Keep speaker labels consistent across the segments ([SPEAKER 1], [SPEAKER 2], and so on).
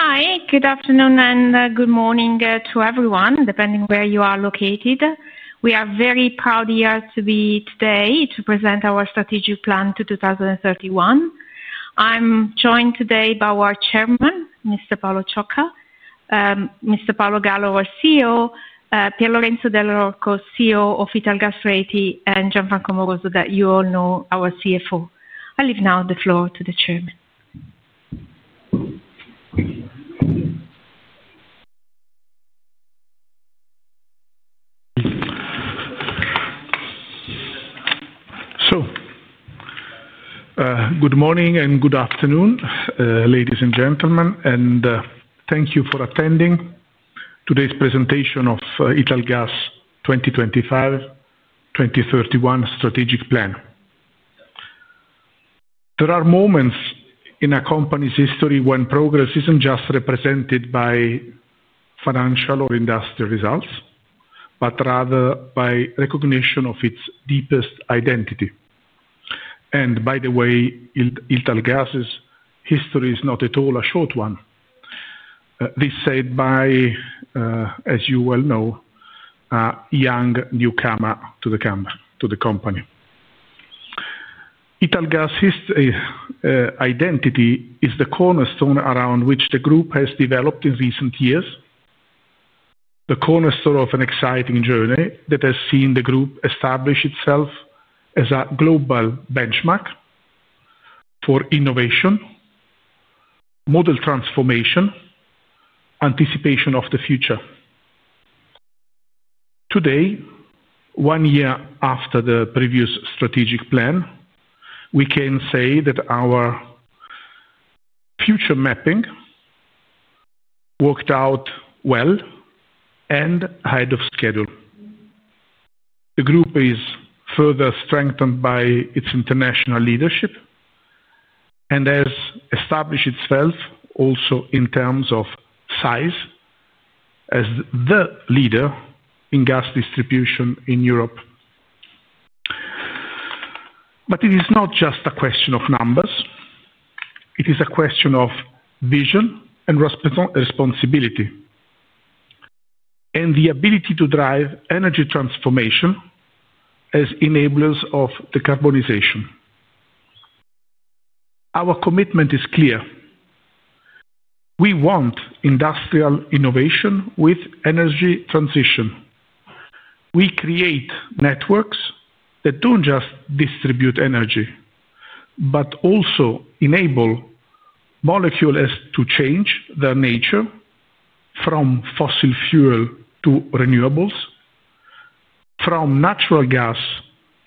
[SPEAKER 1] Hi, good afternoon and good morning to everyone, depending where you are located. We are very proud here to be today to present our strategic plan to 2031. I'm joined today by our Chairman, Mr. Paolo Ciocca, Mr. Paolo Gallo, our CEO, Pier Lorenzo Dell'Orco, CEO of Italgas Reti, and Gianfranco Amoroso that you all know, our CFO. I leave now the floor to the Chairman.
[SPEAKER 2] Good morning and good afternoon, ladies and gentlemen, and thank you for attending today's presentation of Italgas 2025-2031 strategic plan. There are moments in a company's history when progress isn't just represented by financial or industrial results, but rather by recognition of its deepest identity. By the way, Italgas' history is not at all a short one. This is said by, as you well know, a young newcomer to the company. Italgas' identity is the cornerstone around which the group has developed in recent years, the cornerstone of an exciting journey that has seen the group establish itself as a global benchmark for innovation, model transformation, and anticipation of the future. Today, one year after the previous strategic plan, we can say that our future mapping worked out well and ahead of schedule. The group is further strengthened by its international leadership and has established itself also in terms of size, as the leader in gas distribution in Europe. It is not just a question of numbers. It is a question of vision and responsibility and the ability to drive energy transformation as enablers of decarbonization. Our commitment is clear. We want industrial innovation with energy transition. We create networks that don't just distribute energy, but also enable molecules to change their nature, from fossil fuel to renewables, from natural gas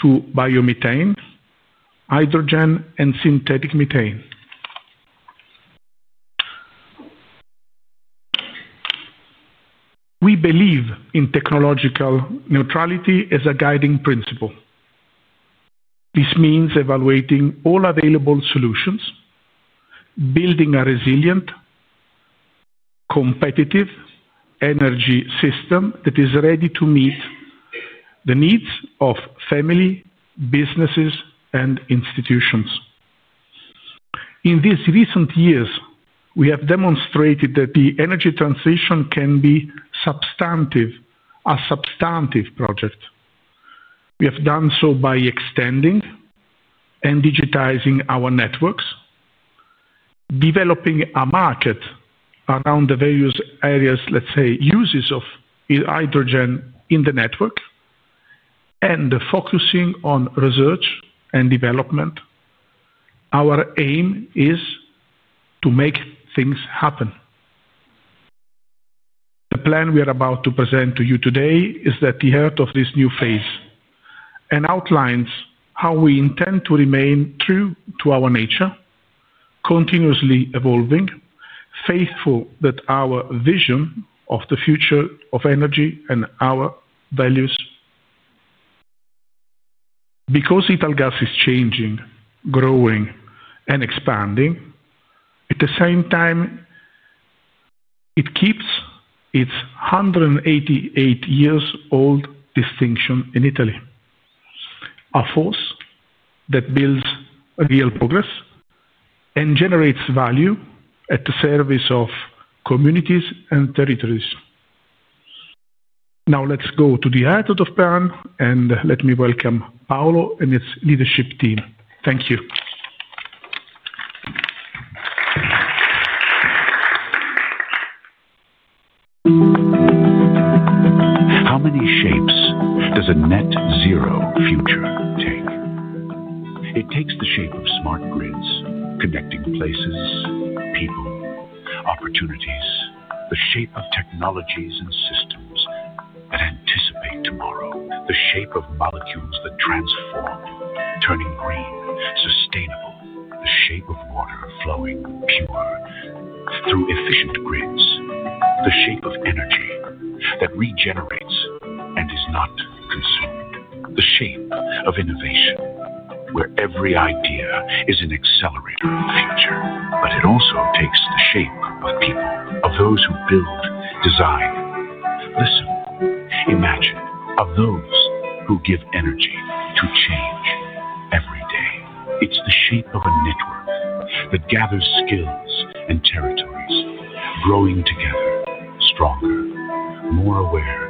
[SPEAKER 2] to biomethane, hydrogen, and synthetic methane. We believe in technological neutrality as a guiding principle. This means evaluating all available solutions, building a resilient, competitive energy system that is ready to meet the needs of families, businesses, and institutions. In these recent years, we have demonstrated that the energy transition can be a substantive project. We have done so by extending and digitizing our networks, developing a market around the various areas, let's say, uses of hydrogen in the network, and focusing on research and development. Our aim is to make things happen. The plan we are about to present to you today is at the heart of this new phase and outlines how we intend to remain true to our nature, continuously evolving, faithful to our vision of the future of energy and our values. Because Italgas is changing, growing, and expanding, at the same time, it keeps its 188 years old distinction in Italy, a force that builds real progress and generates value at the service of communities and territories. Now let's go to the head of the panel and let me welcome Paolo and his leadership team. Thank you.
[SPEAKER 3] How many shapes does a net zero future take? It takes the shape of smart grids, connecting places, people, opportunities. The shape of technologies and systems that anticipate tomorrow. The shape of molecules that transform, turning green, sustainable. The shape of water flowing pure through efficient grids. The shape of energy that regenerates and is not consumed. The shape of innovation, where every idea is an accelerator of the future. It also takes the shape of people, of those who build, design, listen, imagine, of those who give energy to change every day. It's the shape of a network that gathers skills and territories, growing together stronger, more aware.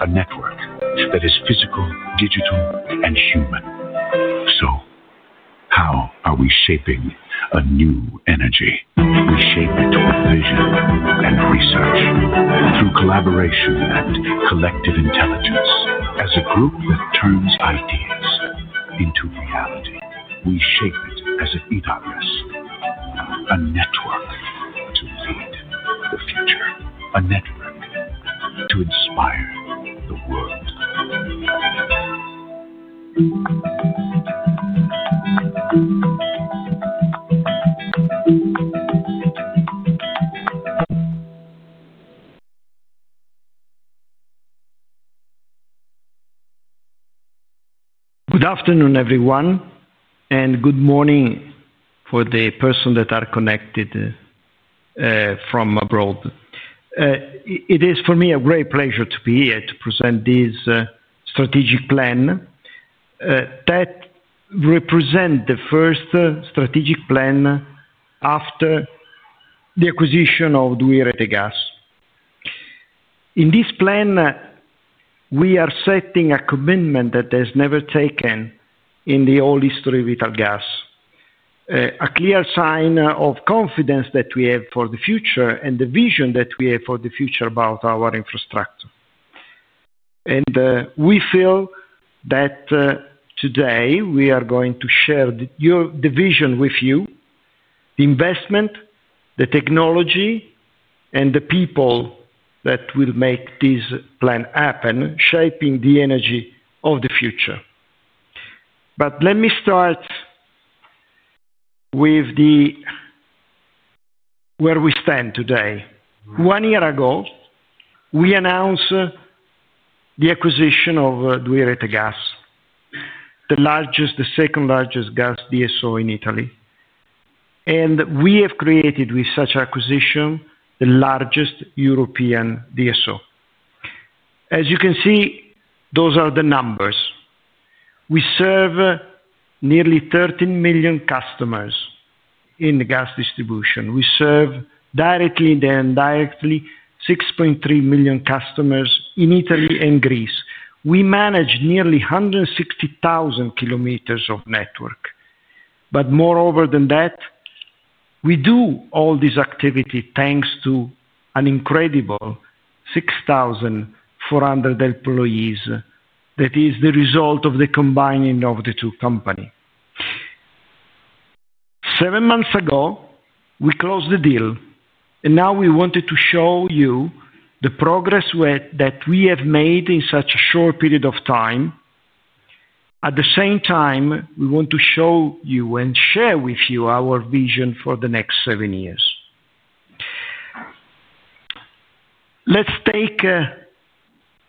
[SPEAKER 3] A network that is physical, digital, and human. How are we shaping a new energy? We shape it with vision and research, through collaboration and collective intelligence. As a group that turns ideas into reality. We shape it as it be ours. A network to lead the future. A network to inspire the world.
[SPEAKER 4] Good afternoon everyone, and good morning for the persons that are connected from abroad. It is for me a great pleasure to be here to present this strategic plan that represents the first strategic plan after the acquisition of 2i Rete Gas. In this plan, we are setting a commitment that is never taken in the old history of natural gas, a clear sign of confidence that we have for the future and the vision that we have for the future about our infrastructure. We feel that today we are going to share the vision with you, the investment, the technology, and the people that will make this plan happen, shaping the energy of the future. Let me start with where we stand today. One year ago, we announced the acquisition of 2i Rete Gas, the second largest gas DSO in Italy, and we have created with such acquisition the largest European DSO. As you can see, those are the numbers. We serve nearly 13 million customers in gas distribution. We serve directly and indirectly 6.3 million customers in Italy and Greece. We manage nearly 160,000 km of network. Moreover, we do all this activity thanks to an incredible 6,400 employees that is the result of the combining of the two companies. Seven months ago, we closed the deal and now we wanted to show you the progress that we have made in such a short period of time. At the same time, we want to show you and share with you our vision for the next seven years. Let's take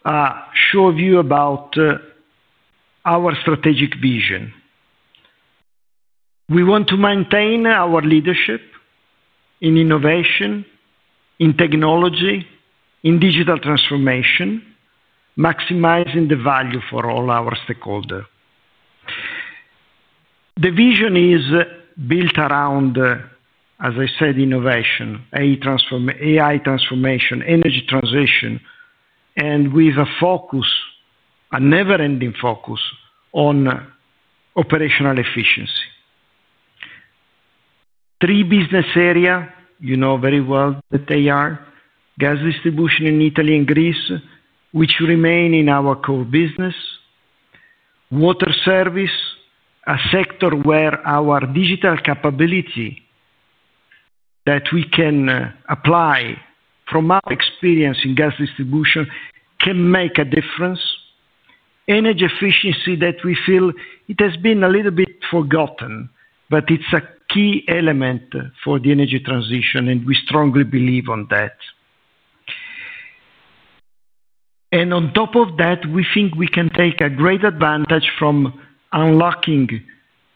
[SPEAKER 4] a short view about our strategic vision. We want to maintain our leadership in innovation, in technology, in digital transformation, maximizing the value for all our stakeholders. The vision is built around, as I said, innovation, AI transformation, energy transition, and with a focus, a never-ending focus on operational efficiency. Three business areas. You know very well that they are gas distribution in Italy and Greece, which remain our core business, water services, a sector where our digital capability that we can apply from our experience in gas distribution can make a difference, and energy efficiency that we feel has been a little bit forgotten, but it's a key element for the energy transition and we strongly believe in that. On top of that, we think we can take a great advantage from unlocking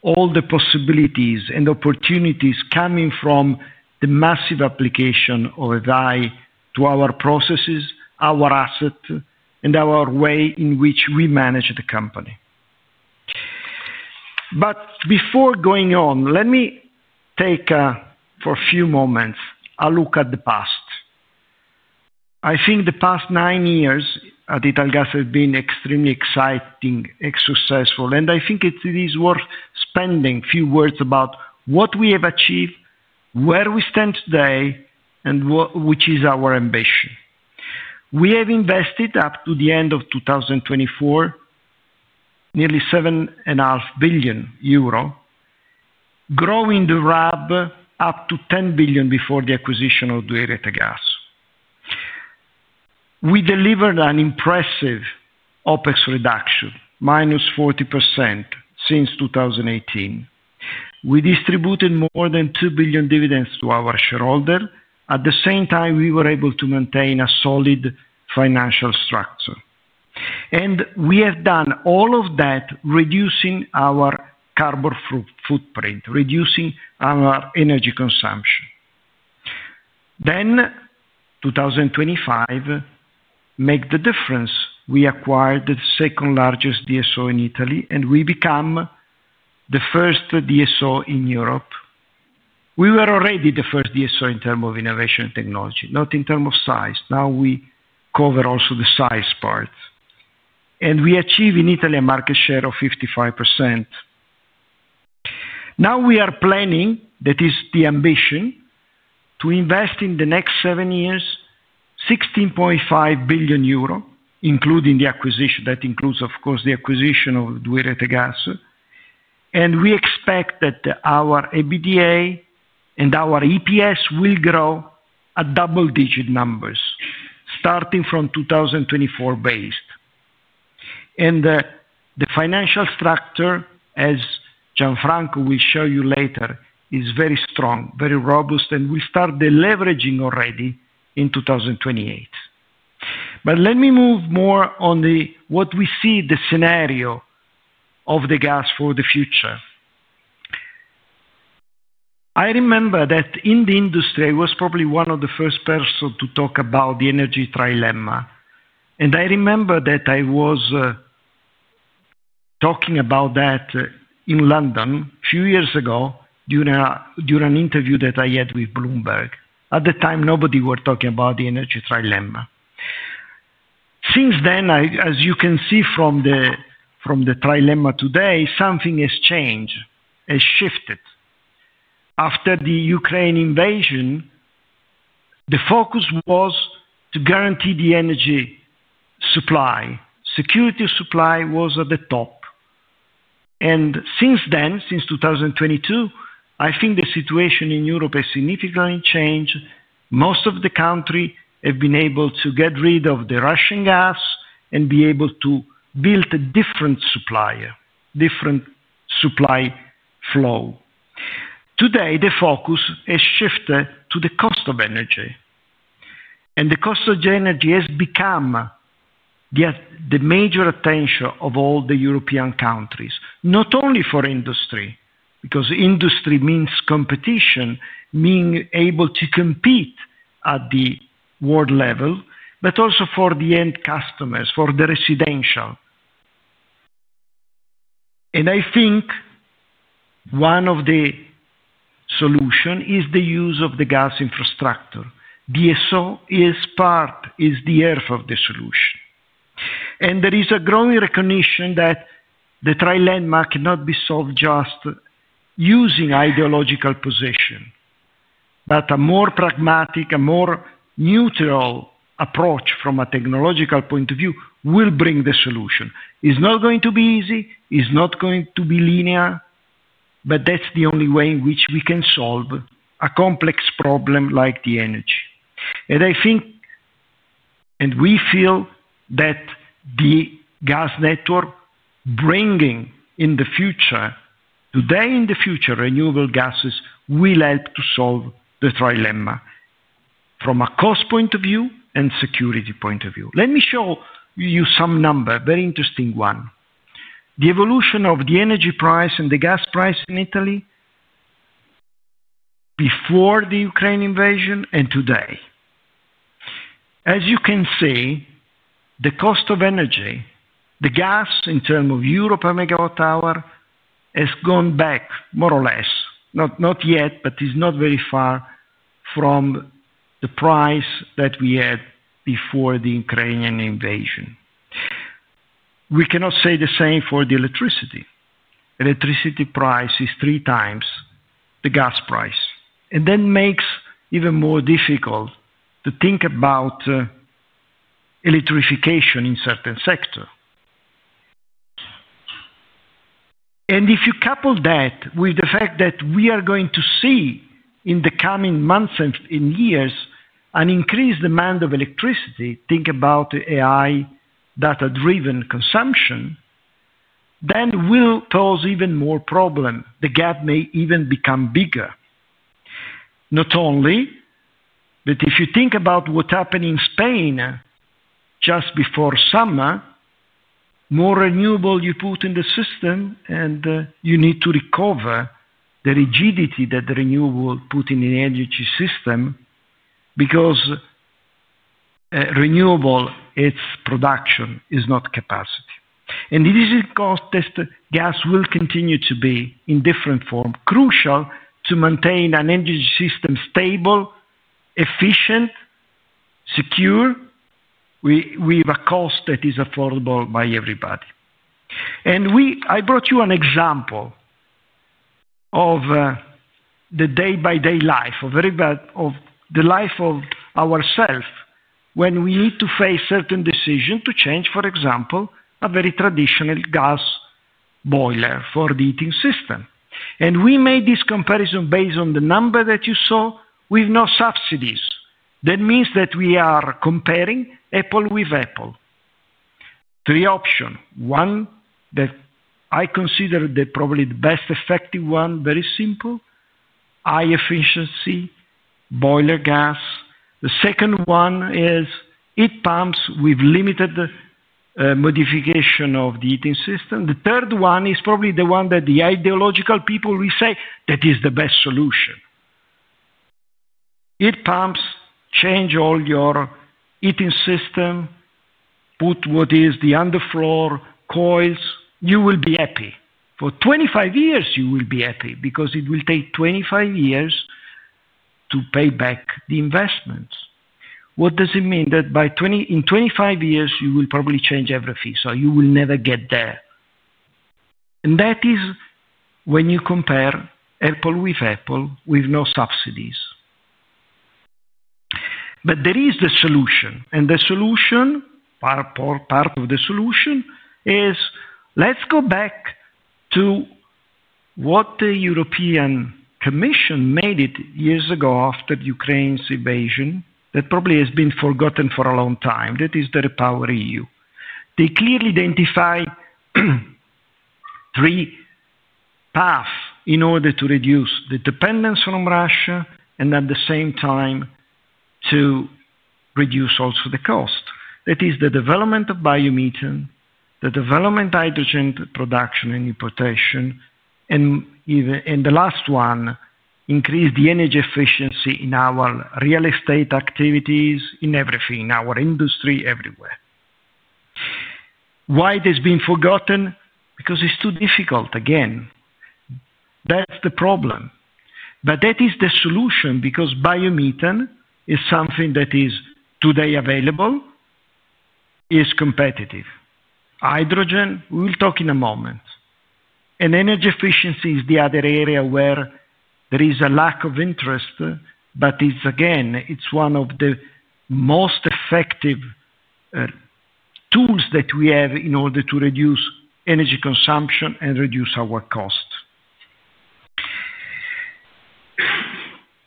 [SPEAKER 4] all the possibilities and opportunities coming from the massive application of AI to our processes, our assets, and our way in which we manage the company. Before going on, let me take for a few moments a look at the past. I think the past nine years at Italgas have been extremely exciting, successful, and I think it is worth spending few words about what we have achieved, where we stand today, and which is our ambition. We have invested up to the end of 2024 nearly 7.5 billion euro, growing the RAB up to 10 billion. Before the acquisition of 2i Rete Gas, we delivered an impressive OpEx reduction, -40%. Since 2018, we distributed more than 2 billion dividends to our shareholder. At the same time, we were able to maintain a solid financial structure and we have done all of that, reducing our carbon footprint, reducing our energy consumption. 2025 will make the difference. We acquired the second largest DSO in Italy and we become the first DSO in Europe. We were already the first DSO in terms of innovation technology, not in terms of size. Now we cover also the size part and we achieve in Italy a market share of 55%. Now we are planning, that is the ambition, to invest in the next seven years 16.5 billion euro, including the acquisition. That includes, of course, the acquisition of 2i Rete Gas. We expect that our EBITDA and our EPS will grow at double digit numbers starting from 2024 based. The financial structure, as Gianfranco will show you later, is very strong, very robust, and we start deleveraging already in 2028. Let me move more on what we see as the scenario of the gas for the future. I remember that in the industry I was probably one of the first persons to talk about the energy trilemma. I remember that I was talking about that in London a few years ago during an interview that I had with Bloomberg. At the time, nobody was talking about the energy trilemma. Since then, as you can see from the trilemma today, something has changed, has shifted. After the Ukraine invasion, the focus was to guarantee the energy supply, security supply was at the top. Since then, since 2022, I think the situation in Europe has significantly changed. Most of the countries have been able to get rid of the Russian gas and be able to build a different supplier, different supply flow. Today the focus has shifted to the cost of energy. The cost of energy has become the major attention of all the European countries, not only for industry, because industry means competition, being able to compete at the world level, but also for the end customers, for the residential. I think one of the solutions is the use of the gas infrastructure. DSO is part, is the heart of the solution. There is a growing recognition that the trilemma cannot be solved just using ideological positions. A more pragmatic, more neutral approach from a technological point of view will bring the solution. It's not going to be easy, it's not going to be linear. That's the only way in which we can solve a complex problem like the energy. I think and we feel that the gas network, bringing in the future, today and in the future, renewable gases, will help to solve the trilemma from a cost point of view and security point of view. Let me show you some numbers, very interesting ones, the evolution of the energy price and the gas price in Italy before the Ukraine invasion and today. As you can see, the cost of energy, the gas in terms of euro per megawatt hour, has gone back more or less, not yet, but is not very far from the price that we had before the Ukrainian invasion. We cannot say the same for the electricity. Electricity price is three times the gas price. That makes it even more difficult to think about electrification in certain sectors. If you couple that with the fact that we are going to see in the coming months and years an increased demand of electricity, think about AI data-driven consumption, then it will pose even more problems. The gap may even become bigger. If you think about what happened in Spain just before summer, more renewable you put in the system, you need to recover the rigidity that the renewable put in the energy system. Renewable production is not capacity. Gas will continue to be, in different forms, crucial to maintain an energy system stable, efficient, secure, with a cost that is affordable by everybody. I brought you an example of the day-by-day life of ourselves when we need to face certain decisions to change, for example, a very traditional gas boiler for the heating system. We made this comparison based on the numbers that you saw with no subsidies. That means that we are comparing apple with apple. Three options. One that I consider probably the best effective one, very simple, high efficiency boiler gas. The second one is heat pumps with limited modification of the heating system. The third one is probably the one that the ideological people will say is the best solution: heat pumps, change all your heating system. Put what is the underfloor coils. You will be happy for 25 years. You will be happy because it will take 25 years to pay back the investments. What does it mean that by 25 years you will probably change every fee. You will never get there. That is when you compare Apple with Apple with no subsidies. There is the solution. The solution, part of the solution is, let's go back to what the European Commission made years ago after Ukraine's invasion. That probably has been forgotten for a long time. That is the REPowerEU. They clearly identify three paths in order to reduce the dependence on Russia and at the same time to reduce also the cost. That is the development of biomethane, the development of hydrogen production and importation, and the last one, increase the energy efficiency in our real estate activities, in everything in our industry, everywhere. Why has it been forgotten? Because it's too difficult. Again, that's the problem. That is the solution. Biomethane is something that is today available, is competitive. Hydrogen, we will talk in a moment. Energy efficiency is the other area where there is a lack of interest. Again, it's one of the most effective tools that we have in order to reduce energy consumption and reduce our cost.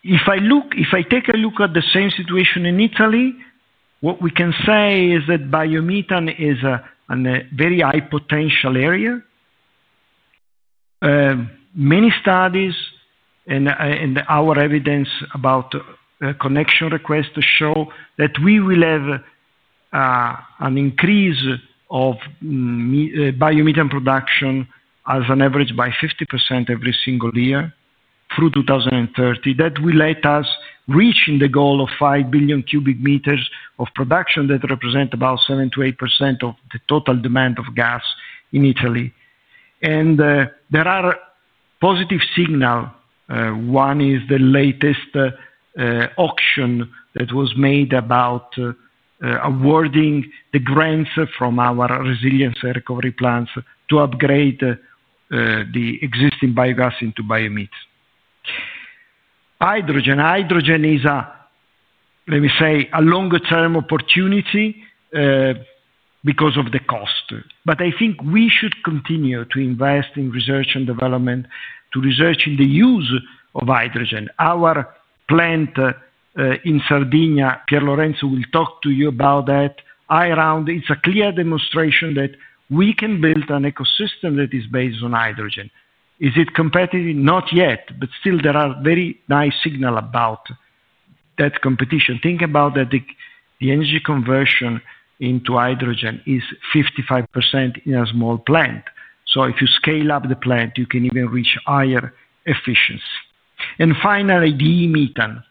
[SPEAKER 4] If I take a look at the same situation in Italy, what we caE say is that biomethane is a very high potential area. Many studies and our evidence about connection requests show that we will have an increase of biomethane production as an average by 50% every single year through 2030. That will let us reach the goal of 5 billion cubic meters of production. That represents about 7%-8% of the total demand of gas in Italy. There are positive signals. One is the latest auction that was made about awarding the grants from our resilience recovery plans to upgrade the existing biogas into biomethane. Hydrogen is, let me say, a longer term opportunity because of the cost. I think we should continue to invest in research and development, to research in the use of hydrogen. Our plant in Sardinia, Piero Lorenzo will talk to you about that. It's a clear demonstration that we can build an ecosystem that is based on hydrogen. Is it competitive? Not yet, but still there are very nice signals about that competition. Think about that. The energy conversion into hydrogen is 55% in a small plant. If you scale up the plant, you can even reach higher efficiency. Finally, e-methane,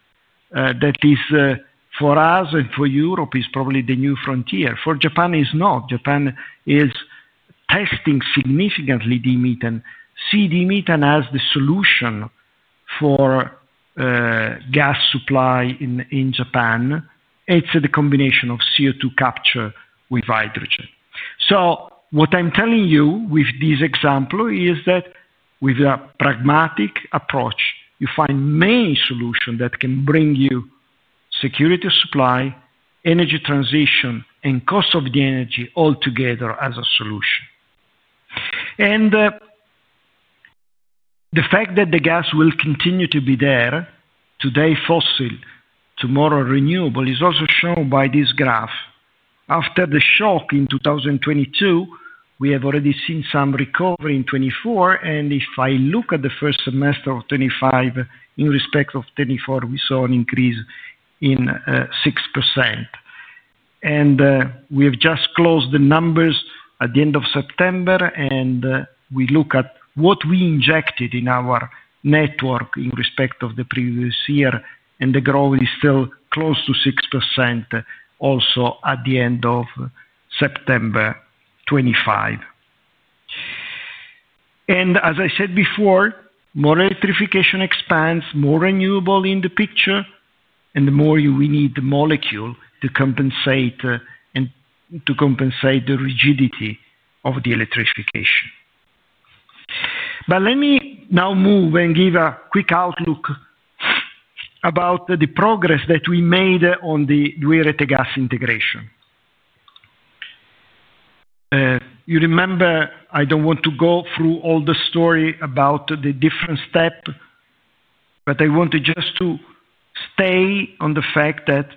[SPEAKER 4] that is for us and for Europe, is probably the new frontier. For Japan, it is not. Japan is testing significantly e-methane. E-methane has the solution for gas supply in Japan. It's the combination of CO2 capture with hydrogen. What I'm telling you with this example is that with a pragmatic approach, you find many solutions that can bring you security, supply, energy transition, and cost of the energy all together as a solution. The fact that the gas will continue to be there, today fossil, tomorrow renewable, is also shown by this graph. After the shock in 2022, we have already seen some recovery in 2024. If I look at the first semester of 2025 in respect of 2024, we saw an increase of 6%. We have just closed the numbers at the end of September, and we look at what we injected in our network in respect of the previous year, and the growth is still close to 6% also at the end of September 25th. As I said before, more electrification expands, more renewable in the picture, and the more we need the molecule to compensate and to compensate the rigidity of the electrification. Let me now move and give a quick outlook about the progress that we made on the 2i Rete Gas integration. You remember, I don't want to go through all the story about the different steps, but I wanted just to stay on the fact that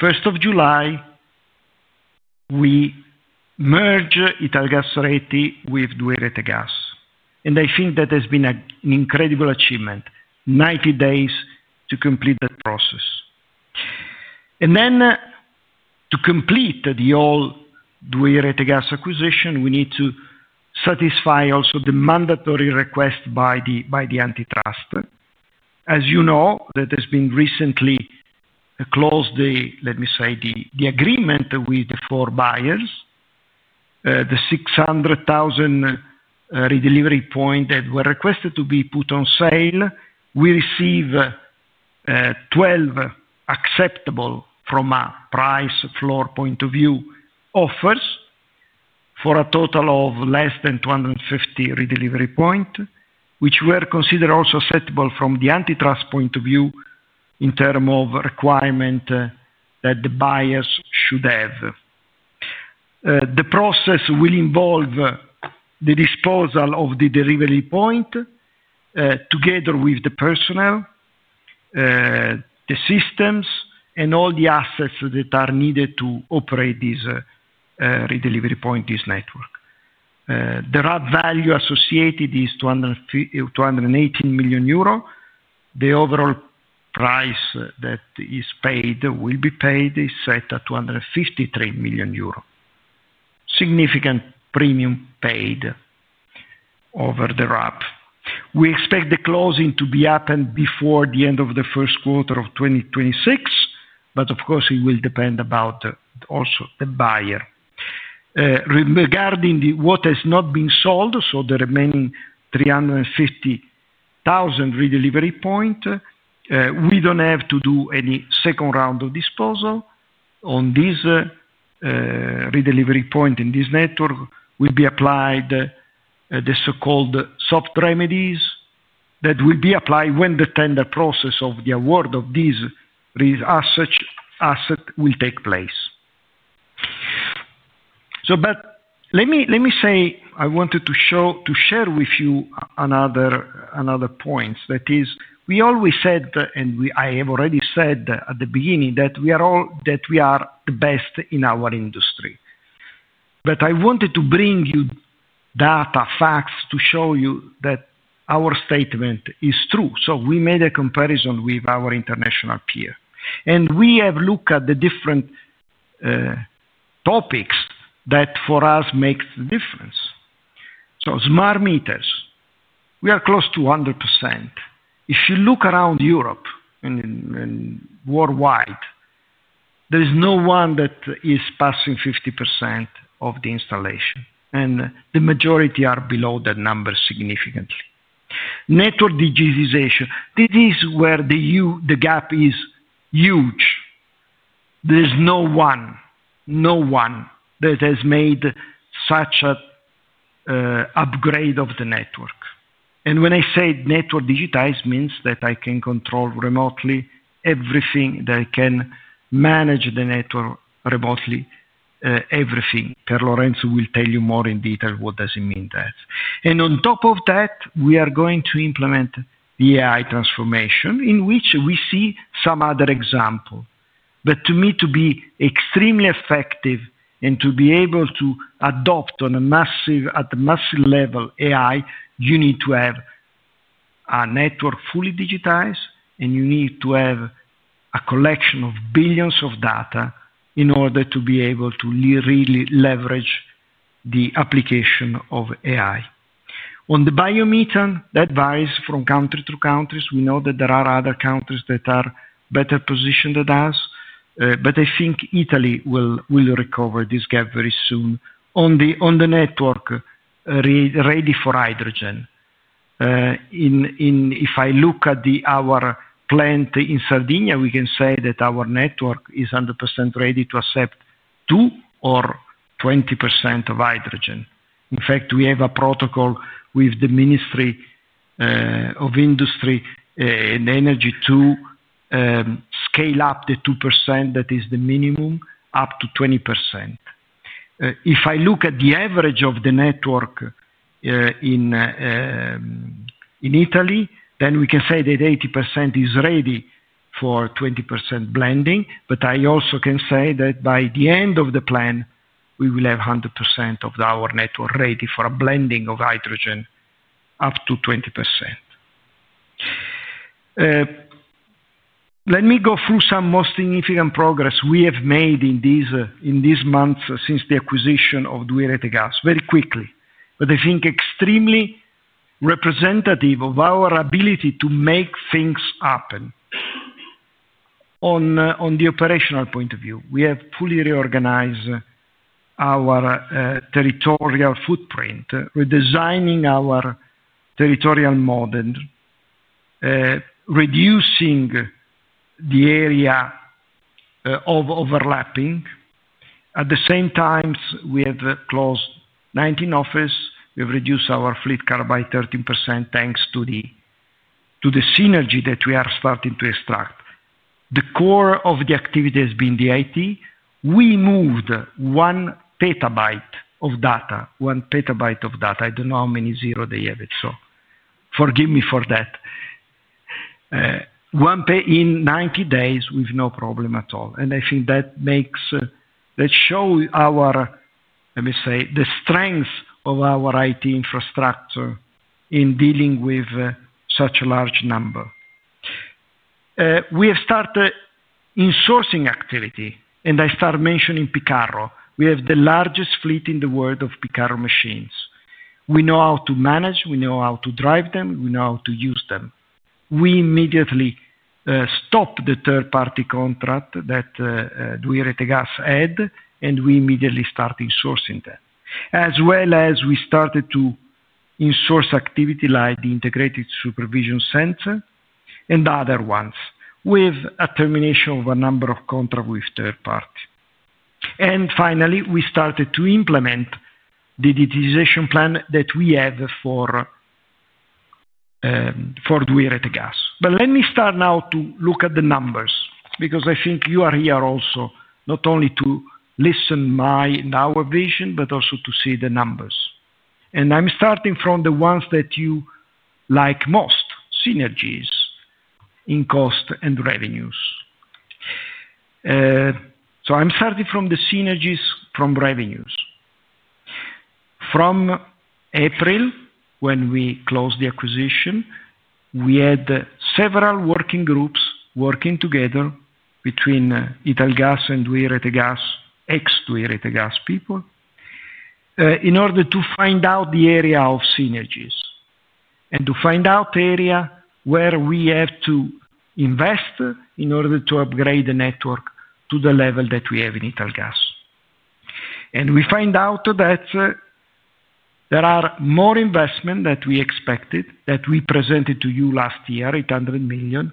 [SPEAKER 4] 1st of July we merged Italgas with 2i Rete Gas. I think that has been an incredible achievement. Ninety days to complete that process and then to complete the whole 2i Rete Gas acquisition. We need to satisfy also the mandatory request by the antitrust. As you know, that has been recently closed. Let me say the agreement with the four buyers. The 600,000 redelivery points that were requested to be put on sale, we received 12 acceptable from a price floor point of view offers for a total of less than 250 redelivery points, which were considered also acceptable from the antitrust point of view. In terms of requirement that the buyers should have, the process will involve the disposal of the delivery points together with the personnel, the systems, and all the assets that are needed to operate this redelivery point, this network. The RAB value associated is 218 million euro. The overall price that is paid, will be paid, is set at 253 million euro. Significant premium paid over the RAB. We expect the closing to happen before the end of the first quarter of 2026. Of course, it will depend also on the buyer regarding what has not been sold. The remaining 350,000 redelivery points, we don't have to do any second round of disposal on these redelivery points. In this network, the so-called soft remedies will be applied when the tender process of the award of these assets will take place. Let me say I wanted to share with you another point. We always said, and I have already said at the beginning, that we are the best in our industry. I wanted to bring you data facts to show you that our statement is true. We made a comparison with our international peer and we have looked at the different topics that for us make the difference. Smart meters, we are close to 100%. If you look around Europe worldwide, there is no one that is passing 50% of the installation and the majority are below that number significantly. Network digitization, this is where the gap is huge. There is no one, no one that has made such an upgrade of the network. When I say network digitized, it means that I can control remotely everything, that I can manage the network remotely, everything. Piero Lorenzo will tell you more in detail what does it mean. On top of that, we are going to implement the AI transformation in which we see some other example. To me, to be extremely effective and to be able to adopt on a massive, at the massive level, AI, you need to have a network fully digitized and you need to have a collection of billions of data in order to be able to really leverage the application of AI on the biomethane that varies from countries to countries. We know that there are other countries that are better positioned than us, but I think Italy will recover this gap very soon. On the network ready for hydrogen, if I look at our plant in Sardinia, we can say that our network is 100% ready to accept 2% or 20% of hydrogen. In fact, we have a protocol with the Ministry of Industry and Energy to scale up the 2% that is the minimum up to 20%. If I look at the average of the network in Italy, then we can say that 80% is ready for 20% blending. I also can say that by the end of the plan, we will have 100% of our network ready for a blending of hydrogen up to 20%. Let me go through some most significant progress we have made in these months since the acquisition of 2i Rete Gas very quickly, but I think extremely representative of our ability to make things happen. On the operational point of view, we have fully reorganized our territorial footprint, redesigning our territorial model, reducing the area overlapping. At the same time, we have closed 19 offices. We have reduced our fleet car by 13% thanks to the synergy that we are starting to extract. The core of the activity has been the IT. We moved one petabyte of data. One petabyte of data. I don't know how many zeros they have it, so forgive me for that one, in 90 days with no problem at all. I think that shows our, let me say, the strength of our IT infrastructure in dealing with such a large number. We have started insourcing activity and I started mentioning Picarro. We have the largest fleet in the world of Picarro machines. We know how to manage, we know how to drive them, we know how to use them. We immediately stopped the third party contract that we had at 2i Rete Gas. We immediately started sourcing them as well as we started to insource activity like the integrated supervision center and other ones with a termination of a number of contracts with third party. Finally, we started to implement digitization plan that we have for 2i Rete Gas. Let me start now to look at the numbers because I think you are here also not only to listen my vision but also to see the numbers. I'm starting from the ones that you like most, synergies in cost and revenues. I'm starting from the synergies from revenues from April when we closed the acquisition. We had several working groups working together between Italgas and 2i Rete Gas, ex-2i Rete Gas people, in order to find out the area of synergies and to find out area where we have to invest in order to upgrade the network to the level that we have in natural gas. We find out that there are more investments than we expected that we presented to you last year, 800 million.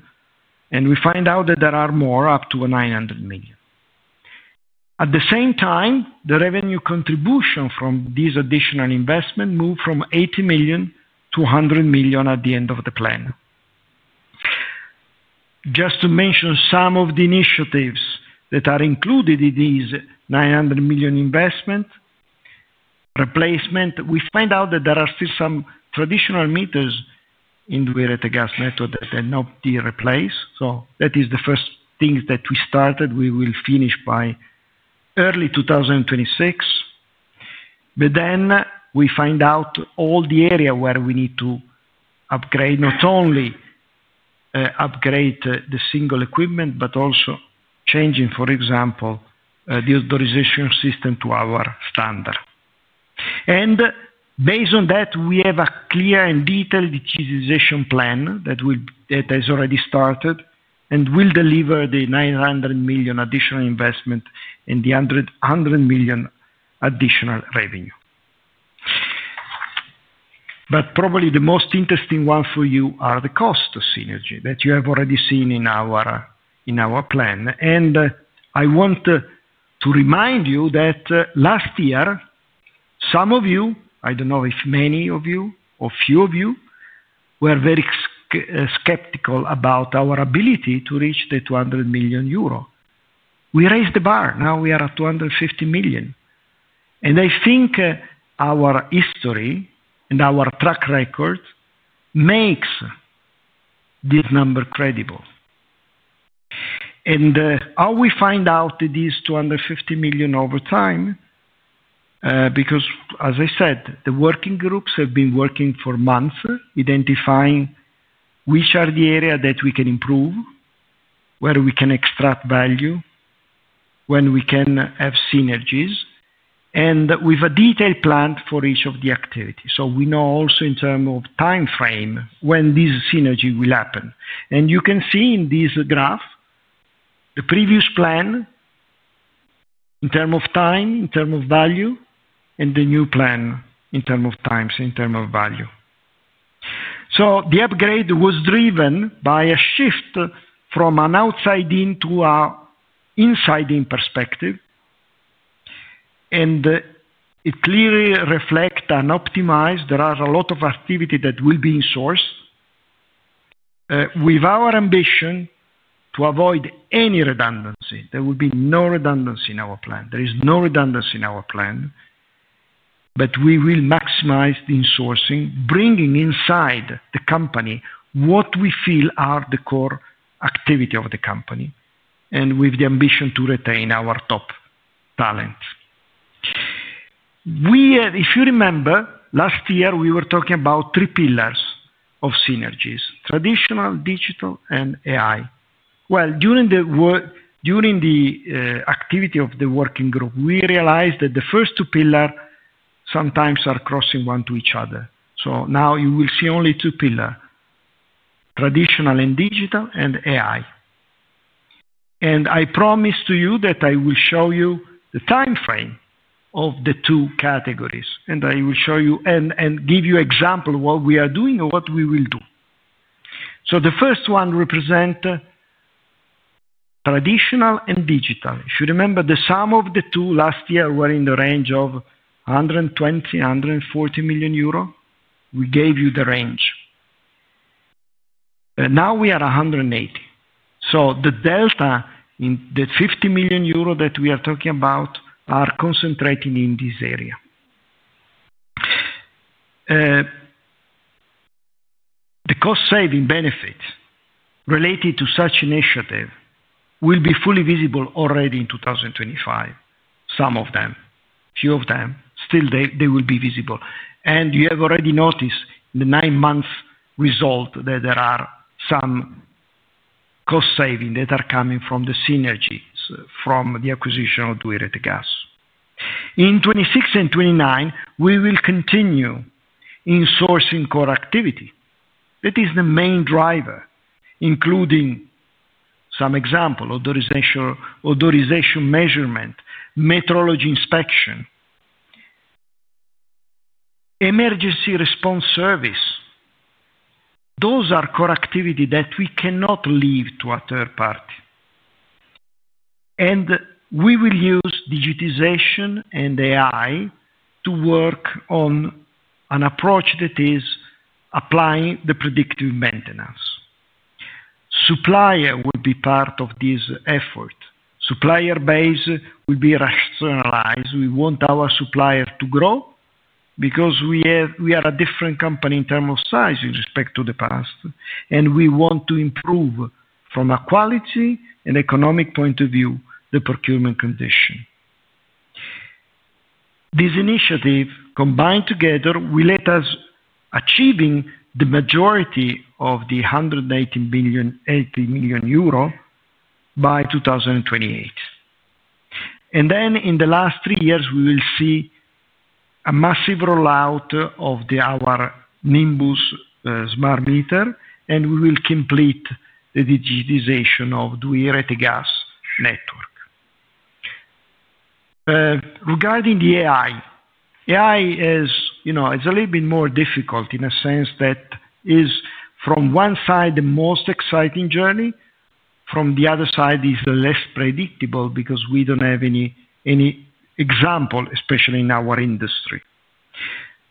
[SPEAKER 4] We find out that there are more, up to 900 million. At the same time, the revenue contribution from these additional investments moved from 80 million to 100 million at the end of the plan. Just to mention some of the initiatives that are included in these 900 million investment replacement, we find out that there are still some traditional meters in the 2i Rete Gas method that are not replaced. That is the first thing that we started. We will finish by early 2026. We find out all the area where we need to upgrade. Not only upgrade the single equipment, but also changing, for example, the authorization system to our standard, and based on that, we have a clear and detailed digitization plan that has already started and will deliver the 900 million additional investment and the 100 million additional revenue. Probably the most interesting one for you are the cost synergies that you have already seen in our plan. I want to remind you that last year, some of you, I don't know if many of you or few of you, were very skeptical about our ability to reach the 200 million euro. We raised the bar. Now we are at 250 million. I think our history and our track record make this number credible. How we find out these 250 million over time, because as I said, the working groups have been working for months identifying which are the areas that we can improve, where we can extract value, when we can have synergies, and with a detailed plan for each of the activities. We know also in terms of time frame when this synergy will happen. You can see in this graph the previous plan in terms of time, in terms of value, and the new plan in terms of times, in terms of value. The upgrade was driven by a shift from an outside-in to an inside-in perspective, and it clearly reflects and optimizes. There are a lot of activities that will be insourced with our ambition to avoid any redundancy. There would be no redundancy in our plan. There is no redundancy in our plan. We will maximize insourcing, bringing inside the company what we feel are the core activities of the company and with the ambition to retain our top talent. If you remember last year, we were talking about three pillars of synergies: traditional, digital, and AI. During the activity of the working group, we realized that the first two pillars sometimes are crossing one to each other. Now you will see only two pillars: traditional and digital and AI. I promise to you that I will show you the time frame of the two categories, and I will show you and give you examples of what we are doing and what we will do. The first one represents traditional and digital. If you remember, the sum of the two last year were in the range of 120 million-140 million euro. We gave you the range, now we are 180 million. The delta in the 50 million euro that we are talking about are concentrated in this area. The cost saving benefit related to such initiative will be fully visible already in 2025. Some of them, few of them still they will be visible. You have already noticed the nine month result that there are some cost saving that are coming from the synergies from the acquisition of 2i Rete Gas in 2026 and 2029. We will continue insourcing core activity that is the main driver, including some example authorization, measurement, metrology, inspection, emergency response service. Those are core activities that we cannot leave to a third party. We will use digitization and AI to work on an approach that is applying the predictive maintenance. Supplier will be part of this effort. Supplier base will be rationalized. We want our supplier to grow because we are a different company in terms of size in respect to the past and we want to improve from a quality and economic point of view, the procurement condition. This initiative combined together will lead us achieving the majority of the 180 million euro by 2028. In the last three years we will see a massive rollout of our Nimbus smart meter and we will complete the digitization of the 2i Rete Gas network. Regarding the AI, AI is, you know, it's a little bit more difficult in a sense that is from one side, the most exciting journey. From the other side is the less predictable because we don't have any example, especially in our industry.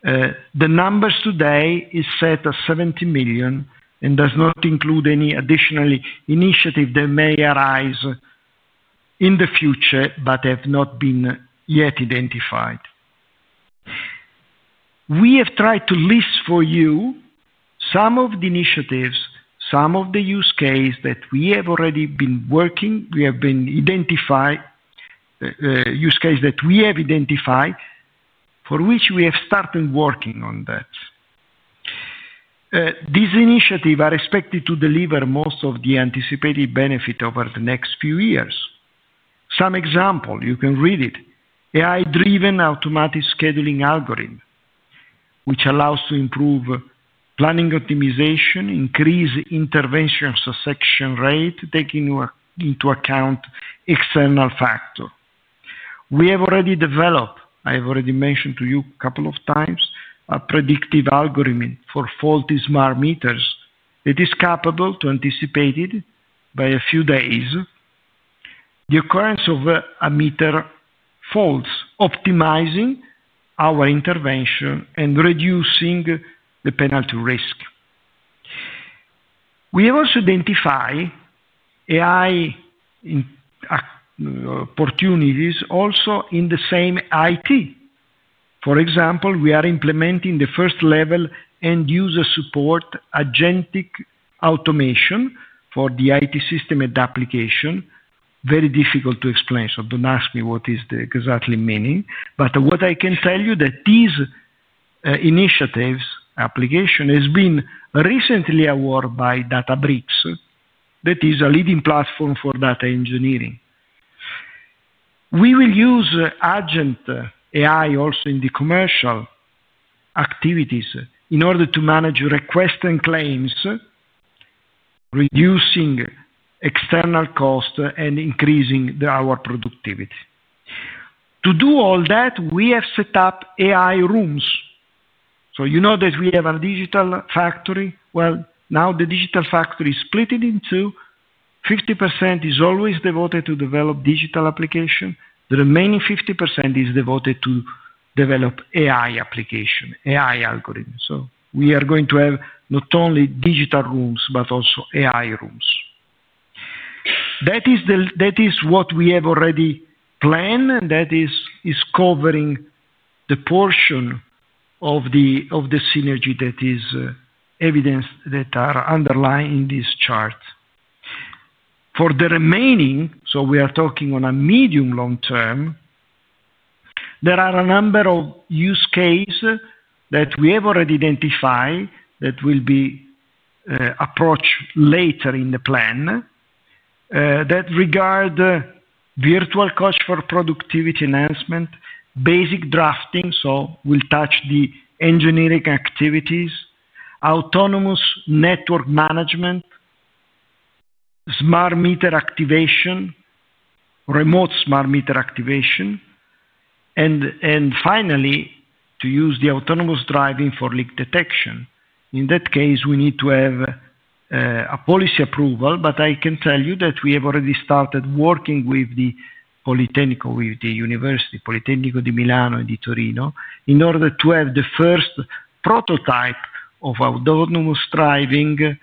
[SPEAKER 4] The numbers today is set at 70 million and does not include any additional initiative that may arise in the future, but have not been yet identified. We have tried to list for you some of the initiatives, some of the use case that we have already been working. We have been identified use case that we have identified for which we have started working on that these initiatives are expected to deliver most of the anticipated benefit over the next few years. Some example, you can read it. AI driven automatic scheduling algorithm which allows to improve planning, optimization, increase intervention succession rate, taking into account external factor. We have already developed, I have already mentioned to you a couple of times a predictive algorithm for faulty smart meters. It is capable to anticipate it by a few days the occurrence of a meter faults, optimizing our intervention and reducing the penalty risk. We also identify AI opportunities also in the same IT. For example, we are implementing the first level end user support agentic automation for the IT system and application. Very difficult to explain. Don't ask me what is the exact meaning, but what I can tell you is that these initiatives' application has been recently awarded by Databricks, which is a leading platform for data engineering. We will use agent AI also in the commercial activities in order to manage requests and claims, reducing external cost and increasing our productivity. To do all that, we have set up AI rooms. You know that we have a digital factory. Now the digital factory is split in two. 50% is always devoted to develop digital applications. The remaining 50% is devoted to develop AI applications, AI algorithms. We are going to have not only digital rooms, but also AI rooms. That is what we have already planned and that is covering the portion of the synergy that is evidenced and underlying this chart. For the remaining, we are talking on a medium to long term. There are a number of use cases that we have already identified that will be approached later in the plan that regard virtual cost for productivity enhancement, basic drafting. We will touch the engineering activities, autonomous network management, smart meter activation, remote smart meter activation, and finally to use autonomous driving for leak detection. In that case, we need to have a policy approval. I can tell you that we have already started working with the Politecnico, with the University Politecnico di Milano and in Torino in order to have the first prototype of autonomous driving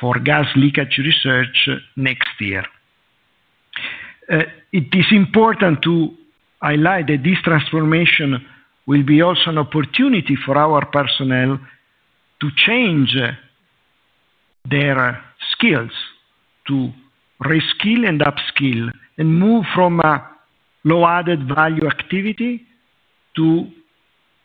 [SPEAKER 4] for gas leakage research next year. It is important to highlight that this transformation will also be an opportunity for our personnel to change their skills, to reskill and upskill, and move from a low added value activity to,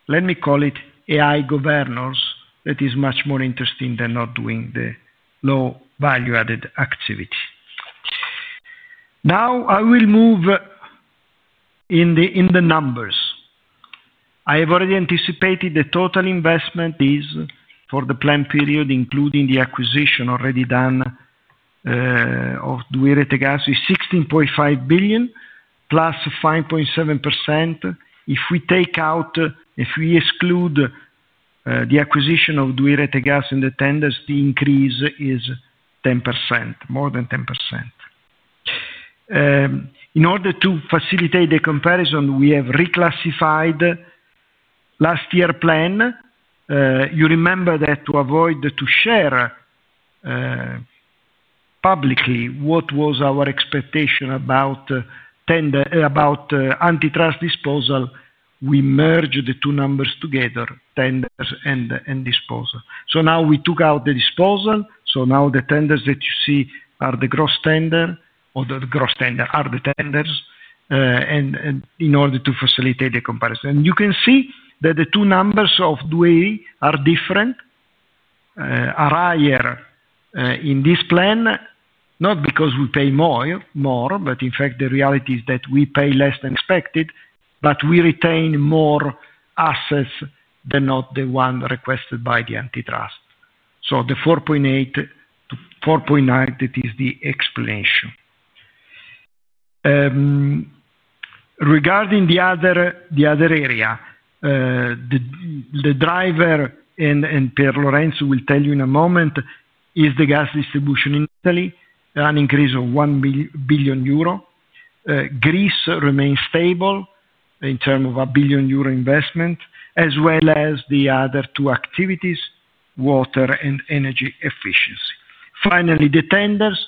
[SPEAKER 4] let me call it, AI governance. That is much more interesting than doing the lower value added activity. Now I will move to the numbers I have already anticipated. The total investment for the planned period, including the acquisition already done of 2i Rete Gas, is 16.5 billion plus 5.7%. If we exclude the acquisition of 2i Rete Gas and tenders, the increase is 10%, more than 10%. In order to facilitate the comparison, we have reclassified last year's plan. You remember that to avoid sharing publicly what was our expectation about antitrust disposal, we merged the two numbers together, tenders and disposal. Now we took out the disposal. Now the tenders that you see are the gross tenders. In order to facilitate the comparison, you can see that the two numbers of due are different, are higher in this plan. Not because we pay more. In fact, the reality is that we pay less than expected, but we retain more assets than not the one requested by the antitrust. So the 4.8 to 4.9, that is the explanation regarding the other area, the driver and Piero Lorenzo will tell you in a moment. Is the gas distribution in Italy an increase of 1 billion euro. Greece remains stable in terms of 1 billion euro investment as well as the other two activities, water and energy efficiency. Finally, the tenders.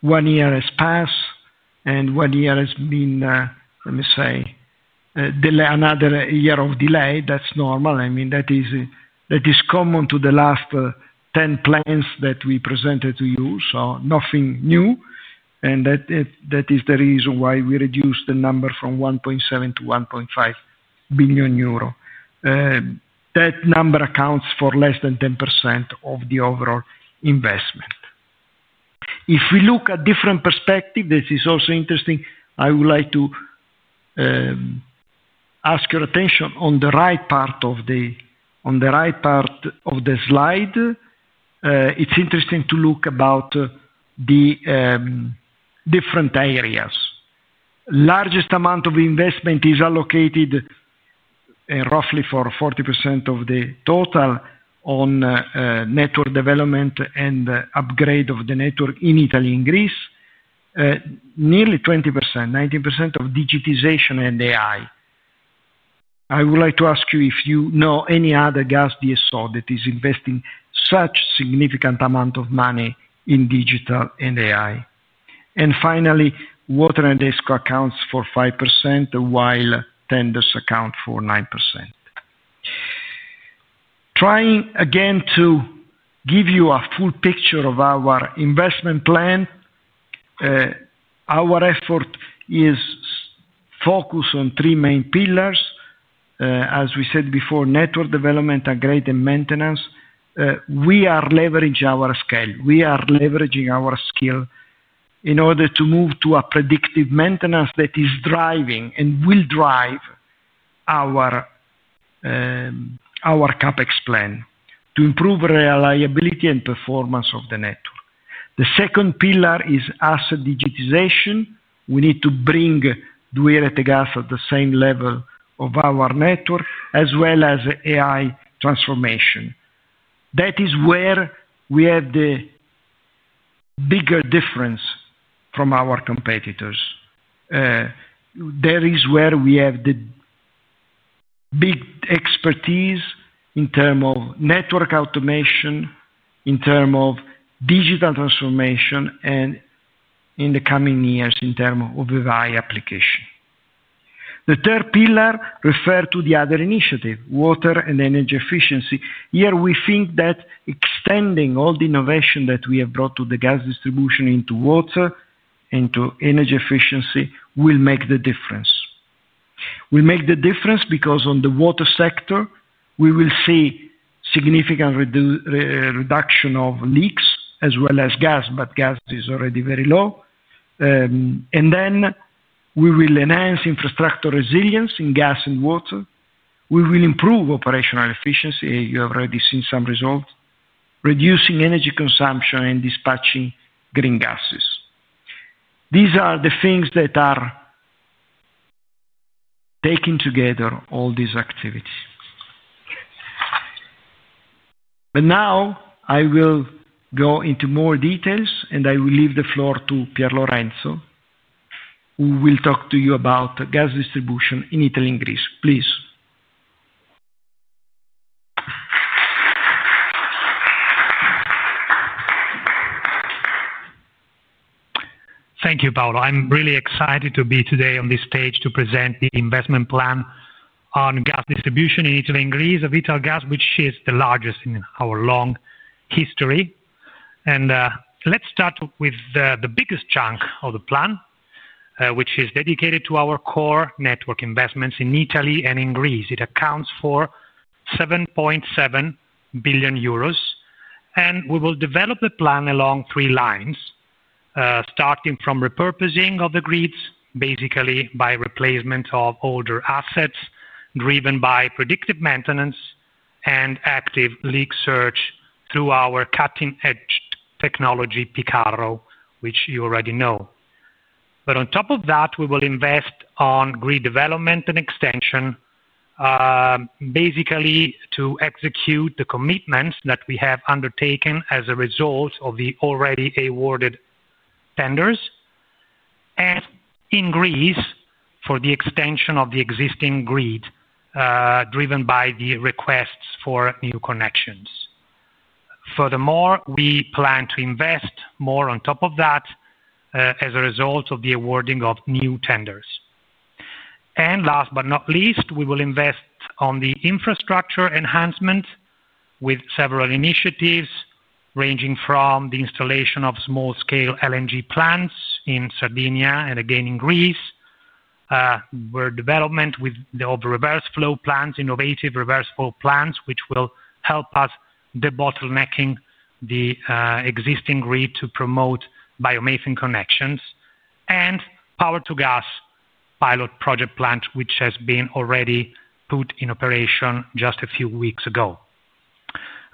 [SPEAKER 4] One year has passed and one year has been, let me say, another year of delay. That's normal. I mean that is. That is common to the last 10 plans that we presented to you, so nothing new. That is the reason why we reduced the number from 1.7 billion to 1.5 billion euro. That number accounts for less than 10% of the overall investment. If we look at different perspective, this is also interesting. I would like to ask your attention on the right part of the. On the right part of the slide. It's interesting to look about the different areas. Largest amount of investment is allocated roughly for 40% of the total on network development and upgrade of the network in Italy and Greece, nearly 20%, 90% of digitization and AI. I would like to ask you if you know any other gas DSO that is investing such significant amount of money in digital and AI. Finally, water and energy efficiency services accounts for 5% while tenders account for 9%. Trying again to give you a full picture of our investment plan. Our effort is focused on three main pillars. As we said before, network development and grading maintenance. We are leveraging our scale, we are leveraging our skill in order to move to a predictive maintenance that is driving and will drive our our CapEx plan to improve reliability and performance of the network. The second pillar is asset digitization. We need to bring duality gas at the same level of our network as well as AI transformation. That is where we have the bigger difference from our competitors. There is where we have the big expertise in terms of network automation, in terms of digital transformation and in the coming years in terms of application. The third pillar refer to the other initiative, water and energy efficiency services. Here we think that extending all the innovation that we have brought to the gas distribution, distribution into water, into energy efficiency, will make the difference. We make the difference because in the water sector we will see significant reduction of leaks as well as gas, but gas is already very low. We will enhance infrastructure resilience in gas and water. We will improve operational efficiency. You have already seen some results reducing energy consumption and dispatching green gases. These are the things that are taking together all these activities. Now I will go into more details and I will leave the floor to Piero Lorenzo who will talk to you about gas distribution in Italy and Greece. Please.
[SPEAKER 5] Thank you, Paolo. I'm really excited to be today on this stage to present the investment plan on gas distribution in Italy and Greece of Italgas, which is the largest in our long history. Let's start with the biggest chunk of the plan, which is dedicated to our core network investments in Italy and in Greece. It accounts for 7.7 billion euros. We will develop the plan along three lines starting from repurposing of the grids, basically by replacement of older assets, driven by predictive maintenance and active leak search through our cutting edge technology Picarro, which you already know. On top of that, we will invest on grid development and extension, basically to execute the commitments that we have undertaken as a result of the already awarded tenders and in Greece for the extension of the existing grid driven by the requests for new connections. Furthermore, we plan to invest more on top of that as a result of the awarding of new tenders. Last but not least, we will invest on the infrastructure enhancement with several initiatives ranging from the installation of small scale LNG plants in Sardinia and again in Greece, where development of reverse flow plans, innovative reverse flow plans which will help us debottlenecking the existing grid to promote biomassin connections and power to gas pilot project plant which has been already put in operation just a few weeks ago.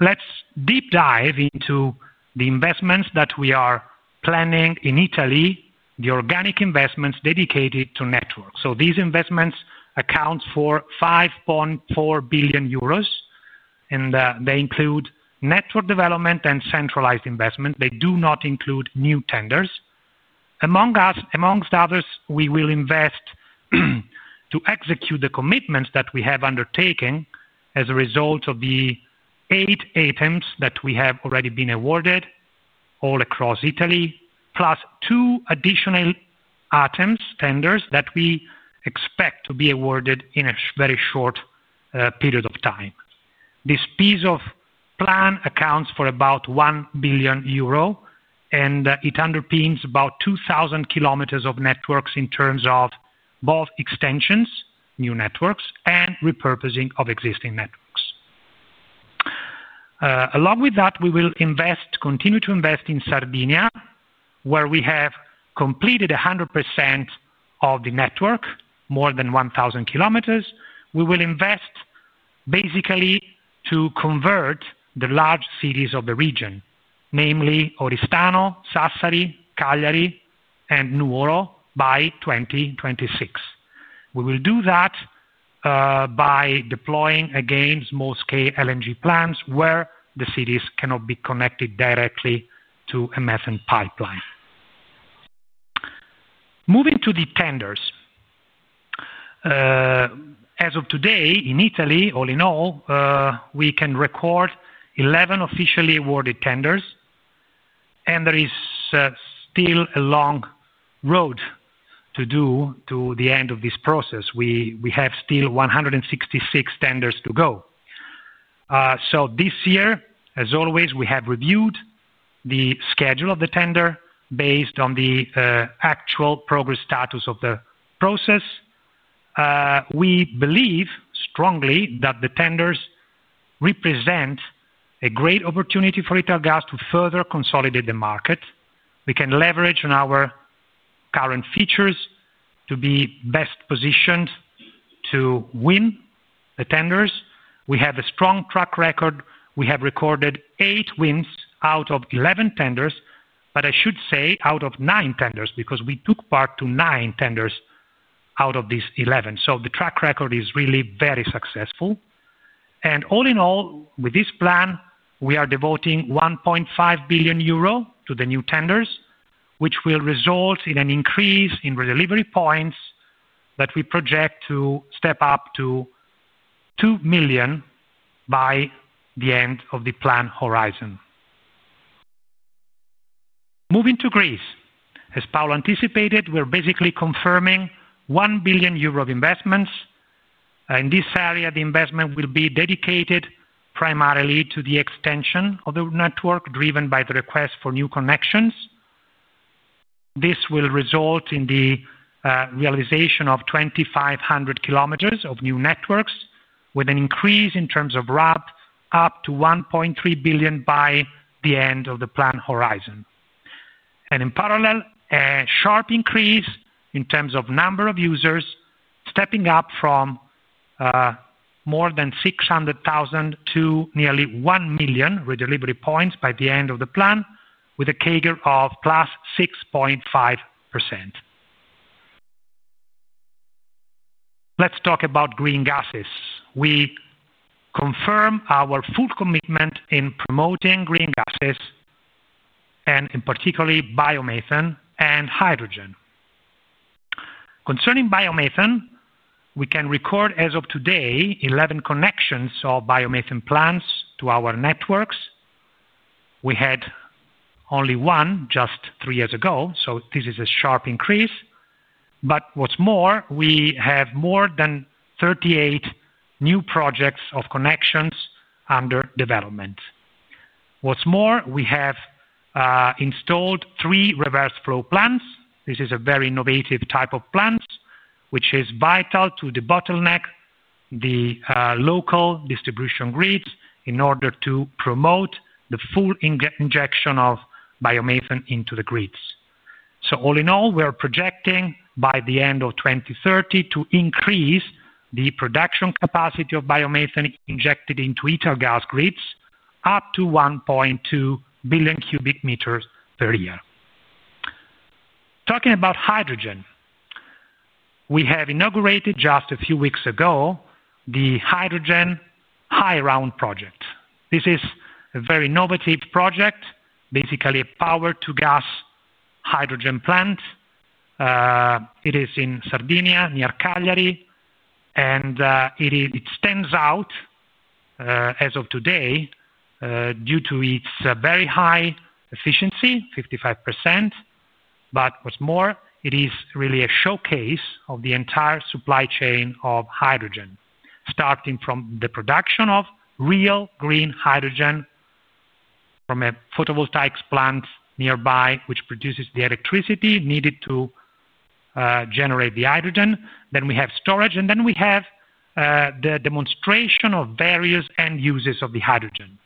[SPEAKER 5] Let's deep dive into the investments that we are planning in Italy. The organic investments dedicated to network. These investments account for 5.4 billion euros and they include network development and centralized investment. They do not include new tenders. Amongst others, we will invest to execute the commitments that we have undertaken as a result of the eight items that we have already been awarded all across Italy, plus two additional tenders that we expect to be awarded in a very short period of time. This piece of plan accounts for about 1 billion euro and it underpins about 2,000 km of networks in terms of both extensions, new networks and repurposing of existing networks. Along with that, we will continue to invest in Sardinia where we have completed 100% of the network, more than 1,000 km. We will invest basically to convert the large cities of the region, namely Oristano, Sassari, Cagliari and Nuoro by 2026. We will do that by deploying again small scale LNG plants where the cities cannot be connected directly to MFN pipeline. Moving to the tenders as of today in Italy. All in all, we can record 11 officially awarded tenders. There is still a long road to do to the end of this process. We have still 166 tenders to go. This year, as always, we have reviewed the schedule of the tender based on the actual progress status of the process. We believe strongly that the tenders represent a great opportunity for Italgas to further consolidate the market. We can leverage on our current features to be best positioned to win the tenders. We have a strong track record. We have recorded eight wins out of 11 tenders. I should say out of nine tenders, because we took part in nine tenders out of these 11. The track record is really very successful. With this plan, we are devoting 1.5 billion euro to the new tenders, which will result in an increase in delivery points that we project to step up to 2 million by the end of the plan horizon. Moving to Greece, as Paolo anticipated, we're basically confirming 1 billion euro of investments in this area. The investment will be dedicated primarily to the extension of the network, driven by the request for new connections. This will result in the realization of 2,500 kilometers of new networks, with an increase in terms of RAB up to 1.3 billion by the end of the plan horizon. In parallel, a sharp increase in terms of number of users, stepping up from more than 600,000 to nearly 1 million redelivery points by the end of the plan, with a CAGR of +6.5%. Let's talk about green gases. We confirm our full commitment in promoting green gases, and particularly biomethane and hydrogen. Concerning biomethane, we can record as of today, 11 connections of biomethane plants to our networks. We had only one just three years ago, so this is a sharp increase. What's more, we have more than 38 new projects of connections under development. What's more, we have installed three reverse flow plants. This is a very innovative type of plant which is vital to debottleneck the local distribution grids, in order to promote the full injection of biomethane into the grids. All in all, we are projecting by the end of 2030 to increase the production capacity of biomethane injected into Italgas grids up to 1.2 billion cubic meters per year. Talking about hydrogen, we have inaugurated just a few weeks ago the Hydrogen High Round project. This is a very innovative project, basically a power to gas hydrogen plant. It is in Sardinia, near Cagliari, and it stands out as of today due to its very high efficiency, 55%. What's more, it is really a showcase of the entire supply chain of hydrogen, starting from the production of real green hydrogen from a photovoltaic plant nearby, which produces the electricity needed to generate the hydrogen. We have storage, and we have the demonstration of various end uses of the hydrogen.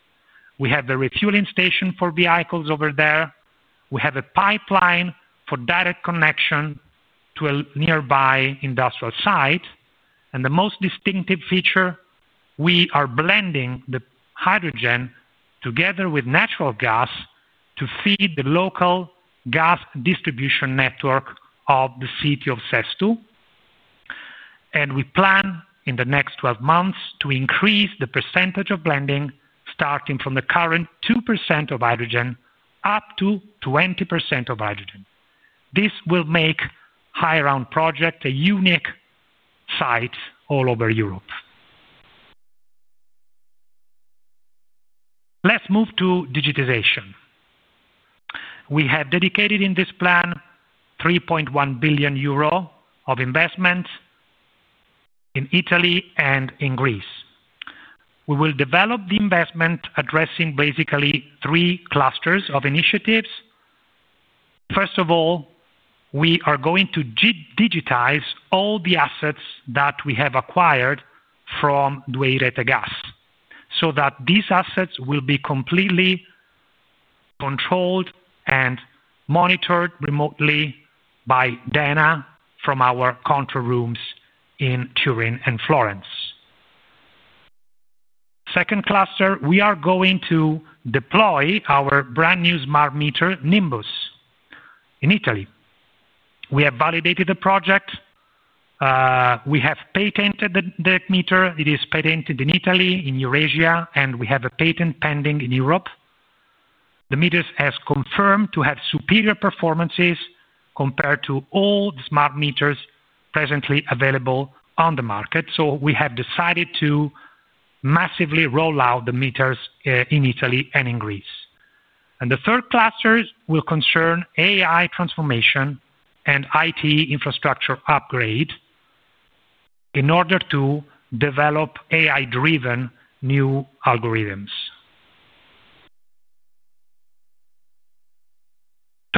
[SPEAKER 5] We have the refueling station for vehicles over there, we have a pipeline for direct connection to a nearby industrial site. The most distinctive feature is we are blending the hydrogen together with natural gas to feed the local gas distribution network of the city of Sesto. We plan in the next 12 months to increase the percentage of blending starting from the current 2% of hydrogen up to 20% of hydrogen. This will make the High Round project a unique site all over Europe. Let's move to digitization. We have dedicated in this plan 3.1 billion euro of investment in Italy and in Greece. We will develop the investment addressing basically three clusters of initiatives. First of all, we are going to digitize all the assets that we have acquired from 2i Rete Gas so that these assets will be completely controlled and monitored remotely by data from our control rooms in Turin and Florence. The second cluster, we are going to deploy our brand new smart meter Nimbus in Italy. We have validated the project, we have patented the meter. It is patented in Italy, in Eurasia, and we have a patent pending in Europe. The meters have confirmed to have superior performances compared to all smart meters presently available on the market. We have decided to massively roll out the meters in Italy and in Greece. The third cluster will concern AI transformation and IT infrastructure upgrade in order to develop AI-driven new algorithms.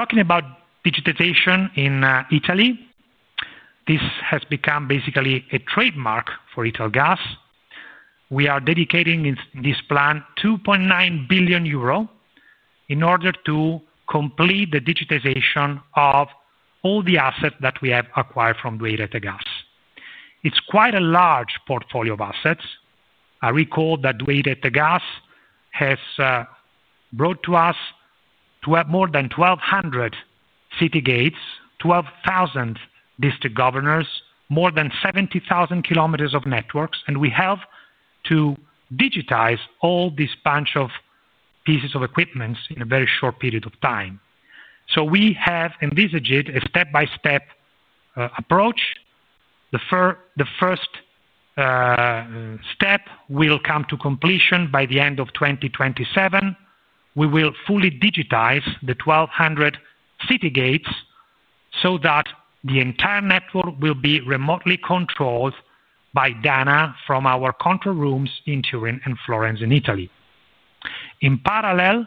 [SPEAKER 5] Talking about digitization in Italy, this has become basically a trademark for Italgas. We are dedicating this plan 2.9 billion euro in order to complete the digitization of all the assets that we have acquired from 2i Rete Gas. It's quite a large portfolio of assets. I recall that 2i Rete Gas has brought to us more than 1,200 city gates, 12,000 district governors, more than 70,000 km of networks, and we have to digitize all this bunch of pieces of equipment in a very short period of time. We have envisaged a step-by-step approach. The first step will come to completion by the end of 2027. We will fully digitize the 1,200 city gates so that the entire network will be remotely controlled by data from our control rooms in Turin and Florence and Italy. In parallel,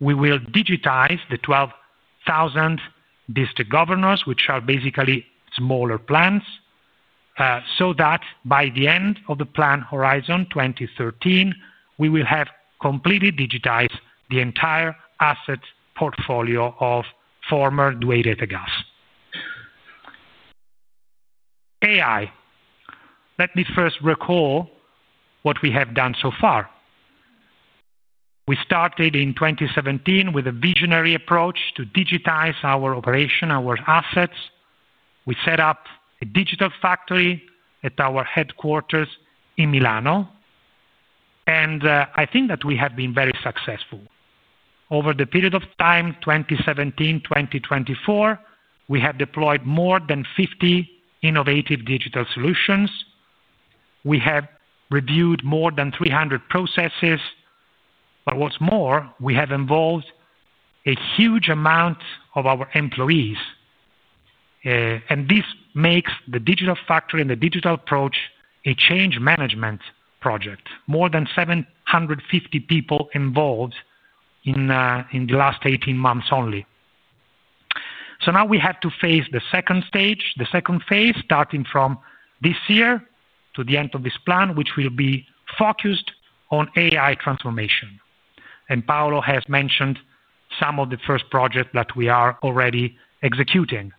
[SPEAKER 5] we will digitize the 12,000 district governors, which are basically smaller plants, so that by the end of the plan horizon 2027, we will have completely digitized by Italgas the entire asset portfolio of former 2i Rete Gas. Let me first recall what we have done so far. We started in 2017 with a visionary approach to digitize our operation, our assets. We set up a digital factory at our headquarters in Milano. I think that we have been very successful over the period of time 2017 to 2024. We have deployed more than 50 innovative digital solutions. We have reviewed more than 300 processes. What's more, we have involved a huge amount of our employees. This makes the digital factory and the digital approach a change management project. More than 750 people involved in the last 18 months only. Now we have to face the second stage, the second phase, starting from this year to the end of this plan, which will be focused on AI transformation. Paolo has mentioned some of the first projects that we are already executing.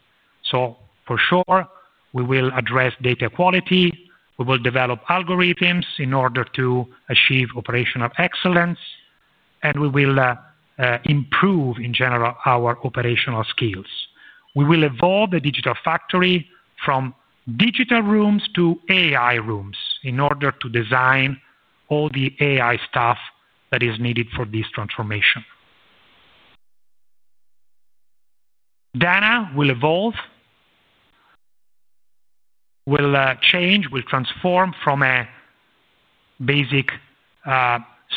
[SPEAKER 5] For sure we will address data quality, we will develop algorithms in order to achieve operational excellence, and we will improve in general our operational skills. We will evolve the digital factory from digital rooms to AI rooms in order to design all the AI stuff that is needed for this transformation. DANA will evolve, will change, will transform from a basic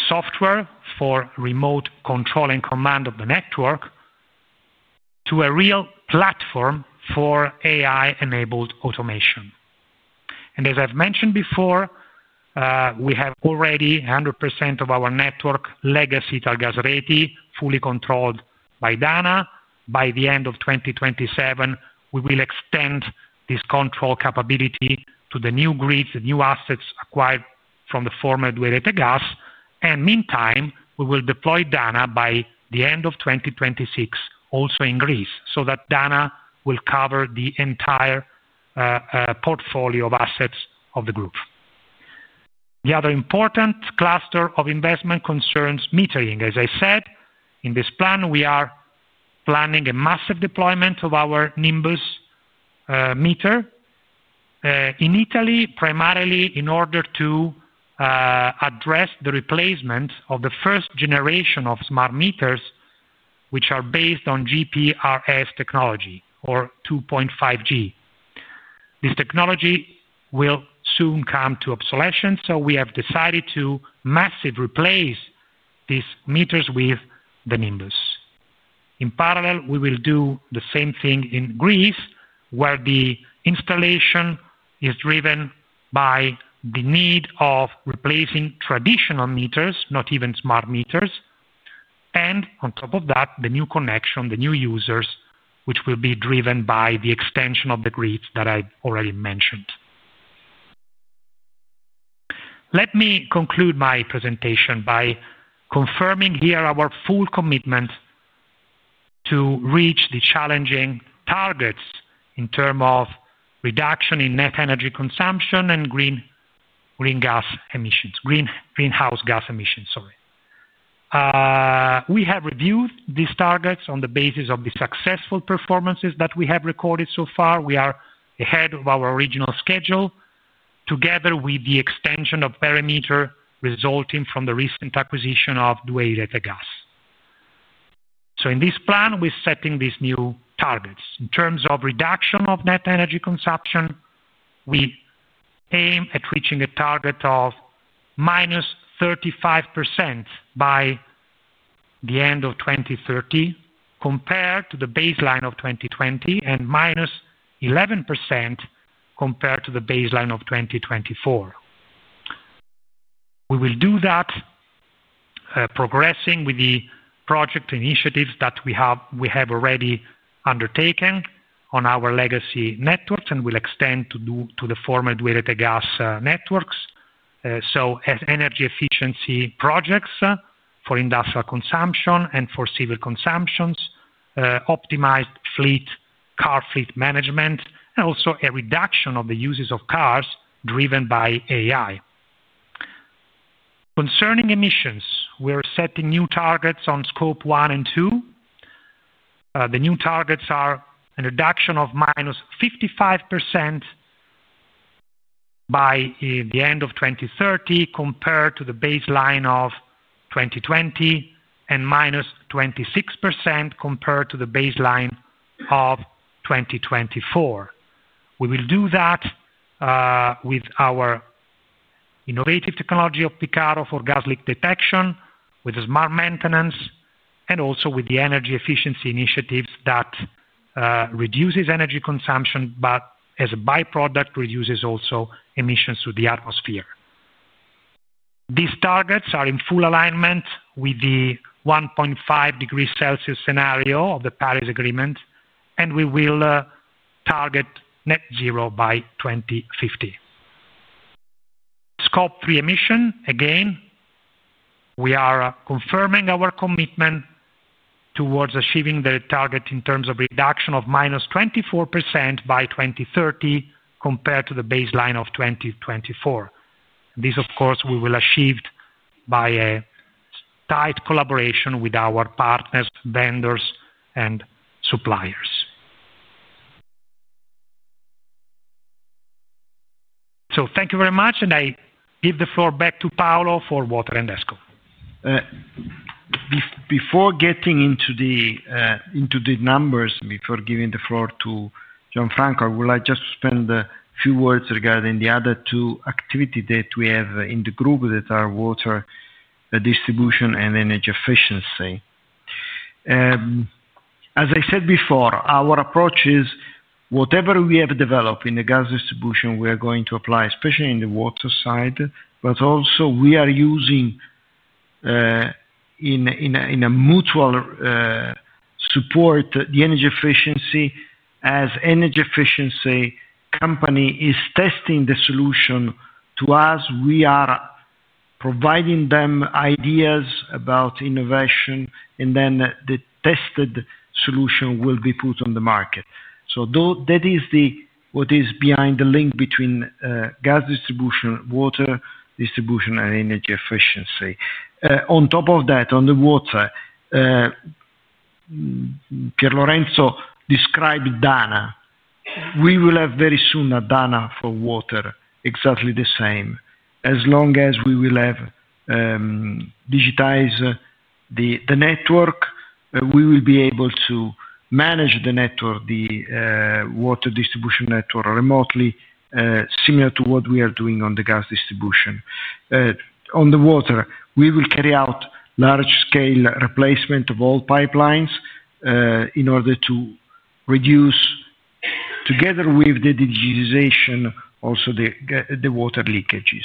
[SPEAKER 5] software for remote control and command of the network to a real platform for AI-enabled automation. As I've mentioned before, we have already 100% of our network legacy Italgas Reti, fully controlled by DANA. By the end of 2027, we will extend this control capability to the new grids, the new assets acquired from the former 2i Rete Gas. In the meantime, we will deploy DANA by the end of 2026 also in Greece, so that DANA will cover the entire portfolio of assets of the group. The other important cluster of investment concerns metering. As I said in this plan, we are planning a massive deployment of our Nimbus meter in Italy, primarily in order to address the replacement of the first generation of smart meters which are based on GPRS technology or 2.5G. This technology will soon come to obsolescence, so we have decided to massively replace these meters with the Nimbus. In parallel, we will do the same thing in Greece, where the installation is driven by the need of replacing traditional meters, not even smart meters. On top of that, the new connection, the new user, which will be driven by the extension of the grids that I already mentioned. Let me conclude my presentation by confirming here our full commitment to reach the challenging targets in terms of reduction in net energy consumption and greenhouse gas emissions. We have reviewed these targets on the basis of the successful performances that we have recorded so far. We are ahead of our original schedule, together with the extension of parameter resulting from the recent acquisition of 2i Rete Gas. In this plan we're setting these new targets in terms of reduction of net energy consumption. We aim at reaching a target of -35% by the end of 2030 compared to the baseline of 2020 and -11% compared to the baseline of 2024. We will do that progressing with the project initiatives that we have already undertaken on our legacy networks and will extend to the former 2i Rete Gas networks. Energy efficiency projects for industrial consumption and for civil consumptions, optimized fleet car fleet management, and also a reduction of the uses of cars driven by AI. Concerning emissions, we are setting new targets on Scope 1 and 2. The new targets are a reduction of -55% by the end of 2030 compared to the baseline of 2020 and -26% compared to the baseline of 2024. We will do that with our innovative technology of Picarro for gas leak detection, with smart maintenance, and also with the energy efficiency initiatives that reduces energy consumption but as a byproduct reduces also emissions to the atmosphere. These targets are in full alignment with the 1.5 degrees Celsius scenario of the Paris Agreement and we will target net zero by 2050 Scope 3 emission. Again, we are confirming our commitment towards achieving the target in terms of reduction of -24% by 2030 compared to the baseline of 2024. This of course we will achieve by a tight collaboration with our partners, vendors, and suppliers. Thank you very much and I give the floor back to Paolo for water and ESCo.
[SPEAKER 4] Before getting into the numbers, before giving the floor to Gianfranco, I would like just to spend a few words regarding the other two activities that we have in the group that are water services and energy efficiency services. As I said before, our approach is whatever we have developed in the gas distribution we are going to apply especially in the water side. We are also using, in a mutual support, the energy efficiency services. As the energy efficiency company is testing the solution to us, we are providing them ideas about innovation and then the tested solution will be put on the market. That is what is behind the link between gas distribution, water services, and energy efficiency services. On top of that, on the water, Piero Lorenzo described DANA. We will have very soon a DANA for water exactly the same. As long as we will have digitized the network, we will be able to manage the network, the water distribution network, remotely. This is similar to what we are doing on the gas distribution on the water. We will carry out large-scale replacement of all pipelines in order to reduce, together with the digitization, also the water leakages.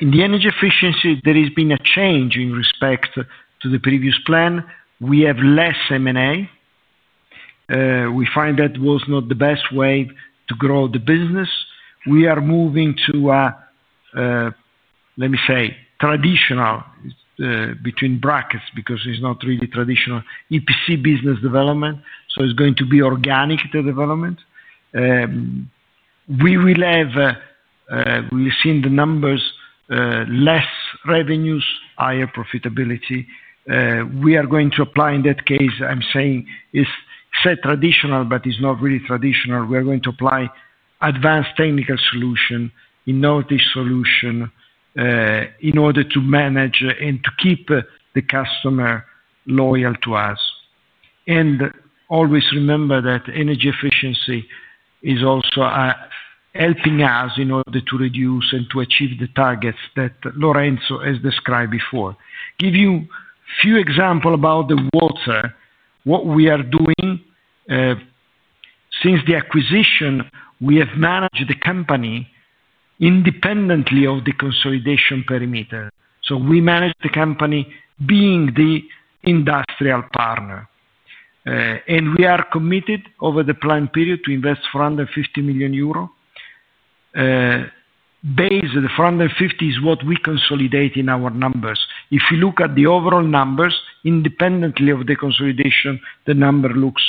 [SPEAKER 4] In the energy efficiency services, there has been a change in respect to the previous plan. We have less M&A. We find that was not the best way to grow the business. We are moving to, let me say, traditional, between brackets because it's not really traditional, EPC business development. It's going to be organic development. We have seen the numbers: less revenues, higher profitability. We are going to apply, in that case, I'm saying it's traditional, but it's not really traditional. We are going to apply advanced technical solutions, innovative solutions in order to manage and to keep the customer loyal to us. Always remember that energy efficiency services are also helping us in order to reduce and to achieve the targets that Lorenzo has described before. I'll give you a few examples about the water. What we are doing since the acquisition, we have managed the company independently of the consolidation perimeter. We manage the company, being the industrial partner, and we are committed to, over the planned period, invest 450 million euro base. The 450 million is what we consolidate in our numbers. If you look at the overall numbers, independently of the consolidation, the number looks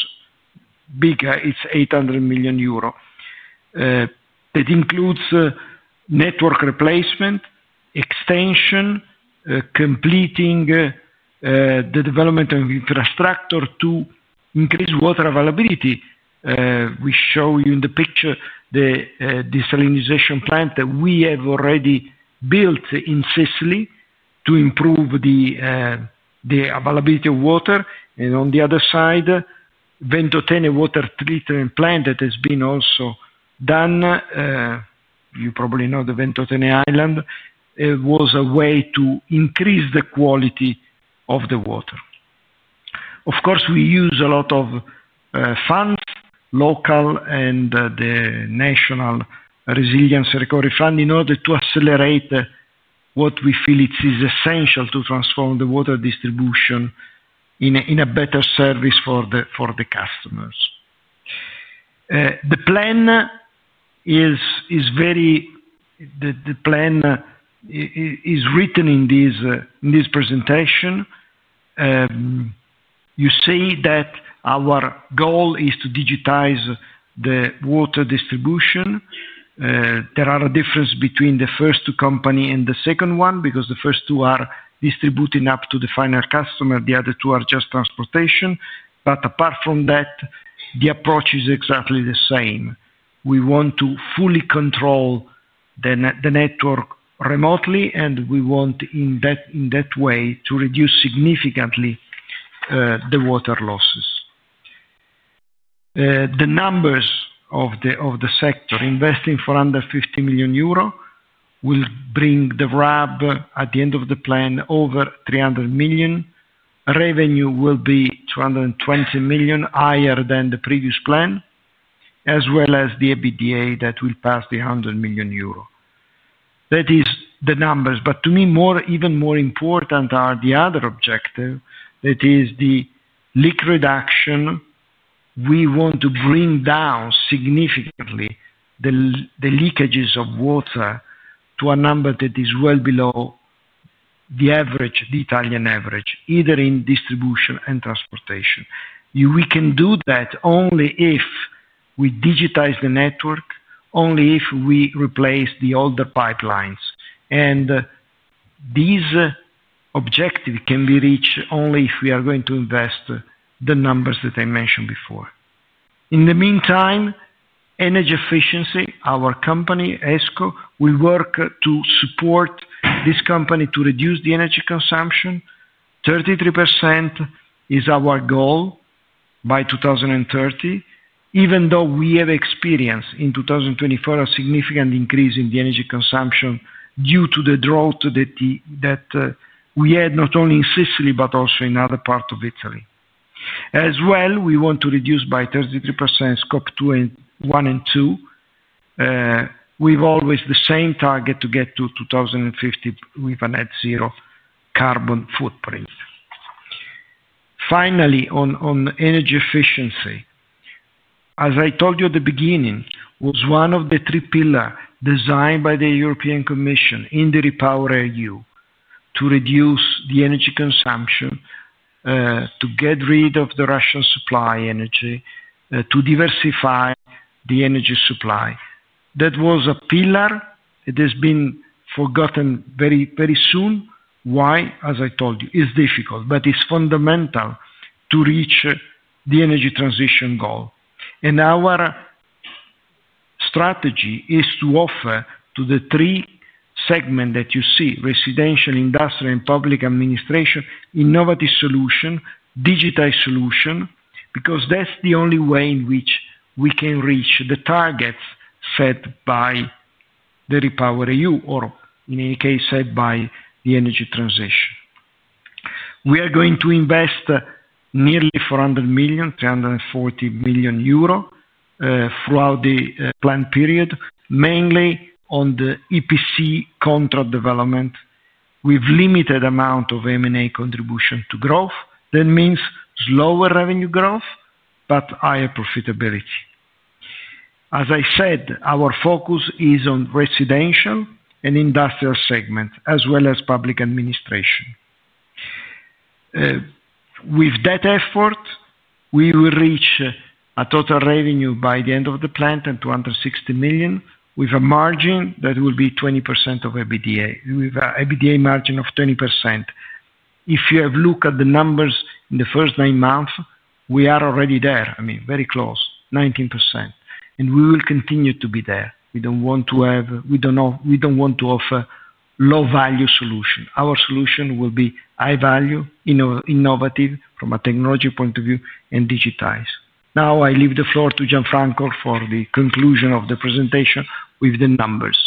[SPEAKER 4] bigger. It's 800 million euro. That includes network replacement, extension, completing the development of infrastructure to increase water availability. We show you in the picture the desalinization plant that we have already built in Sicily to improve the availability of water. On the other side, Ventotene water treatment plant. That has been also done. You probably know the Ventotene island was a way to increase the quality, quality of the water. Of course, we use a lot of funds, local and the National Resilience Recovery Fund, in order to accelerate what we feel it is essential to transform the water distribution in a better service for the customers. The plan is very. The plan is written in this presentation. You see that our goal is to digitize the water distribution. There are differences between the first company and the second one, because the first two are distributing up to the final customer. The other two are just transportation. Apart from that, the approach is exactly the same. We want to fully control the network remotely, and we want in that way to reduce significantly the water losses. The numbers of the sector: investing for under 50 million euro will bring the RAB at the end of the plan over 300 million. Revenue will be 220 million higher than the previous plan, as well as the EBITDA that will pass the 100 million euro. That is the numbers. To me, even more important are the other objective. That is the leak reduction. We want to bring down significantly the leakages of water to a number that is well below the average, the Italian average, either in distribution and transportation. We can do that only if we digitize the network, only if we replace the older pipelines. These objectives can be reached only if we are going to invest the numbers that I mentioned before. In the meantime, energy efficiency. Our company ESCo will work to support this company to reduce the energy consumption. 33% is our goal by 2030, even though we have experienced in 2024 a significant increase in the energy consumption due to the drought that we had not only in Sicily, but also in other parts of Italy as well. We want to reduce by 33% Scope 1 and 2. We've always the same target to get to 2015 with a net zero carbon footprint. Finally, on energy efficiency, as I told you at the beginning, was one of the three pillars designed by the European Commission in the RePowerEU to reduce the energy consumption, to get rid of the Russian supply energy, to diversify the energy supply. That was a pillar. It has been forgotten very soon. Why? As I told you, it's difficult, but it's fundamental to reach the energy transition goal. Our strategy is to offer to the three segments that you see: residential, industrial, and public administration. Innovative solution, digital solution. That's the only way in which we can reach the targets set by the REPowerEU or in any case set by the energy transition. We are going to invest nearly 400 million, 340 million euro throughout the planned period, mainly on the EPC contract development with limited amount of M&A contribution to growth. That means slower revenue growth, but higher profitability. As I said, our focus is on residential and industrial segment as well as public administration. With that effort we will reach a total revenue by the end of the plan at 260 million with a margin that will be 20% of EBITDA, with EBITDA margin of 20%. If you have looked at the numbers in the first nine months, we are already there, I mean very close, 19%, and we will continue to be there. We don't want to have, we don't want to offer low value solution. Our solution will be high value, innovative from a technology point of view and digitized. Now I leave the floor to Gianfranco for the conclusion of the presentation with the numbers.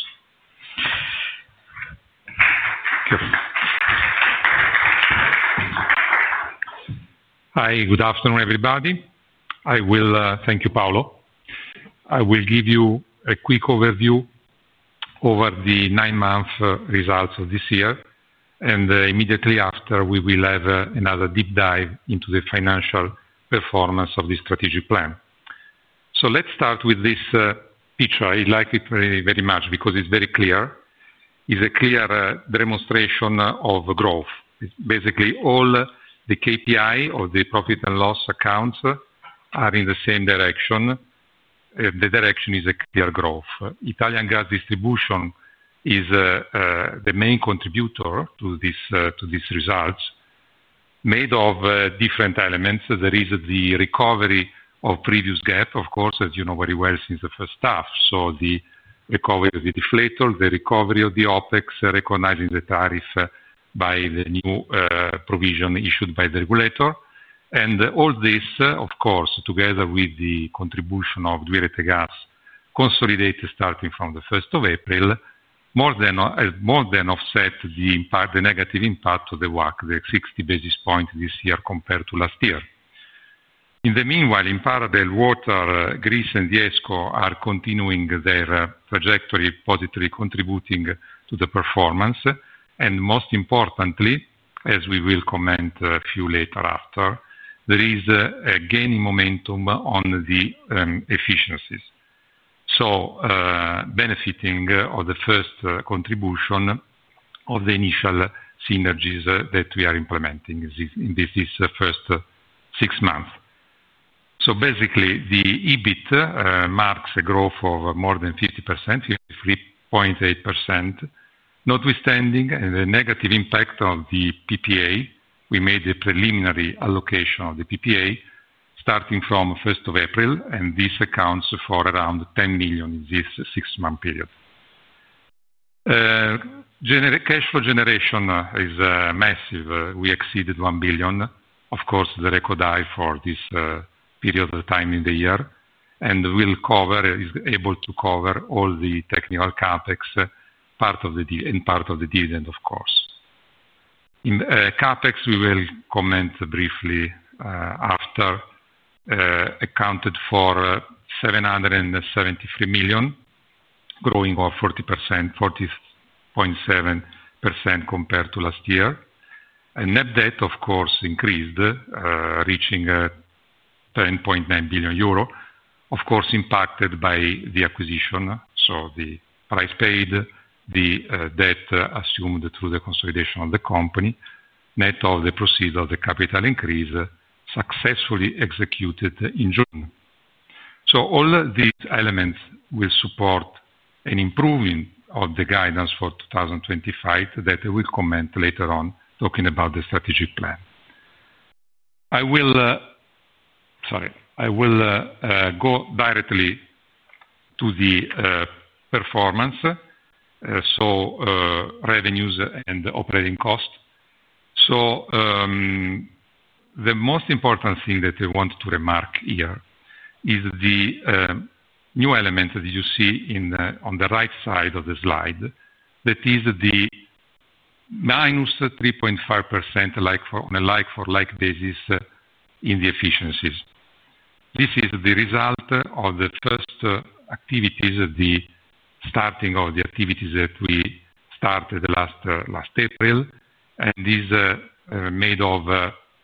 [SPEAKER 6] Hi, good afternoon everybody. Thank you, Paolo. I will give you a quick overview over the nine month results of this year. Immediately after, we will have another deep dive into the financial performance of this strategic plan. Let's start with this picture. I like it very much because it's very clear. It's a clear demonstration of growth. Basically, all the KPI of the profit and loss accounts are in the same direction. The direction is a clear growth. Italian gas distribution is the main contributor to these results, made of different elements. There is the recovery of previous gap, of course, as you know very well, since the first half. The recovery of the deflator, the recovery of the OpEx recognizing the tariff by the new provision issued by the regulator, and all this, of course, together with the contribution of 2i Rete Gas consolidated starting from the 1st of April, more than offset the negative impact of the WACC, the 60 basis points this year compared to last year. In the meanwhile, in Italgas Water, Greece, and ESCo are continuing their trajectory, positively contributing to the performance and, most importantly, as we will comment a few later after, there is a gaining momentum on the efficiencies, so benefiting from the first contribution of the initial synergies that we are implementing in this first six months. Basically, the EBIT marks a growth of more than 50%, 3.8%, notwithstanding the negative impact of the PPA. We made the preliminary allocation of the PPA starting from 1st of April, and this accounts for around 10 million in this six month period. Cash flow generation is massive. We exceeded 1 billion, the record high for this period of time in the year, and it is able to cover all the technical CapEx and part of the dividend. In CapEx, we will comment briefly after, accounted for 773 million, growing 40%, 40.7% compared to last year, and net debt, of course, increased, reaching 10.9 billion euro, impacted by the acquisition, so the price paid, the debt assumed through the consolidation of the company, net of the proceeds of the capital increase successfully executed in June. All these elements will support an improving of the guidance for 2025 that we comment later on talking about the strategic plan. I will go directly to the performance, so revenues and operating cost. The most important thing that I want to remark here is the new element that you see on the right side of the slide, that is the -3.5% on a like-for-like basis in the efficiencies. This is the result of the first activities, the starting of the activities that we started last April, and these are made of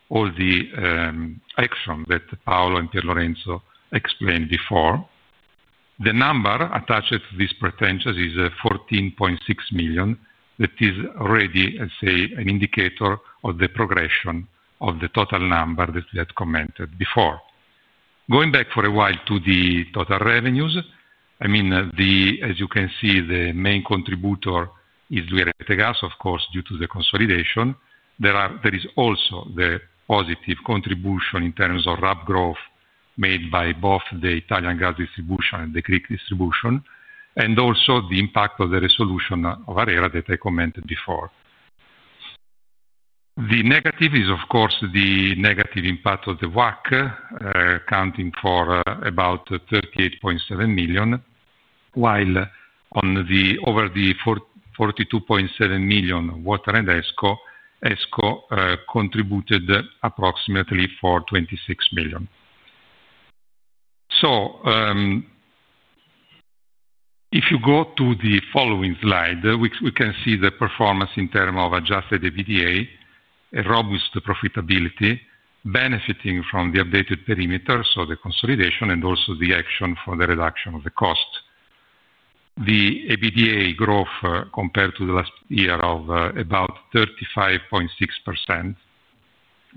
[SPEAKER 6] all the actions that Paolo and Piero Lorenzo explained before. The number attached to these potentials is 14.6 million. That is already an indicator of the progression of the total number that we had commented before. Going back for a while to the total revenues, as you can see, the main contributor is 2i Rete Gas. Of course, due to the consolidation, there is also the positive contribution in terms of RAB growth made by both the Italian gas distribution and the Greek distribution, and also the impact of the resolution of ARERA that I commented before. The negative is, of course, the negative impact of the WACC accounting for about 38.7 million, while over the 42.7 million, water and energy efficiency services contributed approximately 26 million. If you go to the following slide, we can see the performance in terms of adjusted EBITDA, robust profitability benefiting from the updated perimeter, so the consolidation and also the action for the reduction of the cost. The EBITDA growth compared to last year is about 35.6%.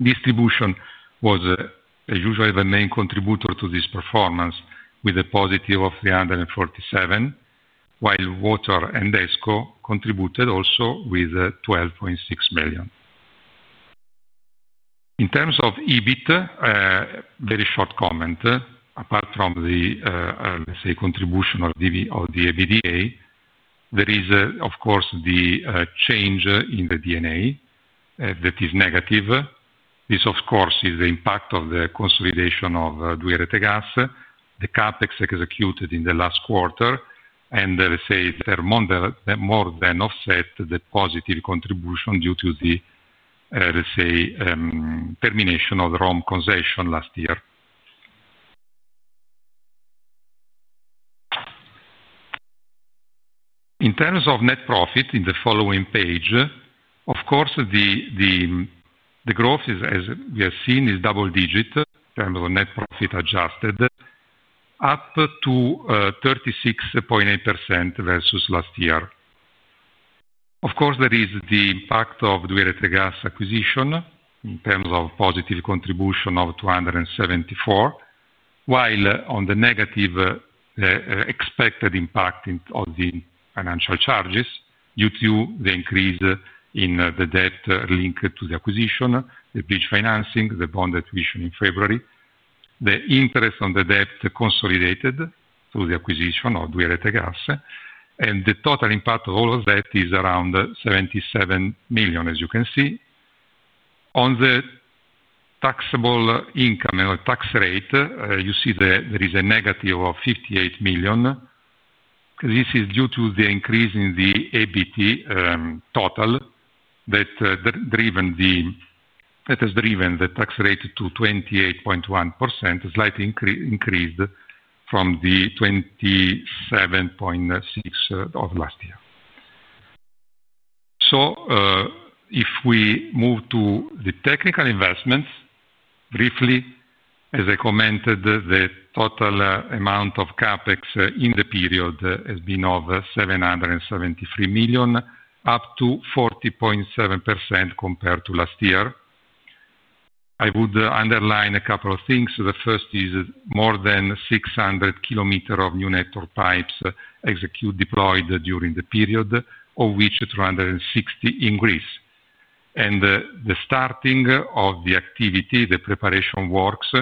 [SPEAKER 6] Distribution was, as usual, the main contributor to this performance with a positive of 347 million, while water and energy efficiency services contributed also with 12.6 million in terms of EBITDA. Very short comment. Apart from the contribution of the EBITDA, there is, of course, the change in the D&A that is negative. This, of course, is the impact of the consolidation of 2i Rete Gas here, the CapEx executed in the last quarter, and say, furthermore, more than offset the positive contribution due to the termination of the Rome concession last year. In terms of net profit in the following page, of course, the growth, as we have seen, is double-digit in terms of net profit adjusted up to 36.8% versus last year. Of course, there is the impact of 2i Rete Gas acquisition in terms of positive contribution of 274 million, while on the negative, expected impact of the financial charges due to the increase in the debt linked to the acquisition, the bridge financing, the bond attribution in February, the interest on the debt consolidated through the acquisition of 2i Rete Gas, and the total impact of all of that is around 77 million. As you can see on the taxable income and tax rate, you see that there is a negative of 58 million. This is due to the increase in the EBITDA total that has driven the tax rate to 28.1%, slightly increased from the 27.6% of last year. If we move to the technical investments briefly as I commented, the total amount of CapEx in the period has been 773 million, up 40.7% compared to last year. I would underline a couple of things. The first is more than 600 km of new network pipes deployed during the period, of which 360 increase and the starting of the activity. The preparation works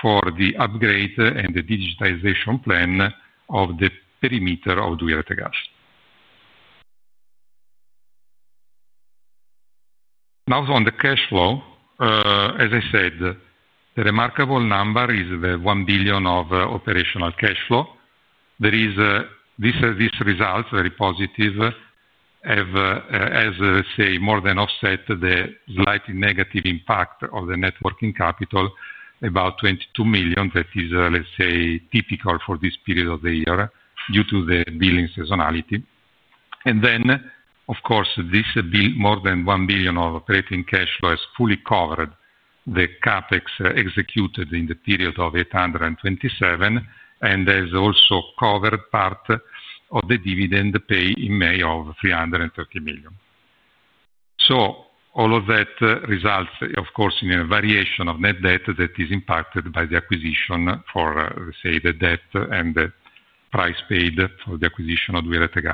[SPEAKER 6] for the upgrade and the digitization plan of the perimeter of 2i Rete Gas. Now on the cash flow, as I said, the remarkable number is the 1 billion of operational cash flow. These results, very positive, have more than offset the slightly negative impact of the net working capital, about 22 million. That is typical for this period of the year due to the billing seasonality. Of course, this more than 1 billion of operating cash flow has fully covered the CapEx executed in the period of 827 million and has also covered part of the dividend paid in May of 330 million. All of that results in a variation of net debt that is impacted by the acquisition, the debt, and the price paid for the acquisition of 2i Rete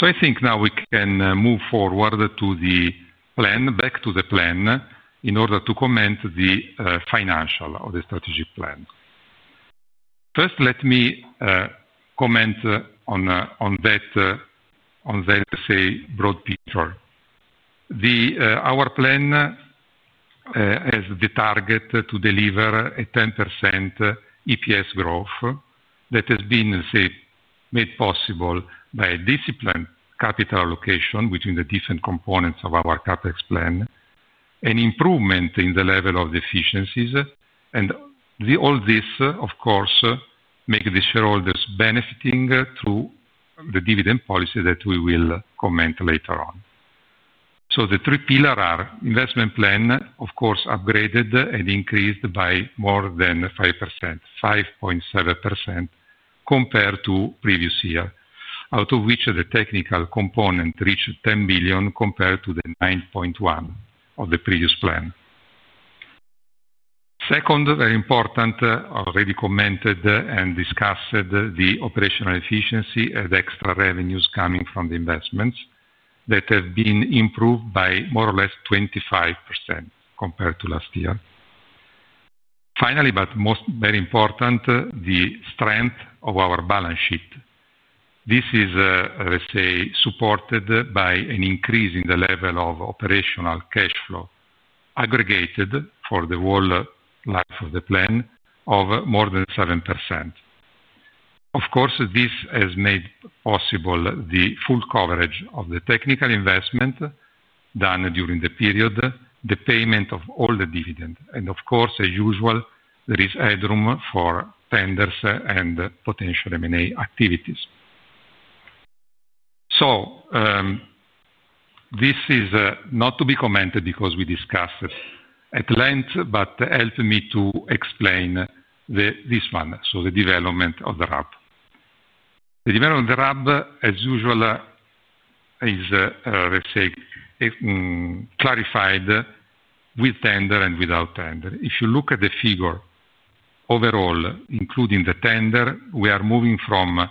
[SPEAKER 6] Gas. I think now we can move forward to the plan. Back to the plan, in order to comment on the financial or the strategic plan. First, let me comment on that. On the broad picture, our plan has the target to deliver a 10% EPS growth that has been made possible by a disciplined capital allocation between the different components of our CapEx plan, an improvement in the level of efficiencies, and all this, of course, makes the shareholders benefit through the dividend policy that we will comment later on. The three pillar investment plan, of course, upgraded and increased by more than 5%, 5.7% compared to previous year, out of which the technical component reached 10 billion compared to the 9.1 billion of the previous plan. Second, very important, already commented and discussed, the operational efficiency and extra revenues coming from the investments that have been improved by more or less 25% compared to last year. Finally, but most very important, the strength of our balance sheet. This is supported by an increase in the level of operational cash flow aggregated for the whole life of the plan of more than 7%. Of course, this has made possible the full coverage of the technical investment done during the period, the payment of all the dividend, and of course, as usual, there is headroom for tenders and potential M&A activities. This is not to be commented because we discussed at length, but help me to explain this one. The development of the RAB. The development of the RAB as usual is, let's say, clarified with tender and without tender. If you look at the figure overall, including the tender, we are moving from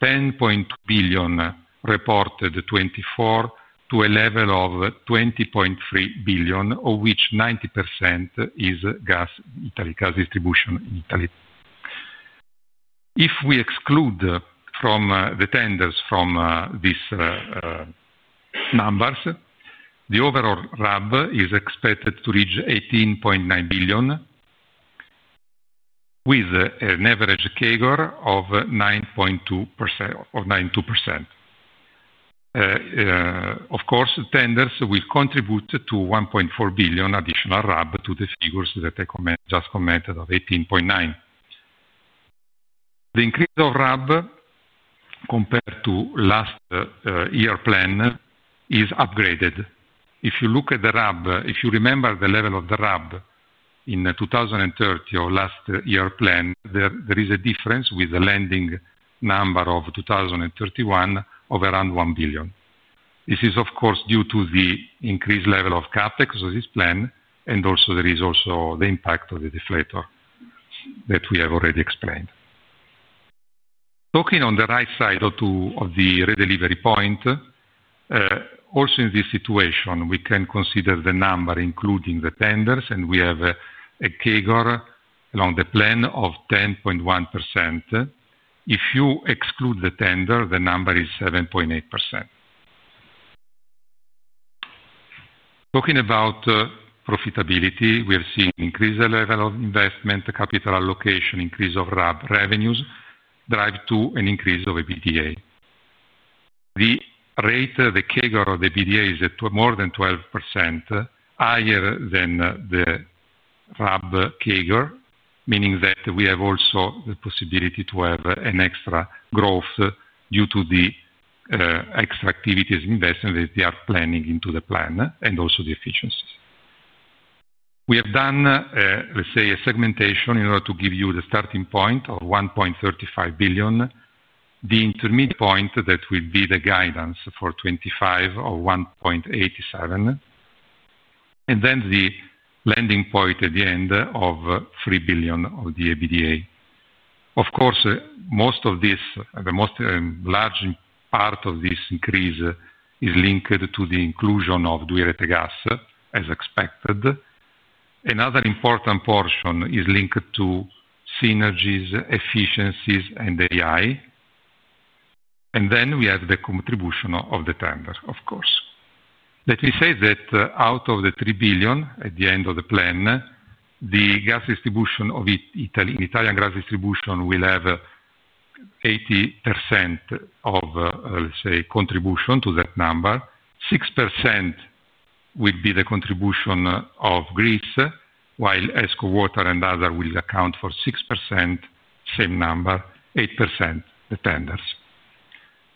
[SPEAKER 6] 10.2 billion reported 2024 to a level of 20.3 billion, of which 90% is gas. Gas distribution in Italy. If we exclude from the tenders from these numbers, the overall RAB is expected to reach 18.9 billion with an average CAGR of 9.2%. Tenders will contribute to 1.4 billion additional RAB to the figures that I just commented of 18.9 billion. The increase of RAB compared to last year plan is upgraded. If you look at the RAB, if you remember the level of the RAB in 2030 or last year plan, there is a difference with the landing number of 2031 of around 1 billion. This is due to the increased level of CapEx of this plan and also there is the impact of the deflator that we have already explained talking on the right side of the redelivery point. In this situation, we can consider the number including the tenders and we have a CAGR along the plan of 10.1%. If you exclude the tender, the number is 7.8%. Talking about profitability, we are seeing increased level of investment, capital allocation, increase of RAB revenues drive to an increase of EBITDA. The CAGR of the EBITDA is more than 12%, higher than the RAB CAGR, meaning that we have also the possibility to have an extra growth due to the extra activities investment that they are planning into the plan and also the efficiencies. We have done, let's say, a segmentation in order to give you the starting point of 1.35 billion, the intermediate point that will be the guidance for 2025 of 1.87 billion, and then the landing point at the end of 3 billion of the EBITDA. Most of this, the most large part of this increase, is linked to the inclusion of 2i Rete Gas as expected. Another important portion is linked to synergies, efficiencies, and AI. We have the contribution of the tender. Out of the 3 billion at the end of the plan, the gas distribution of Italian gas distribution will have 80% of contribution to that number. 6% will be the contribution of Greece, while energy efficiency services, water, and other will account for 6%. Same number, 8%. The tenders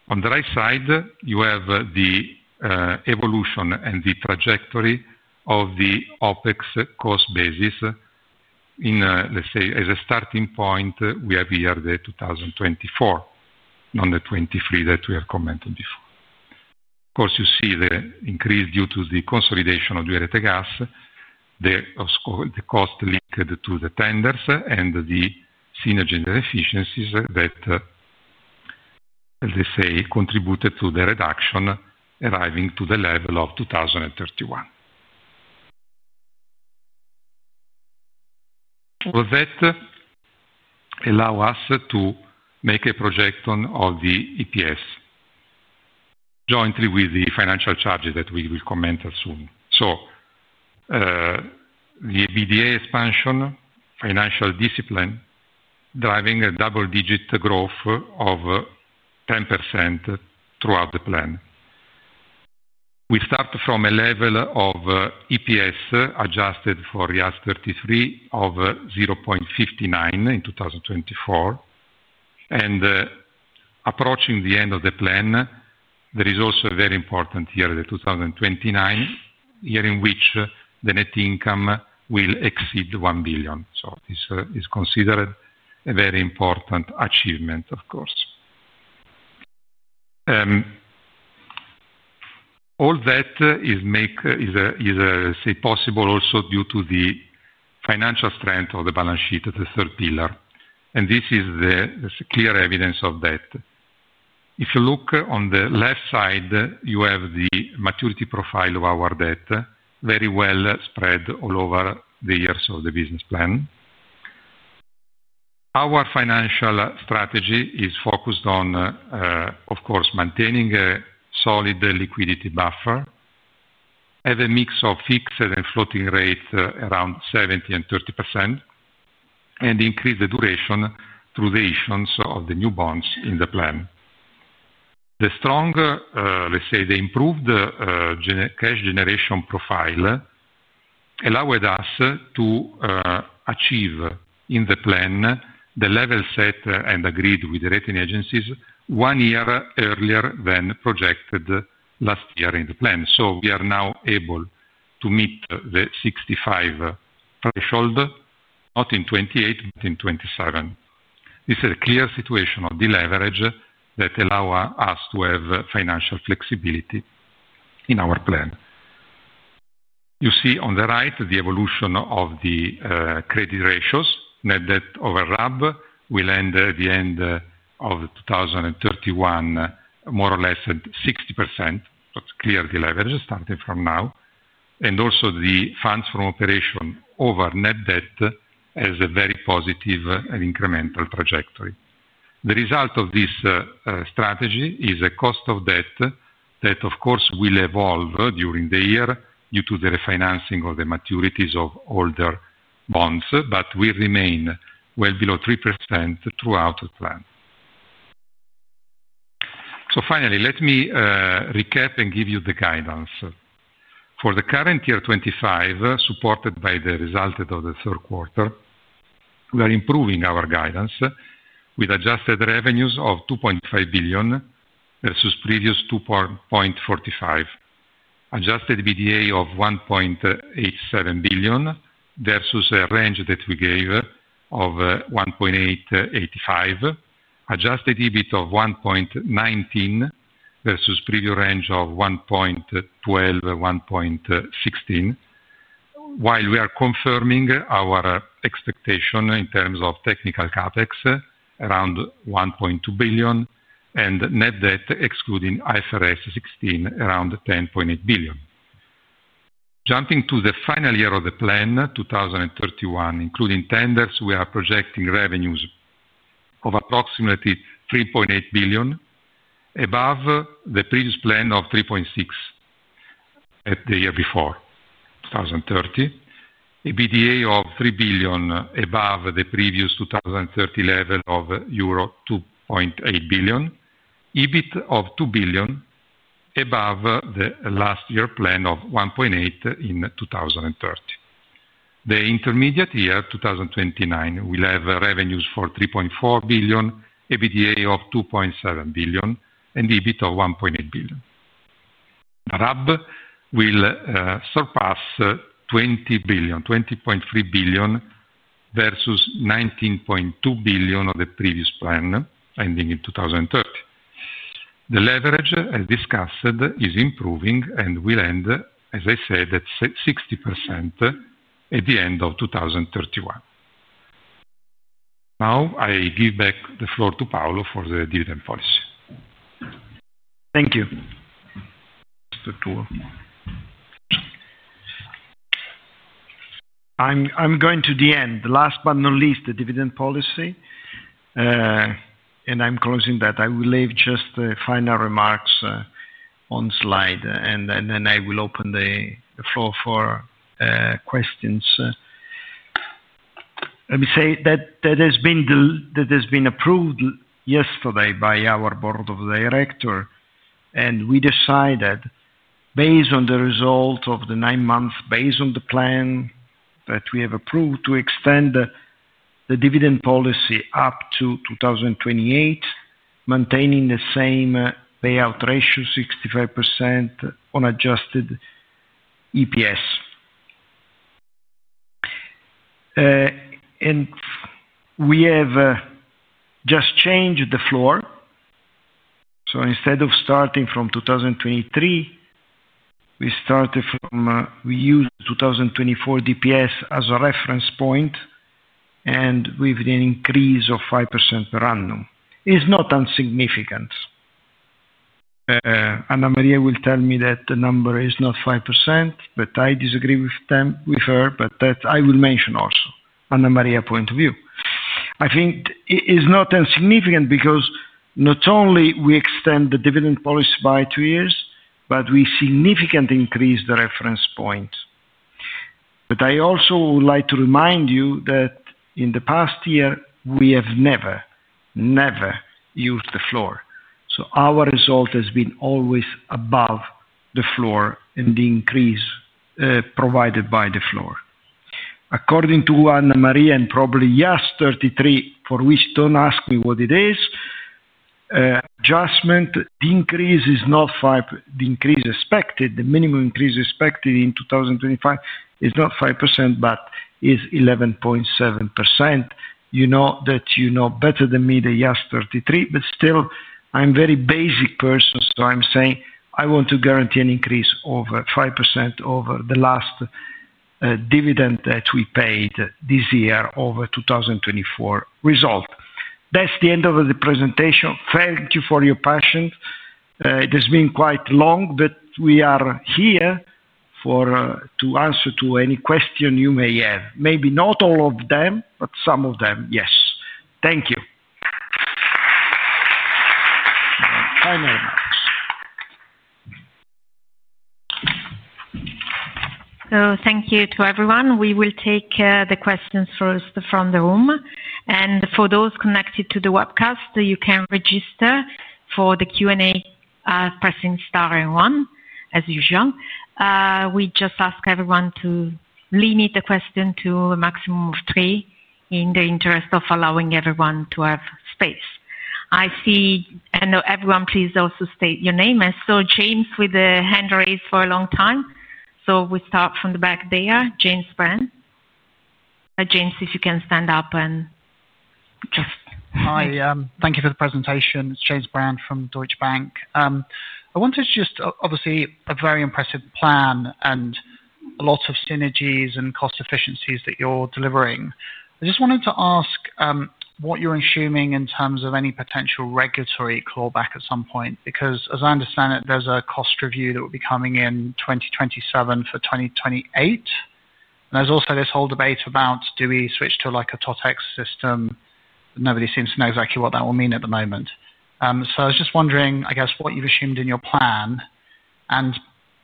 [SPEAKER 6] on the right side, you have the evolution and the trajectory of the OpEx cost basis. As a starting point, we have here the 2024 on the 2023 that we have commented before. You see the increase due to the consolidation of 2i Rete Gas, the cost linked to the tenders, and the synergy efficiencies that contributed to the reduction, arriving to the level of 2031 that allow us to make a projection of the EPS jointly with the financial charges that we will comment soon. The EBITDA expansion, financial discipline driving a double-digit growth of 10% throughout the plan. We start from a level of EPS adjusted for IAS 33 of 0.59 in 2024 and approaching the end of the plan, there is also a very important year, the 2029 year in which the net income will exceed 1 billion. This is considered a very important achievement. Of course. All that is possible also due to the financial strength of the balance sheet, the third pillar, and this is the clear evidence of debt. If you look on the left side, you have the maturity profile of our debt very well spread all over the years of the business plan. Our financial strategy is focused on, of course, maintaining a solid liquidity buffer. Have a mix of fixed and floating rate around 70% and 30% and increase the duration through the issuance of the new bonds in the plan. The strong, let's say, the improved cash generation profile allowed us to achieve in the plan the level set and agreed with rating agencies one year earlier than projected last year in the plan. We are now able to meet the 65% threshold not in 2028 but in 2027. This is a clear situation of deleverage that allows us to have financial flexibility in our plan. You see on the right the evolution of the credit ratios. Net debt over RAB will end at the end of 2031, more or less at 60%, clear deleverage starting from now. Also, the funds from operation over net debt has a very positive and incremental trajectory. The result of this strategy is a cost of debt that, of course, will evolve during the year due to the refinancing or the maturities of older bonds. We remain well below 3% throughout the plan. Finally, let me recap and give you the guidance for the current year 2025 supported by the result of the third quarter. We are improving our guidance with adjusted revenues of 2.5 billion versus previous 2.45 billion, adjusted EBITDA of 1.87 billion versus a range that we gave of 1.85 billion, adjusted EBIT of 1.19 billion versus previous range of 1.12 billion-1.16 billion. We are confirming our expectation in terms of technical CapEx around 1.2 billion and net debt excluding IFRS 16 around 10.8 billion. Jumping to the final year of the plan, 2031, including tenders, we are projecting revenues of approximately 3.8 billion above the previous plan of 3.6 billion. The year before, 2030, EBITDA of 3 billion above the previous 2030 level of euro 2.8 billion, EBIT of 2 billion above the last year plan of 1.8 billion in 2030. The intermediate year 2029 will have revenues of 3.4 billion, EBITDA of 2.7 billion, and EBIT of 1.8 billion. RAB will surpass 20 billion, 20.3 billion versus 19.2 billion of the previous plan ending in 2030. The leverage, as discussed, is improving and will end, as I said, at 60% at the end of 2031. Now I give back the floor to Paolo for the dividend policy.
[SPEAKER 4] Thank you. I'm going to the end. Last but not least, the dividend policy. I'm closing that. I will leave just final remarks on slide and then I will open the floor for questions. Let me say that has been approved yesterday by our Board of Directors and we decided based on the result of the nine months, based on the plan that we have approved, to extend the dividend policy up to 2028, maintaining the same payout ratio, 65% on adjusted EPS. We have just changed the floor. Instead of starting from 2023, we started from, we used 2024 DPS as a reference point. With an increase of 5% per annum, it's not insignificant. Anna Maria will tell me that the number is not 5%, but I disagree with her. I will mention also on the Maria point of view, I think it is not insignificant because not only we extend the dividend policy by two years, but we significantly increase the reference point. I also would like to remind you that in the past year we have never, never used the floor. Our result has been always above the floor and the increase provided by the floor according to Anna Maria and probably yes, 33, for which don't ask me what it is adjustment increase is not 5%. The increase expected, the minimum increase expected in 2025 is not 5% but is 11.7%. You know that, you know better than me the IAS 33, but still I'm very basic person. I'm simply saying I want to guarantee an increase of 5% over the last dividend that we paid this year over 2024 result. That's the end of the presentation. Thank you for your passion. It has been quite long, but we are here to answer to any question you may have. Maybe not all of them, but some of them. Yes. Thank you.
[SPEAKER 1] Thank you to everyone. We will take the questions first from the room, and for those connected to the webcast, you can register for the Q&A by pressing star one. As usual, we just ask everyone to limit the question to a maximum of three in the interest of allowing everyone to have space. Please also state your name. I saw James with the hand raised for a long time. We start from the back there. James Brand. James, if you can stand up.
[SPEAKER 7] Hi, thank you for the presentation. It's James Brand from Deutsche Bank. I wanted just obviously a very impressive plan and a lot of synergies and cost efficiencies that you're delivering. I just wanted to ask what you're. Assuming in terms of any potential regulatory clawback at some point because as I. Understand it, there's a cost review. Will be coming in 2027 for 2028. There's also this whole debate about do we switch to a Totex model? Nobody seems to know exactly what that is. At the moment, I was just wondering, I guess. What you've assumed in your plan.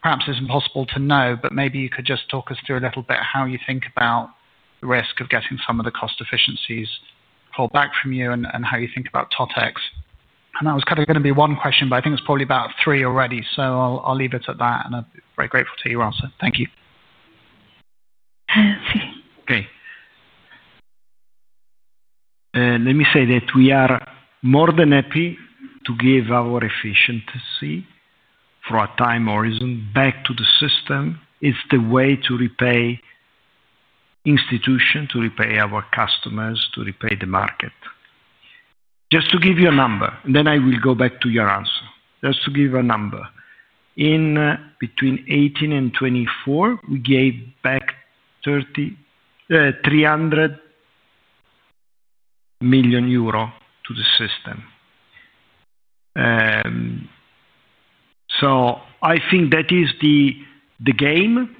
[SPEAKER 7] Perhaps it's impossible to know, but maybe. You could just talk us through. Little bit how you think about the. Risk of getting some of the cost. Efficiencies pulled back from you, and how? You think about Totex. That was kind of going to. be one question, but I think it's probably about three already. I'll leave it at that. I'm very grateful for your answer. Thank you.
[SPEAKER 4] Okay, let me say that we are more than happy to give our efficiency for a time horizon back to the system. It's the way to repay institution, to repay our customers, to repay the market. Just to give you a number and then I will go back to your answer. Just to give a number, in between 2018 and 2024 we gave back 300 million euro to the system. I think that is the game.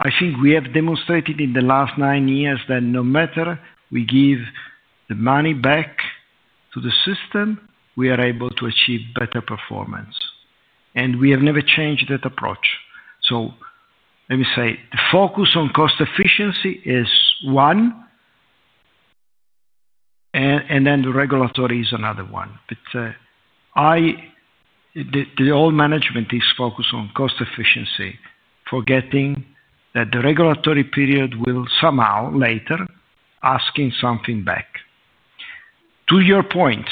[SPEAKER 4] I think we have demonstrated in the last nine years that no matter we give the money back to the system, we are able to achieve better performance and we have never changed that approach. Let me say three, focus on cost efficiency is one and then the regulatory is another one. The whole management is focused on cost efficiency, forgetting that the regulatory period will somehow later ask something back to your point.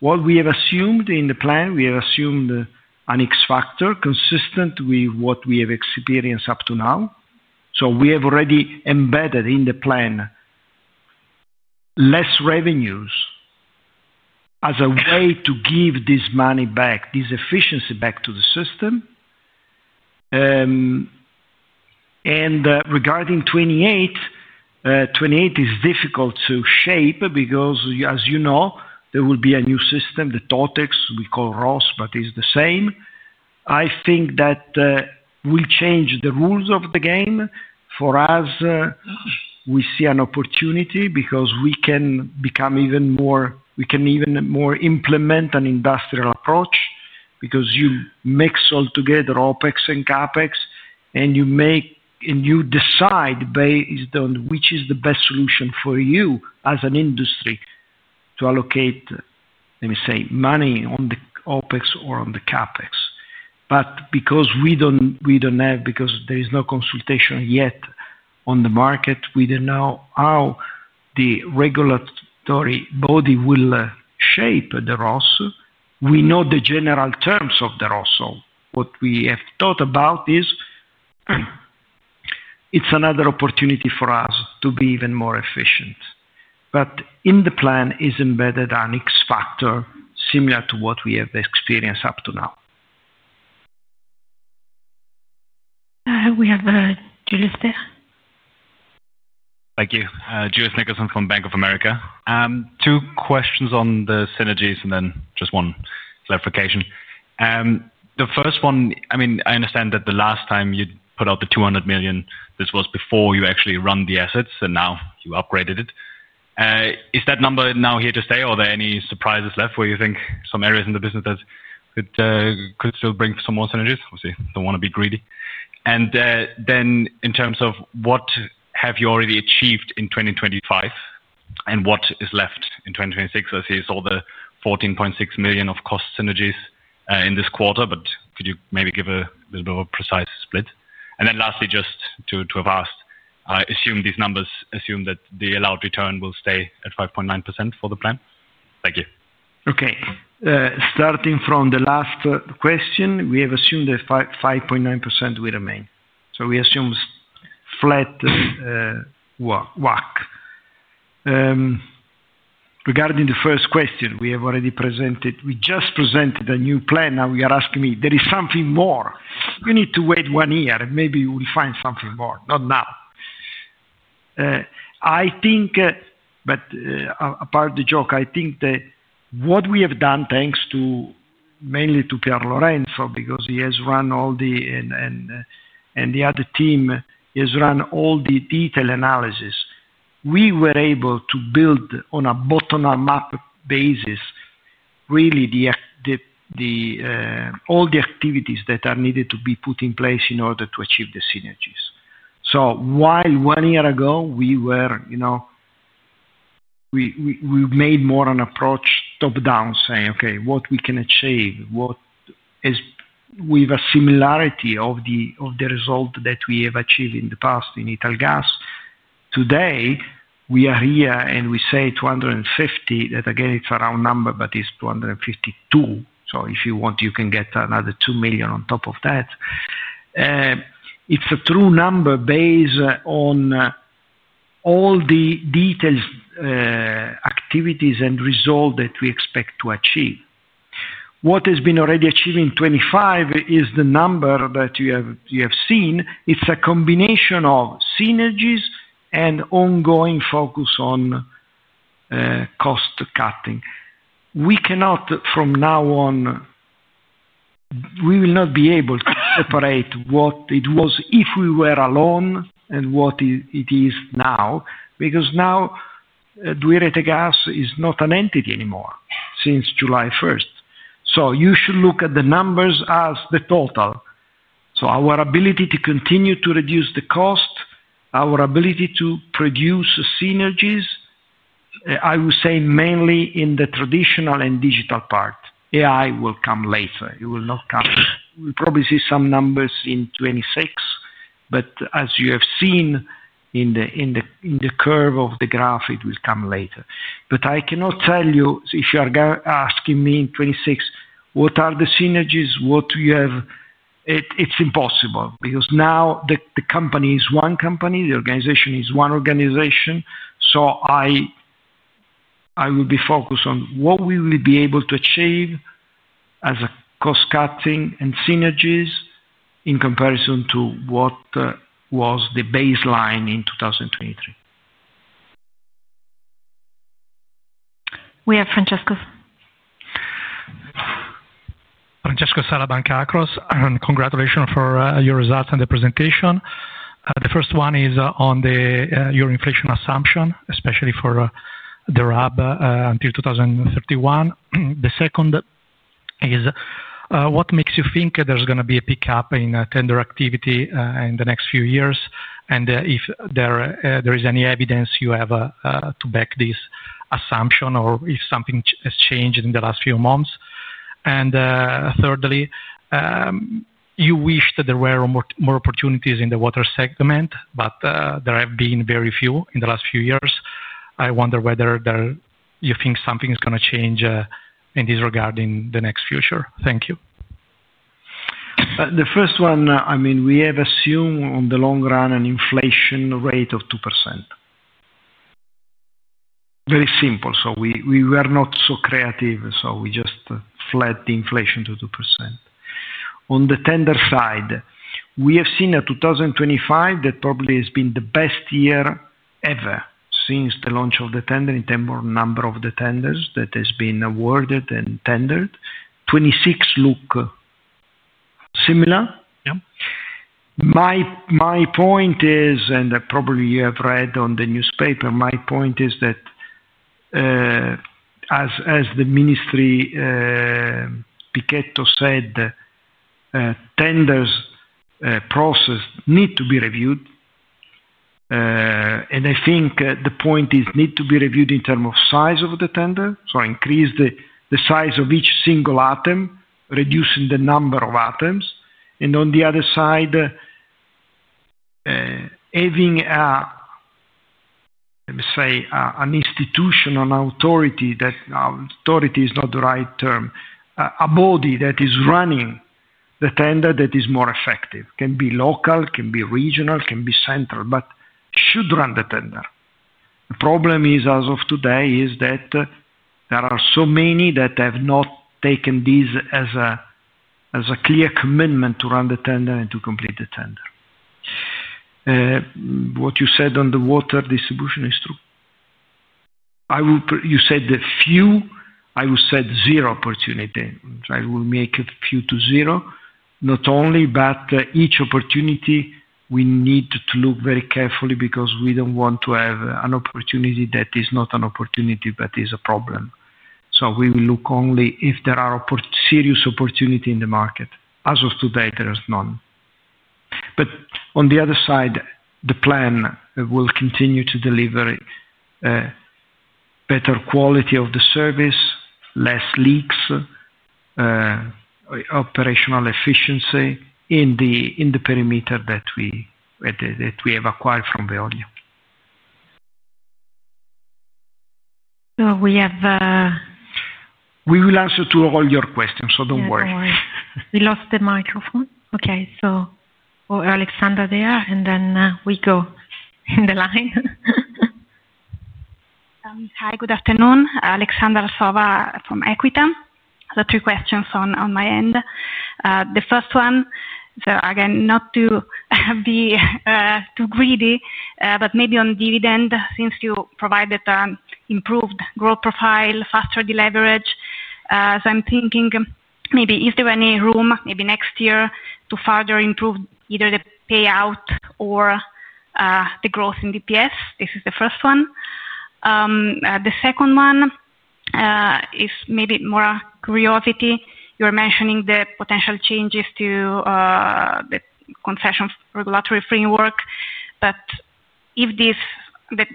[SPEAKER 4] What we have assumed in the plan, we have assumed an X-factor consistent with what we have experienced up to now. We have already embedded in the plan less revenues as a way to give this money back, this efficiency back to the system. Regarding 2028, 2028 is difficult to shape because as you know, there will be a new system, the Totex model we call ROS but is the same. I think that will change the rules of the game for us. We see an opportunity because we can become even more. We can even more implement an industrial approach because you mix all together OpEx and CapEx and you decide based on which is the best solution for you as an industry to allocate, let me say, money on the OpEx or on the CapEx, but because we don't have, because there is no consultation yet on the market, we don't know how the regulatory body will shape the ROS. We know the general terms of the ROS. What we have thought about is it's another opportunity for us to be even more efficient. In the plan is embedded an X-factor similar to what we have experienced up to now.
[SPEAKER 1] We have Julius there.
[SPEAKER 8] Thank you. Julius Nickelsen from Bank of America. Two questions on the synergies and then just one clarification. The first one, I mean I understand. That the last time you put out. The 200 million, this was before you actually run the assets, and now you upgraded it. Is that number now here to stay, or are there any surprises left where. You think some areas in the business. That could still bring some more synergies, obviously don't want to be greedy. In terms of what have. You already achieved in 2025, and what? Is left in 2026 as he saw the 14.6 million of cost synergies in. This quarter, could you maybe give. A little bit of a precise split? Lastly, just to have asked. I assume these numbers assume that. Allowed return will stay at 5.9% for the plan. Thank you.
[SPEAKER 4] Okay, starting from the last question, we have assumed that 5.9% will remain, so we assume flat. Regarding the first question, we have already presented, we just presented a new plan. Now you're asking me there is something more. You need to wait one year and maybe you will find something more. Not now I think, but part of the joke. I think that what we have done, thanks mainly to Piero Lorenzo because he has run all the, and the other team has run all the detailed analysis, we were able to build on a bottom up basis really all the activities that are needed to be put in place in order to achieve the synergies. While one year ago we were. You know. We made more an approach top down, saying, okay, what we can achieve, what with a similarity of the result that we have achieved in the past in natural gas. Today we are here and we say 250 million, that again it's a round number, but it's 252 million. If you want, you can get another 2 million on top of that. It's a true number based on all the details, activities, and risk result that we expect to achieve. What has been already achieved in 2025 is the number that you have seen, it's a combination of synergies and ongoing focus on cost cutting. From now on we will not be able to separate what it was if we were alone and what it is now, because now 2i Rete Gas is not an entity anymore since July 1st. You should look at the numbers as the total. Our ability to continue to reduce the cost, our ability to produce synergies, I would say mainly in the traditional and digital part. AI will come later. It will not come. We'll probably see some numbers in 2026, but as you have seen in the curve of the graph, it will come later. I cannot tell you if you are asking me in 2026 what are the synergies, what you have. It's impossible because now the company is one company, the organization is one organization. I will be focused on what will we be able to achieve as a cost cutting and synergies in comparison to what was the baseline in 2023.
[SPEAKER 1] We have Francesco.
[SPEAKER 9] Francesco Sala Banca, congrats and congratulations for your results and the presentation. The first one is on your inflation assumption, especially for the RAB until 2031. The second is what makes you think. There's going to be a pickup in tender activity in the next few years. If there is any evidence, you have to back this assumption, or if something has changed in the last few months. Thirdly, you wish that there were more opportunities in the water segment, but there have been very few in the last few years. I wonder whether you think something is. Going to change in this regard in the next future. Thank you.
[SPEAKER 4] The first one, I mean, we have assumed on the long run an inflation rate of 2%. Very simple. We were not so creative. We just flat the inflation to 2%. On the tender side, we have seen a 2025 that probably has been the best year ever since the launch of the tender. In terms of number of the tenders that has been awarded and tendered, 26 look similar. My point is, and probably you have read on the newspaper, my point is that as the Minister Pichetto said, tenders process need to be reviewed. I think the point is, need to be reviewed in terms of size of the tender. Increase the size of each single ATEM, reducing the number of ATEMs. On the other side, having. Let. me say, an institutional authority, that authority is not the right term. A body that is running the tender, that is more effective, can be local, can be regional, can be central, but should run the tender. The problem is, as of today, there are so many that have not taken this as a clear commitment to run the tender and to complete the tender. What you said on the water services is true. You said the few, I would say zero opportunity. I will make a few to zero. Not only that, but each opportunity we need to look very carefully because we don't want to have an opportunity that is not an opportunity, but is a problem. We will look only if there are serious opportunities in the market. As of today, there is none. On the other side, the plan will continue to deliver better quality of the service, fewer leaks, operational efficiency in the perimeter that we have acquired from the audio. We will answer to all your questions, so don't worry.
[SPEAKER 1] We lost the microphone. Okay, so Aleksandra there and then we go in the line.
[SPEAKER 10] Hi, good afternoon. Aleksandra Arsova from Equita. Three questions on my end. The first one, not to be too greedy, but maybe on dividend, since you provided an improved growth profile, faster deleverage. I'm thinking, is there any room maybe next year to further improve either the payout or the growth in DPS? This is the first one. The second one is maybe more curiosity. You're mentioning the potential changes to the concession regulatory framework. The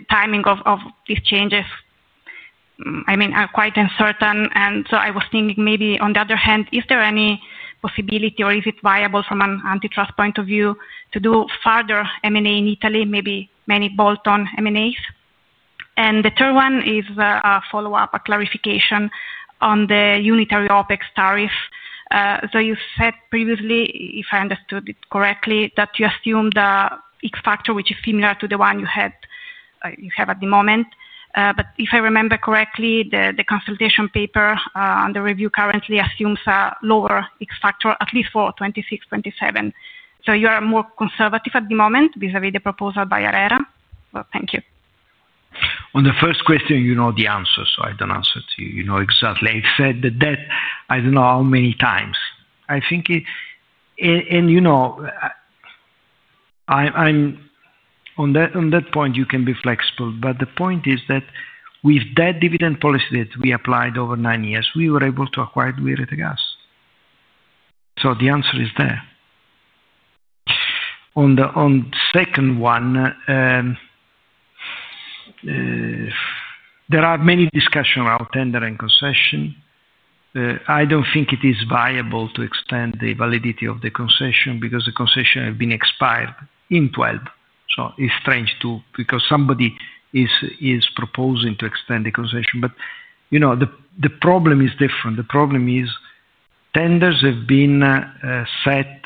[SPEAKER 10] timing of these changes is quite uncertain. I was thinking, on the other hand, is there any possibility or is it viable from an antitrust point of view to do further M&A in Italy, maybe many bolt-on M&As. The third one is a follow-up, a clarification on the unitary OpEx tariff. You said previously, if I understood it correctly, that you assume it is similar to the one you have at the moment. If I remember correctly, the consultation paper under review currently assumes a lower X-factor, at least for 2026, 2027. You are more conservative at the moment vis-à-vis the proposal by ARERA. Thank you.
[SPEAKER 4] On the first question, you know the answer, so I don't answer to you. You know exactly I said the debt, I don't know how many times, I think. You know, on that point you can be flexible, but the point is that with that dividend policy that we applied over nine years, we were able to acquire gas. The answer is there. On the second one, there are many discussions about tender and concession. I don't think it is viable to extend the validity of the concession because the concession has been expired in 2012. It's strange too, because somebody is proposing to extend the concession. You know, the problem is different. The problem is tenders have been set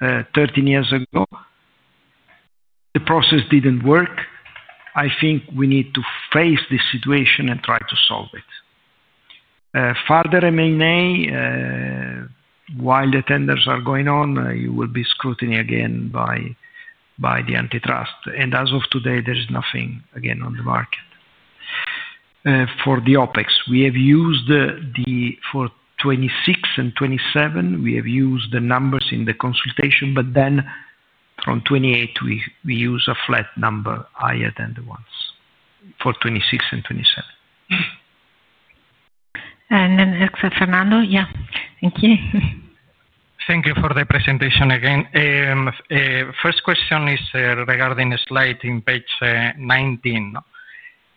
[SPEAKER 4] 13 years ago. The process didn't work. I think we need to face this situation and try to solve it further. While the tenders are going on, you will be scrutiny again by the antitrust and as of today there is nothing again on the market for the OpEx. We have used for 2026 and 2027, we have used the numbers in the consultation but then from 2028 we use a flat number higher than the ones for 2026 and 2027.
[SPEAKER 1] Thank you, Fernando.
[SPEAKER 11] Thank you for the presentation again, first. Question is regarding slide in page 19.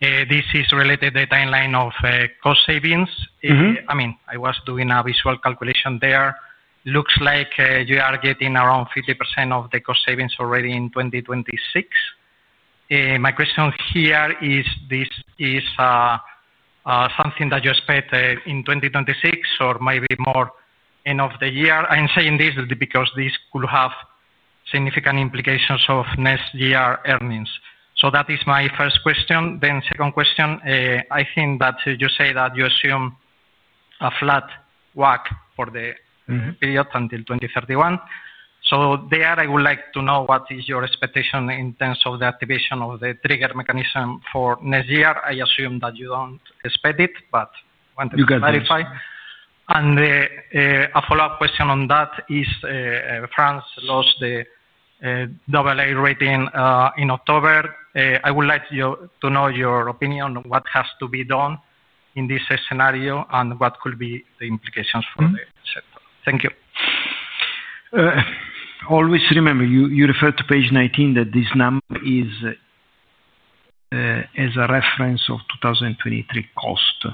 [SPEAKER 11] This is related data in line of cost savings. I mean I was doing a visual calculation there. Looks like you are getting around 50% of the cost savings already in 2020. My question here is this is something that you expect in 2026 or maybe more end of the year. I'm saying this because this could have significant implications of next year earnings. That is my first question. Second question I think that you say that you assume a flat WACC for the period until 2031. There I would like to know what is your expectation in terms of the activation of the trigger mechanism for next year. I assume that you don't expect it but wanted to clarify and a follow up question on that is France lost the AA rating in October. I would like to know your opinion what has to be done in this. Scenario and what could be the implications for the sector. Thank you.
[SPEAKER 4] Always remember you refer to page 19 that this number is as a reference of 2023 cost.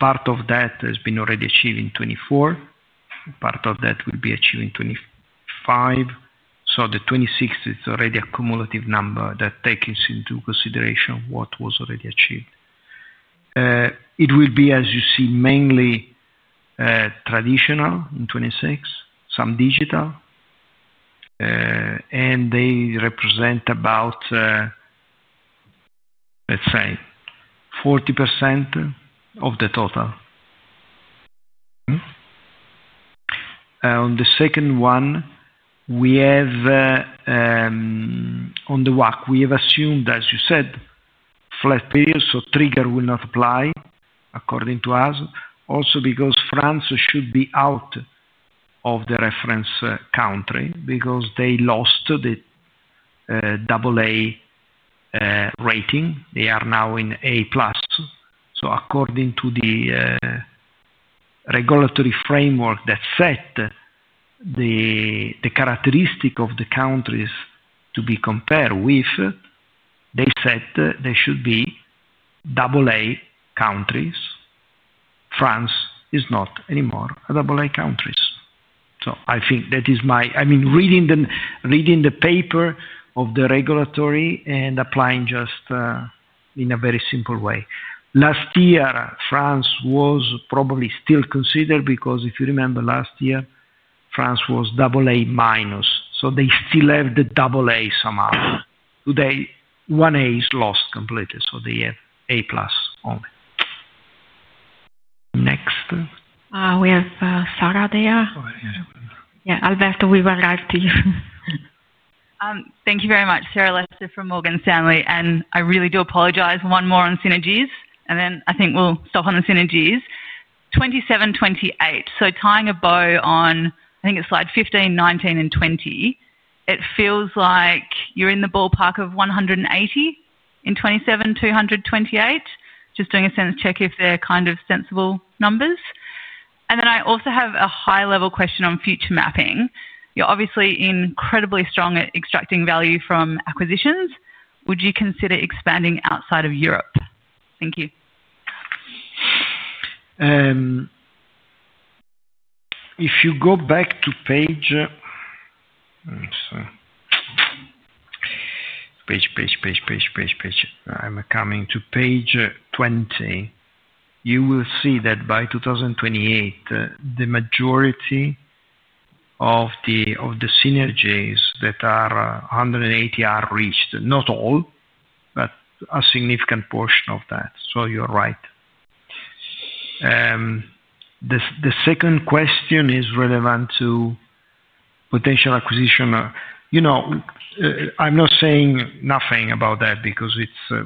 [SPEAKER 4] Part of that has been already achieved in 2024, part of that will be achieved in 2025. The 2026 is already a cumulative number that takes into consideration what was already achieved. It will be, as you see, mainly traditional in 2026, some digital, and they represent about, let's say, 40% of the total. The second one we have. On the. WACC we have assumed, as you said, flat period. The trigger will not apply according to us, also because France should be out of the reference country because they lost the AA rating. They are now in A+. According to the regulatory framework that set the characteristic of the countries to be compared with, they said they should be AA countries. France is not anymore AA countries. I think that is my, I mean, reading the paper of the regulatory and applying just in a very simple way, last year France was probably still considered because if you remember, last year France was AA-. They still have the AA. Somehow today, 1A is lost completely. They have A+. Only. Next
[SPEAKER 1] we have Sarah. Yeah, Alberto, we will write to you.
[SPEAKER 12] Thank you very much. Sarah Lester from Morgan Stanley, and I really do apologize. One more on synergies, and then I think we'll stop on the synergies. 2027, 2028. Tying a bow on, I think it's slide 15, 19, and 20. It feels like you're in the ballpark of 180 in 2027, 2028. Just doing a sense check if they're kind of sensible numbers. I also have a high level question on future mapping. You're obviously incredibly strong at extracting value from acquisitions. Would you consider expanding outside of Europe? Thank you.
[SPEAKER 4] If you go back to page. Page. I'm coming to page 20. You will see that by 2028 the majority of the senior J's, that are 180, are reached. Not all, but a significant portion of that. You're right. The second question is relevant to potential acquisition. I'm not saying anything about that because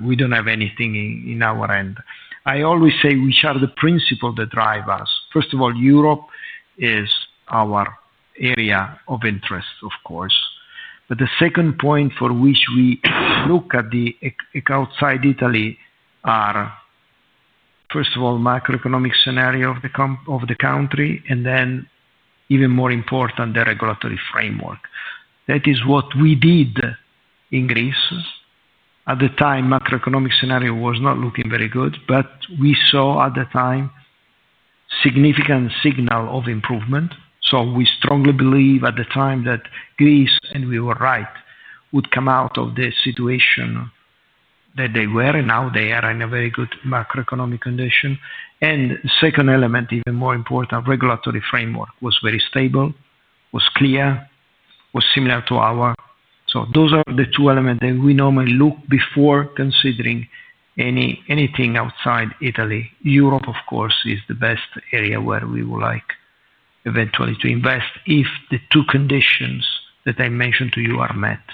[SPEAKER 4] we don't have anything in our end. I always say which are the principles that drive us. First of all, Europe is our area of interest, of course, but the second point for which we look at outside Italy are, first of all, macroeconomic scenario of the country and then, even more important, the regulatory framework. That is what we did in Greece. At the time, macroeconomic scenario was not looking very good, but we saw at the time significant signal of improvement. We strongly believed at the time that Greece, and we were right, would come out of the situation that they were. Now they are in a very good macroeconomic condition. Second element, even more important, regulatory framework was very stable, was clear, was similar to ours. Those are the two elements that we normally look at before considering anything outside Italy. Europe, of course, is the best area where we would like eventually to invest if the two conditions that I mentioned to you are met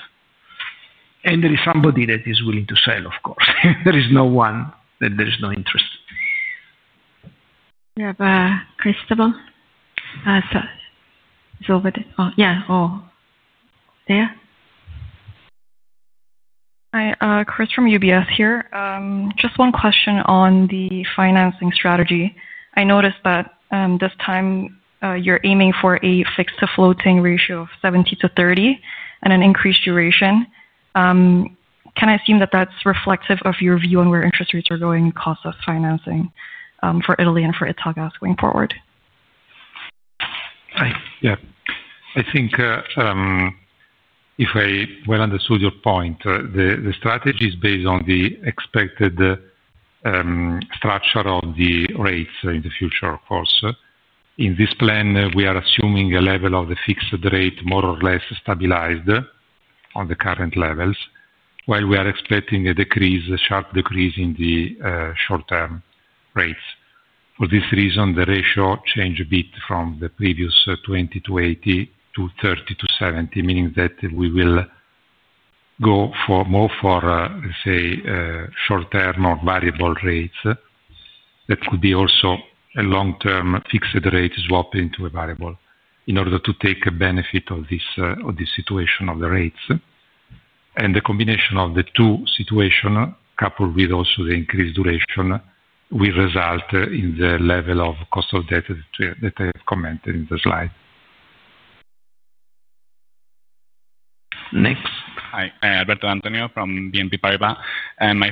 [SPEAKER 4] and there is somebody that is willing to sell. Of course, there is no one, there is no interest.
[SPEAKER 13] Hi, Chris from UBS here. Just one question on the financing strategy. I noticed that this time you're aiming for a fixed to floating ratio of 70 to 30 and an increased duration. Can I assume that that's reflective of your view on where interest rates are going, cost of U.S. financing for Italy and for Italgas going forward?
[SPEAKER 6] Yes, I think if I well understood your point, the strategy is based on the expected structure of the rates in the future. Of course, in this plan we are assuming a level of the fixed rate more or less stabilized on the current levels. We are expecting a decrease, a sharp decrease in the short term rates. For this reason, the ratio changed a bit from the previous 20 to 80 to 30 to 7, meaning that we will go more for, say, short term or variable rates. That could be also a long term fixed rate swap into a variable in order to take a benefit of this situation of the rates, and the combination of the two situations coupled with also the increased duration will result in the level of cost of debt that I have commented in the slide.
[SPEAKER 4] Next.
[SPEAKER 14] Hi, Alberto Antonio from BNP Paribas. My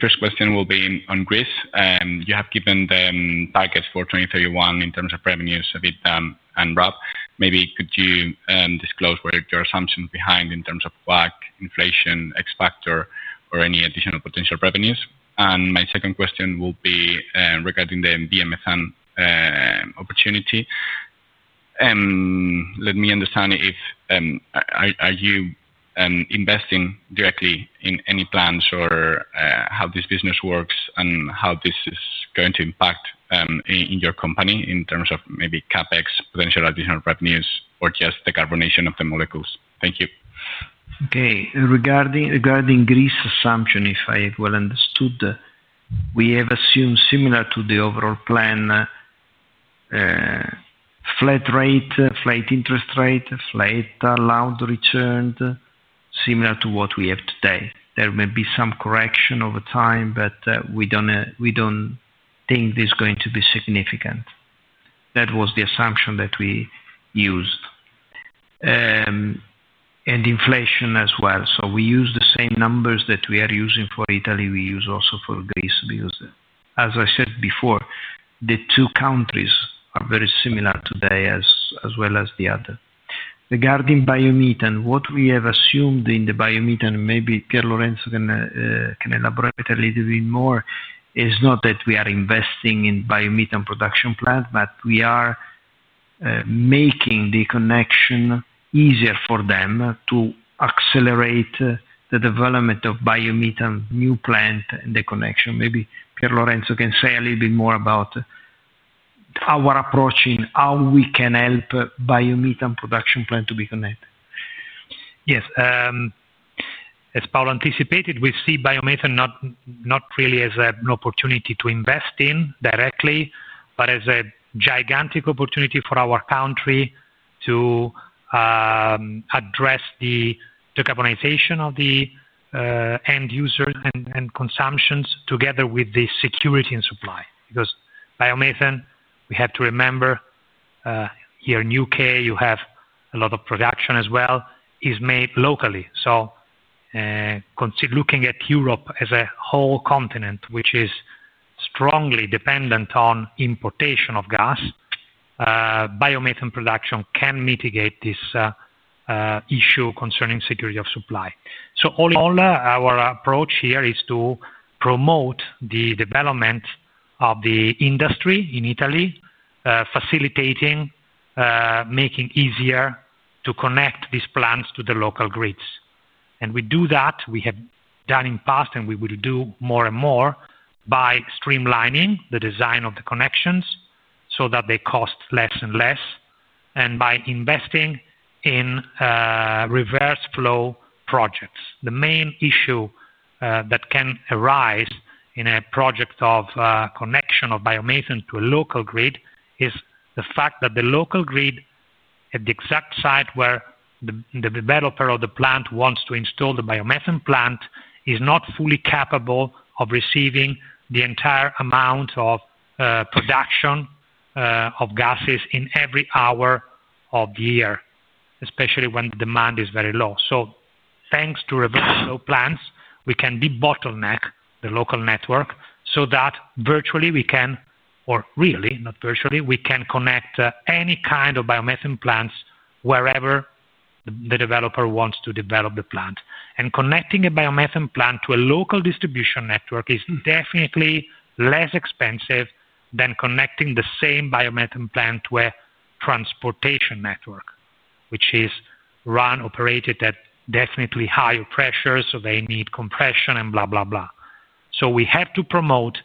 [SPEAKER 14] first question will be on Greece. You have given the targets for 2031 in terms of revenues, EBITDA, and RAB. Could you disclose what your assumption is behind in terms of WACC, inflation, X-factor, or any additional potential revenues? My second question will be regarding the BMFN opportunity. Let me understand if you are investing. Directly in any plans or how this. Business works and how this is going. To impact in your company in terms of maybe CapEx, potential additional revenues, or just the decarbonization of the molecules. Thank you.
[SPEAKER 4] Okay, regarding Greece assumption, if I well understood, we have assumed similar to the overall plan, flat rate, flat interest rate, flat allowed return similar to what we have today. There may be some correction over time, but we don't think this is going to be significant. That was the assumption that we used, and inflation as well. We use the same numbers that we are using for Italy, we use also for Greece. As I said before, the two countries are very similar today as well as the other. Regarding biomethane, what we have assumed in the biomethane, maybe Piero Lorenzo can elaborate a little bit more, is not that we are investing in biomethane production plant, but we are making the connection easier for them to accelerate the development of biomethane new plant and the connection. Maybe Piero Lorenzo can say a little bit more about our approach in how we can help biomethane production plant to be connected.
[SPEAKER 5] Yes, as Paolo anticipated, we see biomethane not really as an opportunity to invest in directly, but as a gigantic opportunity for our country to address the decarbonization of the end user and consumptions together with the security and supply. Because biomethane, we have to remember here in the U.K. you have a lot of production as well, is made locally. Looking at Europe as a whole continent which is strongly dependent on importation of gas, biomethane production can mitigate this issue concerning security of supply. All in all, our program here is to promote the development of the industry in Italy, facilitating and making it easier to connect these plants to the local grids. We do that, we have done in the past and we will do more and more by streamlining the design of the connections so that they cost less and less, and by investing in reverse flow projects. The main issue that can arise in a project of connection of biomethane to a local grid is the fact that the local grid at the exact site where the developer of the plant wants to install the biomethane plant is not fully capable of receiving the entire amount of production of gases in every hour of the year, especially when the demand is very low. Thanks to reverse flow plants, we can debottleneck the local network so that virtually we can, or really not virtually, we can connect any kind of biomethane plants wherever the developer wants to develop the plant. Connecting a biomethane plant to a local distribution network is definitely less expensive than connecting the same biomethane plant to a transportation network which is operated at definitely higher pressures. They need compression and blah blah, blah. We have to promote,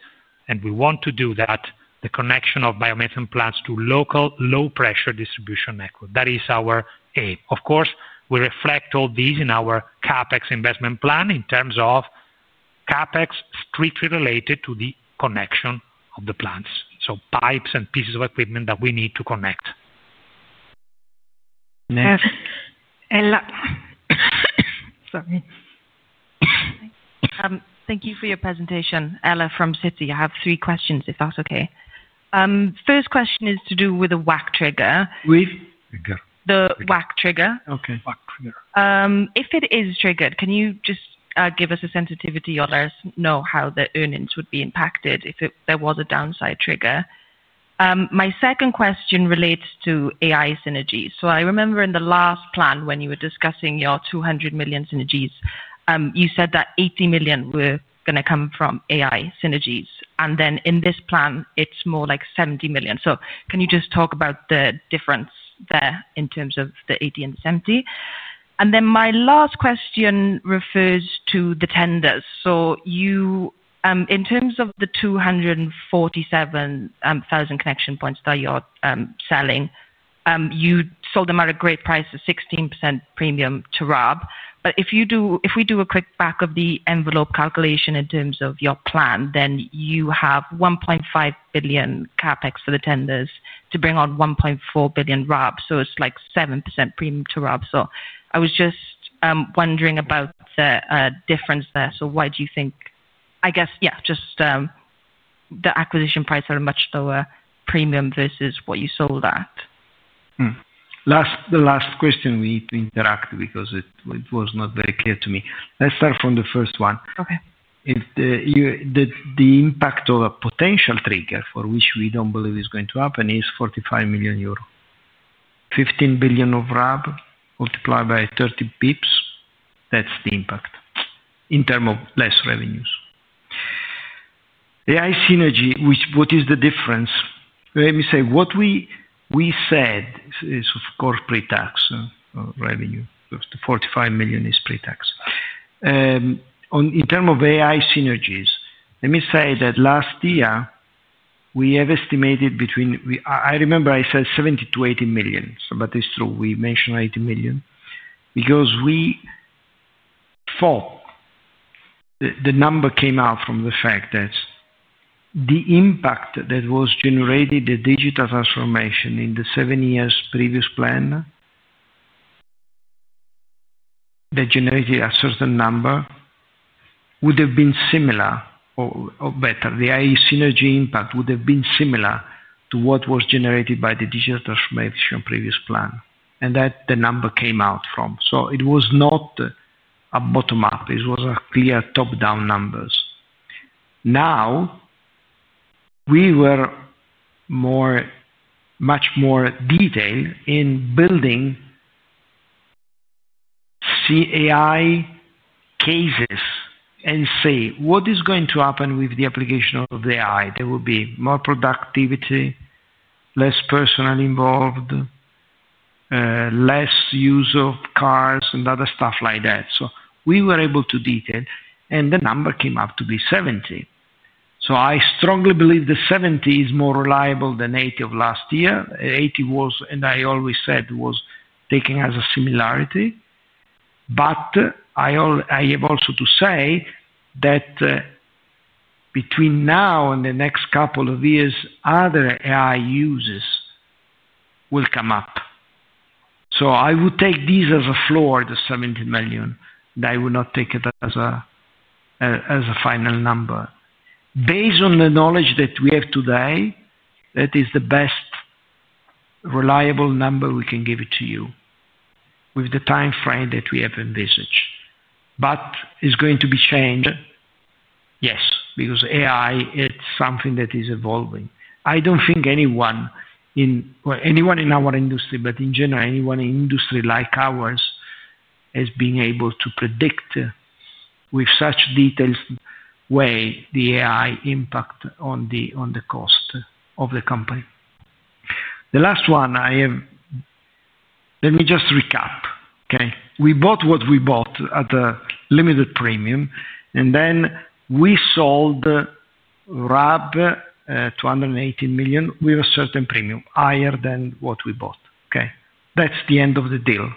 [SPEAKER 5] and we want to do that, the connection of biomethane plants to local low pressure distribution network. That is our aim. Of course, we reflect all these in our CapEx investment plan in terms of CapEx, strictly related to the connection of the plants. Pipes and pieces of equipment that we need to connect.
[SPEAKER 15] Ella, thank you for your presentation. Ella from Citi. I have three questions if that's okay. First question is to do with a WACC trigger. The WACC trigger, if it is triggered, can you just give us a sensitivity or let us know how the earnings would be impacted if there was a downside trigger? My second question relates to AI synergies. I remember in the last plan when you were discussing your 200 million synergies, you said that 80 million were going to come from AI synergies. In this plan it's more like 70 million. Can you just talk about the difference there in terms of the 80 million and 70 million? My last question refers to the tenders. In terms of the 247,000 connection points that you're selling, you sold them at a great price, a 16% premium to RAB. If we do a quick back of the envelope calculation in terms of your plan, then you have 1.5 billion CapEx for the tenders to bring on 1.4 billion RAB. It's like 7% premium to RAB. I was just wondering about the difference there. Why do you think the acquisition price is a much lower premium versus what you sold at?
[SPEAKER 4] The last question. We need to interact because it was not very clear to me. Let's start from the first one. The impact of a potential trigger for which we don't believe is going to happen is 45 million euro, 15 billion of RAB multiplied by 30 bps. That's the impact in terms of less revenues. AI synergy, which what is the difference? Let me say what we said is of corporate tax revenue. 45 million is pre-tax. In terms of AI synergies, let me say that last year we have estimated between, I remember I said 70 million-80 million, but it's true. We mentioned 80 million because we thought the number came out from the fact that the impact that was generated, the digital transformation in the seven year previous plan that generated a certain number, would have been similar or better. The AI synergy impact would have been similar to what was generated by the digital transformation previous plan and that the number came out from. It was not a bottom up, it was a clear top down numbers. Now we were much more detailed in building AI cases and say what is going to happen with the application of the AI. There will be more productivity, less personnel involved, less use of cars and other stuff like that. We were able to detail and the number came up to be 70 million. I strongly believe the 70 million is. More reliable than 80 million of last year. 80 million was and I always said was taken as a similarity. I have also to say that between now and the next couple of years other AI users will come up. I would take these as a floor. The 70 million, I will not take it as a final number based on the knowledge that we have today. That is the best reliable number we can give to you with the time frame that we have envisaged, but it is going to be changed. Yes, because AI is something that is evolving. I don't think anyone in our industry, but in general anyone in industry like ours, has been able to predict with such detailed way the AI impact on the cost of the company. The last one I have. Let me just recap. We bought what we bought at a limited premium and then we sold RAB 280 million with a certain premium higher than what we bought. That's the end of the deal.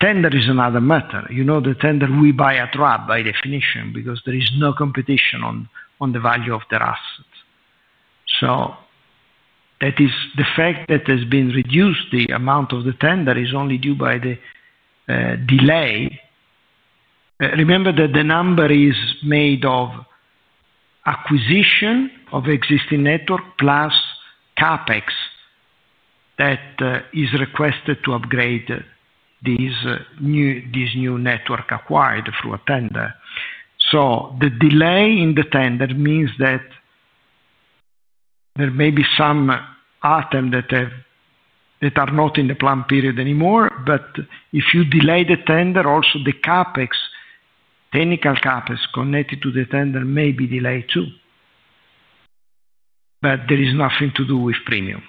[SPEAKER 4] Tender is another matter. You know, the tender we buy at RAB by definition because there is no competition on the value of their assets. That is the fact that has been reduced. The amount of the tender is only due by the delay. Remember that the number is made of acquisition of existing network plus CapEx that is requested to upgrade this new network acquired through a tender. The delay in the tender means that there may be some item that are not in the planned period anymore. If you delay the tender, also the CapEx technical caps connected to the tender may be delayed too. There is nothing to do with premium.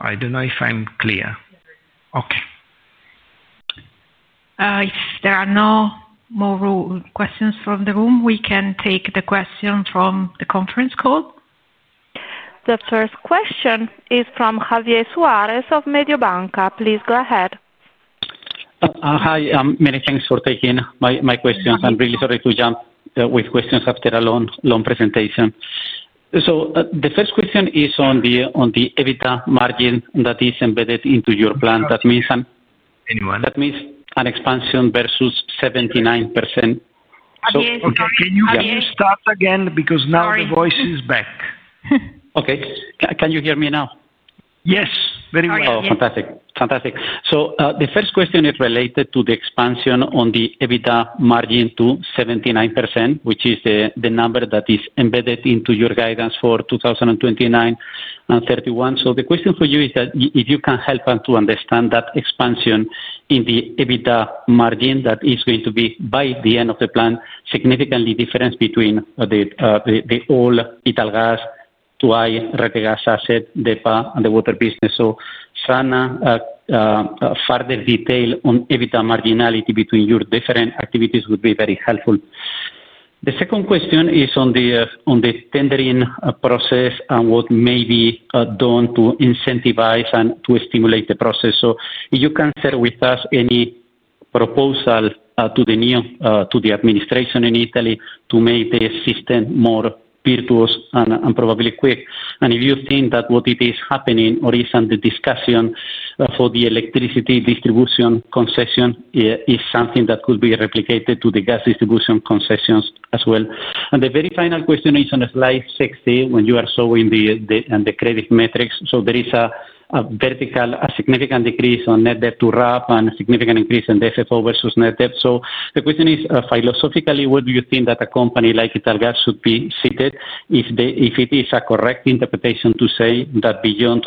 [SPEAKER 4] I don't know if I'm clear. Okay.
[SPEAKER 1] If there are no more questions from the room, we can take the question from the conference call. The first question is from Javier Suarez of Mediobanca. Please go ahead.
[SPEAKER 16] Hi, many thanks for taking my questions. I'm really sorry to jump with questions after a long presentation. The first question is on the EBITDA margin that is embedded into your plan. That means an expansion versus 79%?
[SPEAKER 4] Okay, can you start again? Because now the voice is back.
[SPEAKER 16] Okay, can you hear me now?
[SPEAKER 4] Yes, very well.
[SPEAKER 16] Fantastic, fantastic. The first question is related to the expansion on the EBITDA margin to 79%, which is the number that is embedded into your guidance for 2029 and 2031. The question for you is if you can help us to understand that expansion in the EBITDA margin that is going to be by the end of the plan, significantly different between the old Reti gas, 2i Rete Gas asset, DEPA, and the water business. Further detail on EBITDA marginality between your different activities would be very helpful. The second question is on the tendering process and what may be done to incentivize and to stimulate the process. If you can share with us any proposal to the new administration in Italy to make the system more virtuous and probably quick, and if you think that what is happening or is the discussion for the electricity distribution concession is something that could be replicated to the gas distribution concessions as well. The very final question is on slide 60 when you are showing the credit metrics. There is a vertical, significant decrease on net debt to RAB and significant increase in the FFO versus net debt. The question is philosophically, what do you think that a company like Italgas. Should be seated if it is a. Correct interpretation to say that beyond,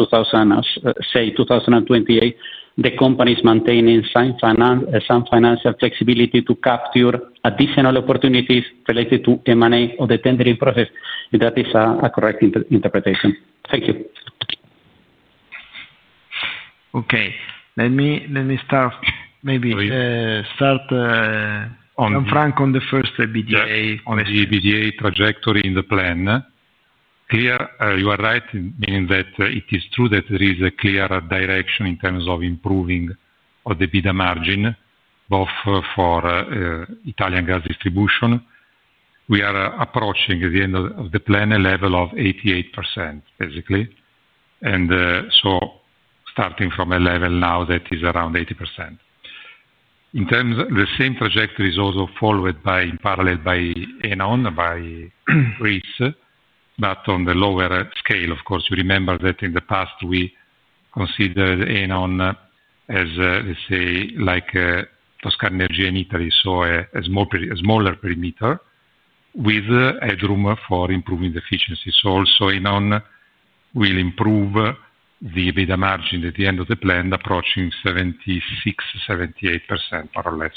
[SPEAKER 16] say, 2028, the company is maintaining some financial flexibility to capture additional opportunities related to. M&A or the tendering process. That is a correct interpretation. Thank you.
[SPEAKER 4] Okay, let me start. Maybe start, Frank, on the first EBITDA.
[SPEAKER 6] On the EBITDA trajectory in the plan here you are right, meaning that it is true that there is a clear direction in terms of improving of the EBITDA margin, both for Italian gas distribution, we are approaching at the end of the plan a level of 88%, basically. Starting from a level now that is around 80%, the same trajectory is also followed in parallel by Enaon, by reec, but on the lower scale, of course. You remember that in the past we considered Enaon as, let's say, like Toscana Energia in Italy, so a smaller perimeter with headroom for improving the efficiency. Also Enaon will improve the EBITDA margin at the end of the plan, approaching 76%, 78% more or less.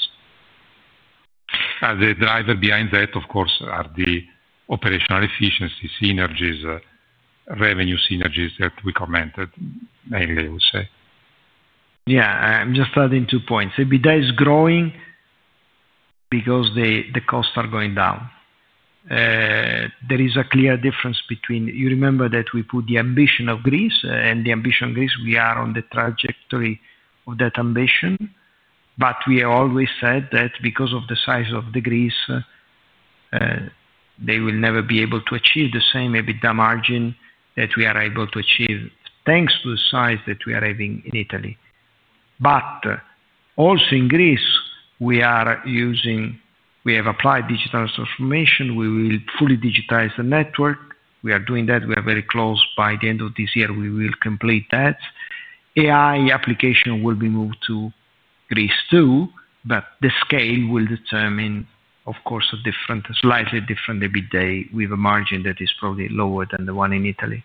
[SPEAKER 6] The driver behind that, of course, are the operational efficiency synergies, revenue synergies that we commented. Mainly we say,
[SPEAKER 4] yeah, I'm just adding two points. EBITDA is growing because the costs are going down. There is a clear difference between. You remember that we put the ambition of Greece and the ambition of Greece. We are on the trajectory of that ambition. We always said that because of the size of Greece, they will never be able to achieve the same EBITDA margin that we are able to achieve thanks to the size that we are having in Italy. Also, in Greece we are using, we have applied digital transformation. We will fully digitize the network. We are doing that. We are very close. By the end of this year we will complete that. AI application will be moved to Greece too, but the scale will determine, of course, a different, slightly different EBITDA with a margin that is probably lower than the one in Italy.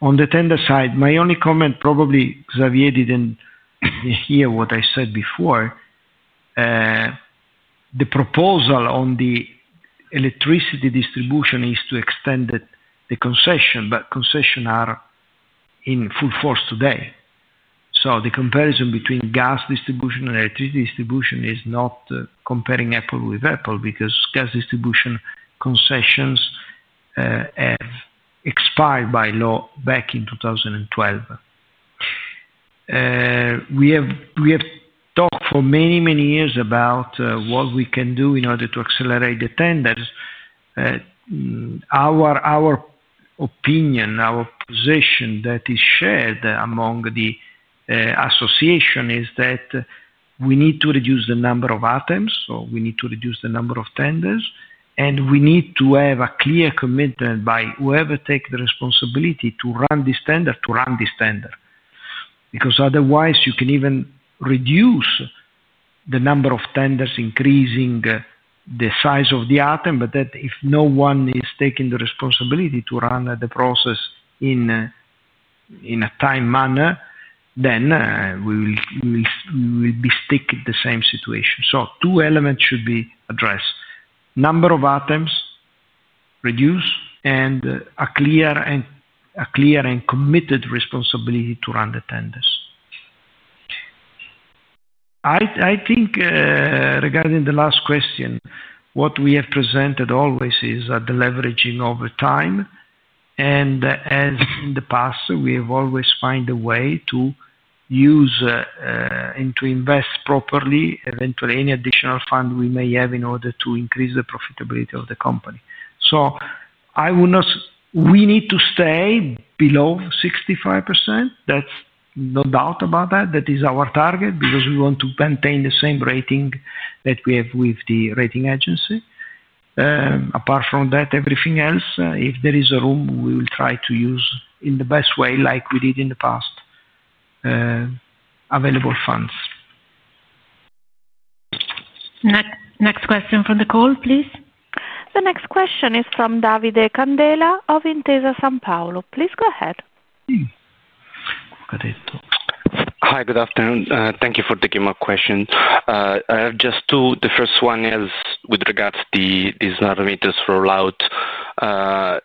[SPEAKER 4] On the tender side, my only comment, probably Javier didn't hear what I said before. The proposal on the electricity distribution is to extend the concession, but concessions are in full force today. The comparison between gas distribution and electricity distribution is not comparing apple with apple, because gas distribution concessions have expired by law back in 2012. We have talked for many, many years about what we can do in order to accelerate the tenders. Our opinion, our position that is shared among the association, is that we need to reduce the number of ATEMs or we need to reduce the number of tenders. We need to have a clear commitment by whoever takes the responsibility to run this tender, to run this tender, because otherwise you can even reduce the number of tenders, increasing the size of the ATEM, but if no one is taking the responsibility to run the process in a timely manner, then we will be sticking to the same situation. Two elements should be addressed: number of ATEMs reduced and a clear and committed responsibility to run the tenders. I think regarding the last question, what we have presented always is deleveraging over time. As in the past, we have always found a way to use and to invest properly. Eventually any additional fund we may have in order to increase the profitability of the company. We need to stay below 65%. That's no doubt about that. That is our target because we want to maintain the same rating that we have with the rating agency. Apart from that, everything else, if there is room, we will try to use in the best way like we did in the past available funds.
[SPEAKER 1] Next question from the call, please. The next question is from Davide Candela of Intesa Sanpaolo. Please go ahead.
[SPEAKER 17] Hi, good afternoon. Thank you for taking my question. I have just, so the first one is with regards to these Nimbus meters rollout.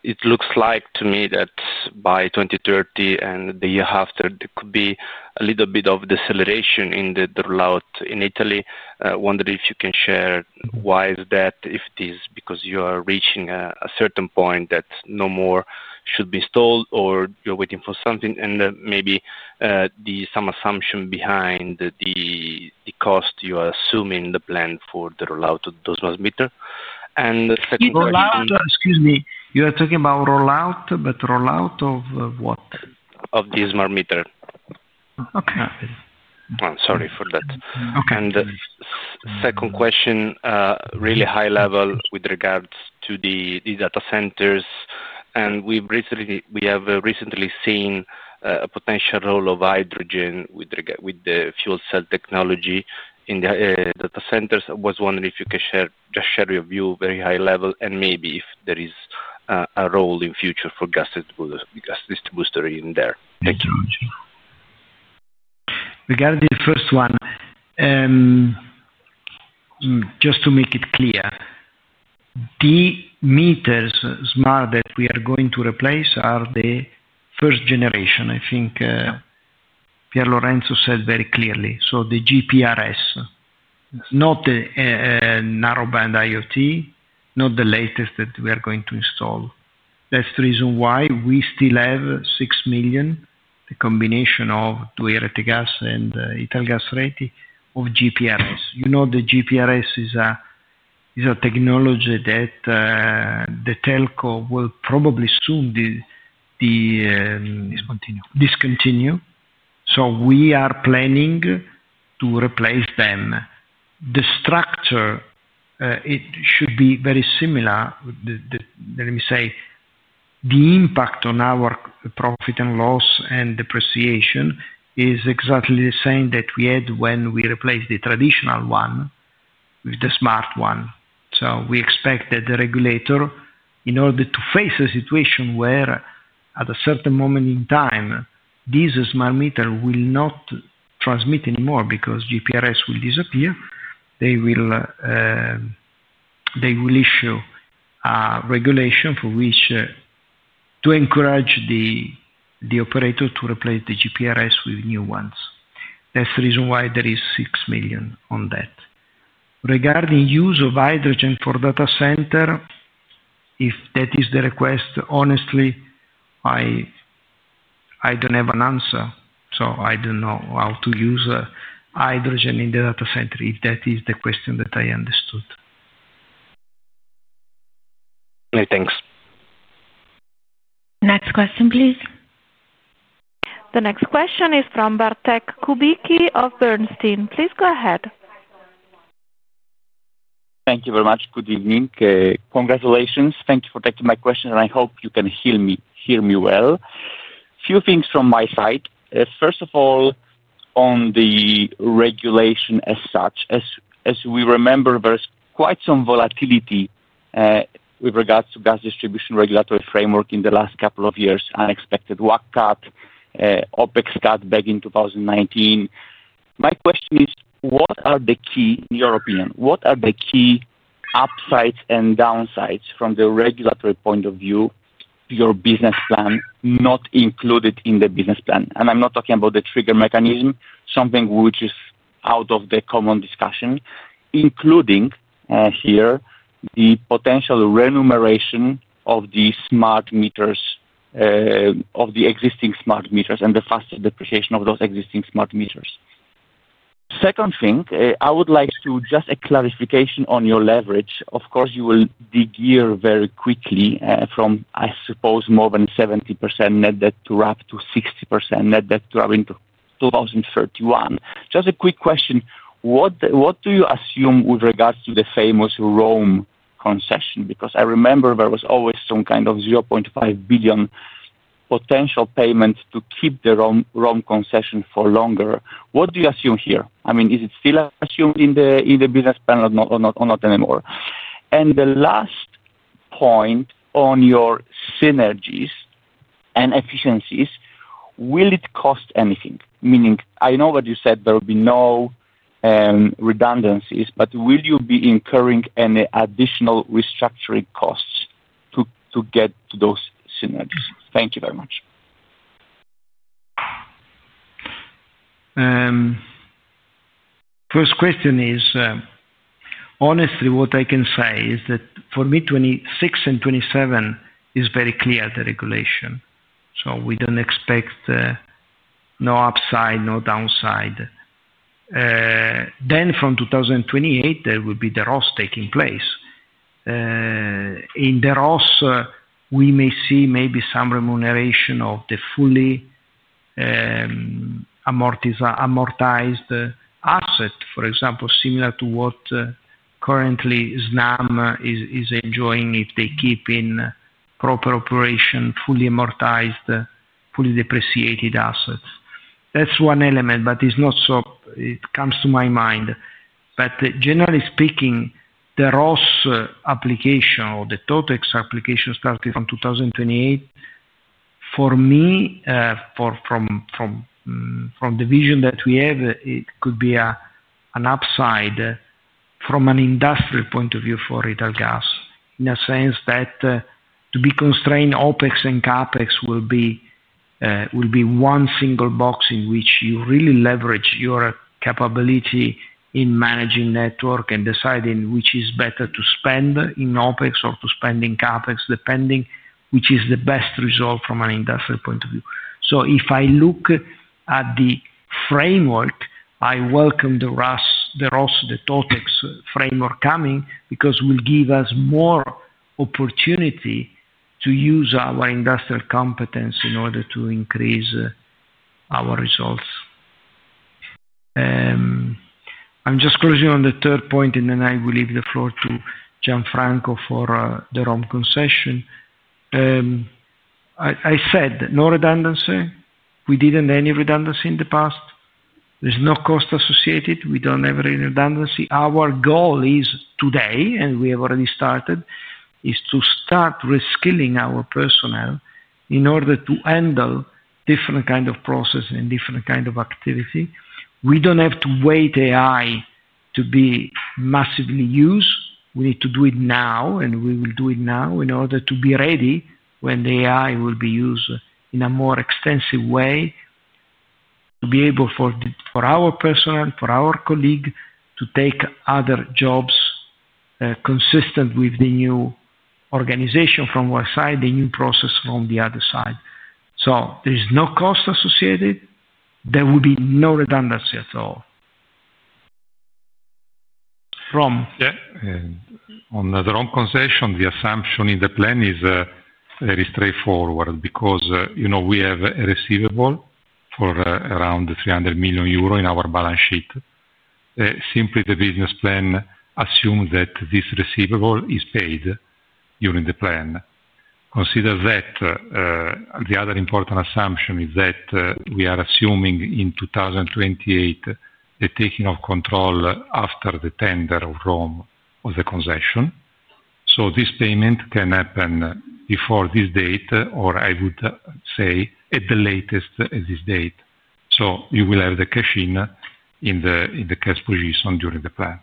[SPEAKER 17] It looks like to me that by 2030 and the year after there could be a little bit of deceleration in the rollout in Italy. I wonder if you can share why is that? If it is because you are reaching a certain point that no more should be installed or you're waiting for something and maybe some assumption behind the cost. You are assuming the plan for the rollout of those transmitters.
[SPEAKER 4] Excuse me, you are talking about rollout, but rollout of what?
[SPEAKER 17] Of DSMR meter.
[SPEAKER 4] Okay,
[SPEAKER 17] I'm sorry for that. Second question, really high level, with regards to the data centers and we've recently, we have recently seen a potential role of hydrogen with the fuel cell technology in the data centers. I was wondering if you can just share your view. Very high level, and maybe if there. Is a role in future for gas stat booster in there. Thank you.
[SPEAKER 4] Regarding the first one, just to make it clear. The smart meters that we are going to replace are the first generation. I think Piero Lorenzo said very clearly. The GPRS, not narrowband IoT, not the latest that we are going to install. That's the reason why we still have 6 million. The combination of duality gas and 2i Rete Gas ready of GPRS. You know, the GPRS is a technology that the telco will probably soon discontinue. We are planning to replace them. The structure should be very similar. Let me say the impact on our profit and loss and depreciation is exactly the same that we had when we replaced the traditional one with the smart one. We expect that the regulator, in order to face a situation where at a certain moment in time these smart meters will not transmit anymore because GPRS will disappear, will issue regulation to encourage the operator to replace the GPRS with the new ones. That's the reason why there is 6 million on that. Regarding use of hydrogen for data center, if that is the request, honestly. I. I don't have an answer. I don't know how to use hydrogen in the data center if that is the question that I understood.
[SPEAKER 17] Thanks.
[SPEAKER 1] Next question please. The next question is from Bartłomiej Kubicki of Bernstein. Please go ahead.
[SPEAKER 18] Thank you very much. Good evening. Congratulations. Thank you for taking my question, and I hope you can hear me well. A few things from my side. First of all, on the regulation as such, as we remember, there's quite some volatility with regards to gas distribution regulatory. Framework in the last couple of years. Unexpected WACC at OpEx cut back in 2019. My question is, in your opinion, what are the key? Upsides and downsides from the regulatory point of view? Your business plan not included in the. Business plan, and I'm not talking about the trigger mechanism, something which is out of the common discussion, including here the potential remuneration of the smart meters. Of the existing smart meters and the. Faster depreciation of those existing smart meters. Second thing, I would like just a clarification on your leverage. Of course, you will delever very quickly. I suppose more than 70% net. Debt to up to 60% net debt to our interaction 2031. Just a quick question. What do you assume with regards to the famous Rome concession? I remember there was always some kind of 0.5 billion potential payment to keep the Rome concession for longer. What do you assume here? I mean, is it still assumed in the business panel or not anymore? The last point on your synergies and efficiencies, will it cost anything? Meaning? I know what you said, there will. Be no redundancies, but will you be incurring any additional restructuring costs to get those synergies? Thank you very much.
[SPEAKER 4] First question is, honestly what I can say is that for mid 2026 and 2027, it is very clear the regulation. We don't expect no upside, no downside. From 2028, there will be the ROS taking place in the ROS. We may see maybe some remuneration of the fully amortized asset, for example, similar to what currently Snam is enjoying if they keep in proper operation fully amortized, fully depreciated assets. That's one element, but it's not, so it comes to my mind. Generally speaking, the ROS application or the Totex application started from 2028 for me, from the vision that we have, it could be an upside from an industrial point of view for Italgas in a sense that to be constrained, OpEx and CapEx will be one single box in which you really leverage your capability in managing network and deciding which is better to spend in OpEx or to spend in CapEx, depending on which is the best result from an industrial point of view. If I look at the framework, I welcome the ROS, the Totex framework coming because it will give us more opportunity to use our industrial competence in order to increase our results. I'm just closing on the third point and then I will leave the floor to Gianfranco for the ROM concession. I said no redundancy. We didn't have any redundancy in the past. There's no cost associated. We don't have any redundancy. Our goal is today, and we have already started, is to start reskilling our personnel in order to handle different kind of process and different kind of activity. We don't have to wait for AI to be massively used. We need to do it now and we will do it now in order to be ready when the AI will be used in a more extensive way to be able for our person, for our colleague to take other jobs consistent with the new organization from one side, the new process from the other side. There is no cost associated, there will be no redundancy at all.
[SPEAKER 6] Rome on the wrong concession. The assumption in the plan is very straightforward because you know we have a receivable for around 300 million euro in our balance sheet. Simply, the business plan assumes that this receivable is paid during the plan. Consider that the other important assumption is that we are assuming in 2028 the taking of control after the tender of Rome of the concession. This payment can happen before this date, or at the latest this date. You will have the cash in the cash position during the plan.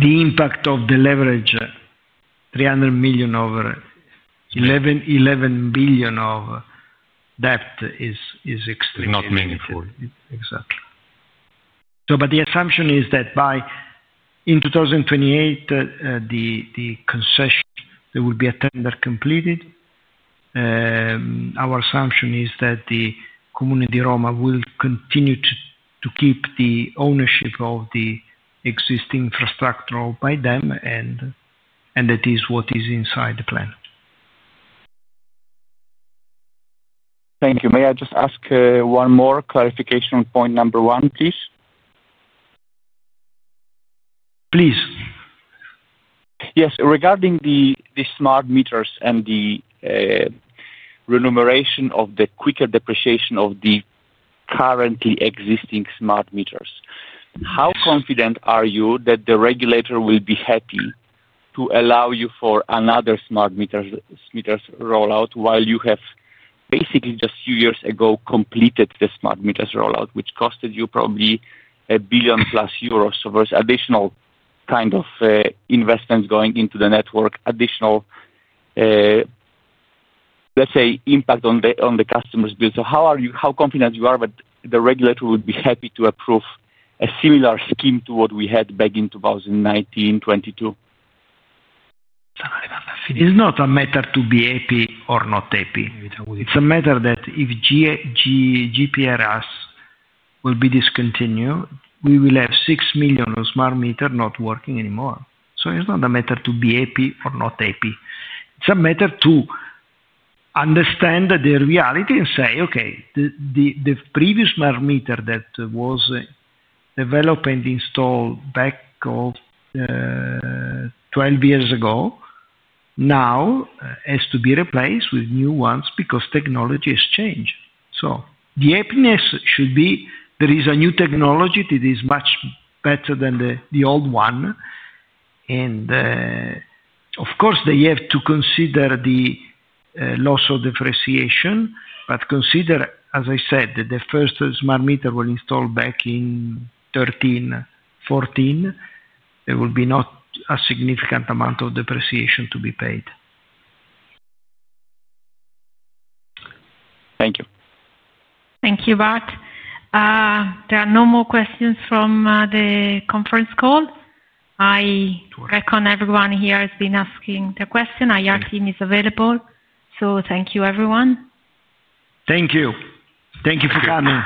[SPEAKER 4] The impact of the leverage $300 million over $11 billion of debt is extreme, not meaningful. Exactly. The assumption is that by 2028 the concession, there will be a tender completed. Our assumption is that the Comune di Roma will continue to keep the ownership of the existing infrastructure by them. That is what is inside the plan.
[SPEAKER 18] Thank you. May I just ask one more clarification. On point number one? Please.
[SPEAKER 4] Please,
[SPEAKER 18] yes. Regarding the smart meters and the remuneration of the quicker depreciation of the currently existing smart meters, how confident are you that the regulator will be happy to allow you for another smart meters rollout while you have basically just few years? Ago completed the smart meters rollout, which. Costed you probably 1 billion euros plus. There are additional kind of investments going. Into the network, additional. Impact on the customer's bill. How are you, how confident you. Are that the regulator would be happy to approve a similar scheme to what. We had back in 2019, 2022.
[SPEAKER 4] It's not a matter to be AP or not AP. It's a matter that if GPRS will be discontinued, we will have 6 million smart meter not working anymore. It's not a matter to be happy or not happy. It's a matter to understand the reality and say, okay, the previous Mars meter that was developed and installed back 12 years ago now has to be replaced with new ones because technology has changed. The happiness should be there is a new technology that is much better than the old one. Of course, they have to consider the loss of depreciation. Consider, as I said, that the first smart meter was installed back in 2013-2014. There will be not a significant amount of depreciation to be paid.
[SPEAKER 18] Thank you.
[SPEAKER 1] Thank you. Bart. There are no more questions from the conference call. I reckon everyone here has been asking the question. IR team is available. Thank you everyone.
[SPEAKER 4] Thank you. Thank you for coming.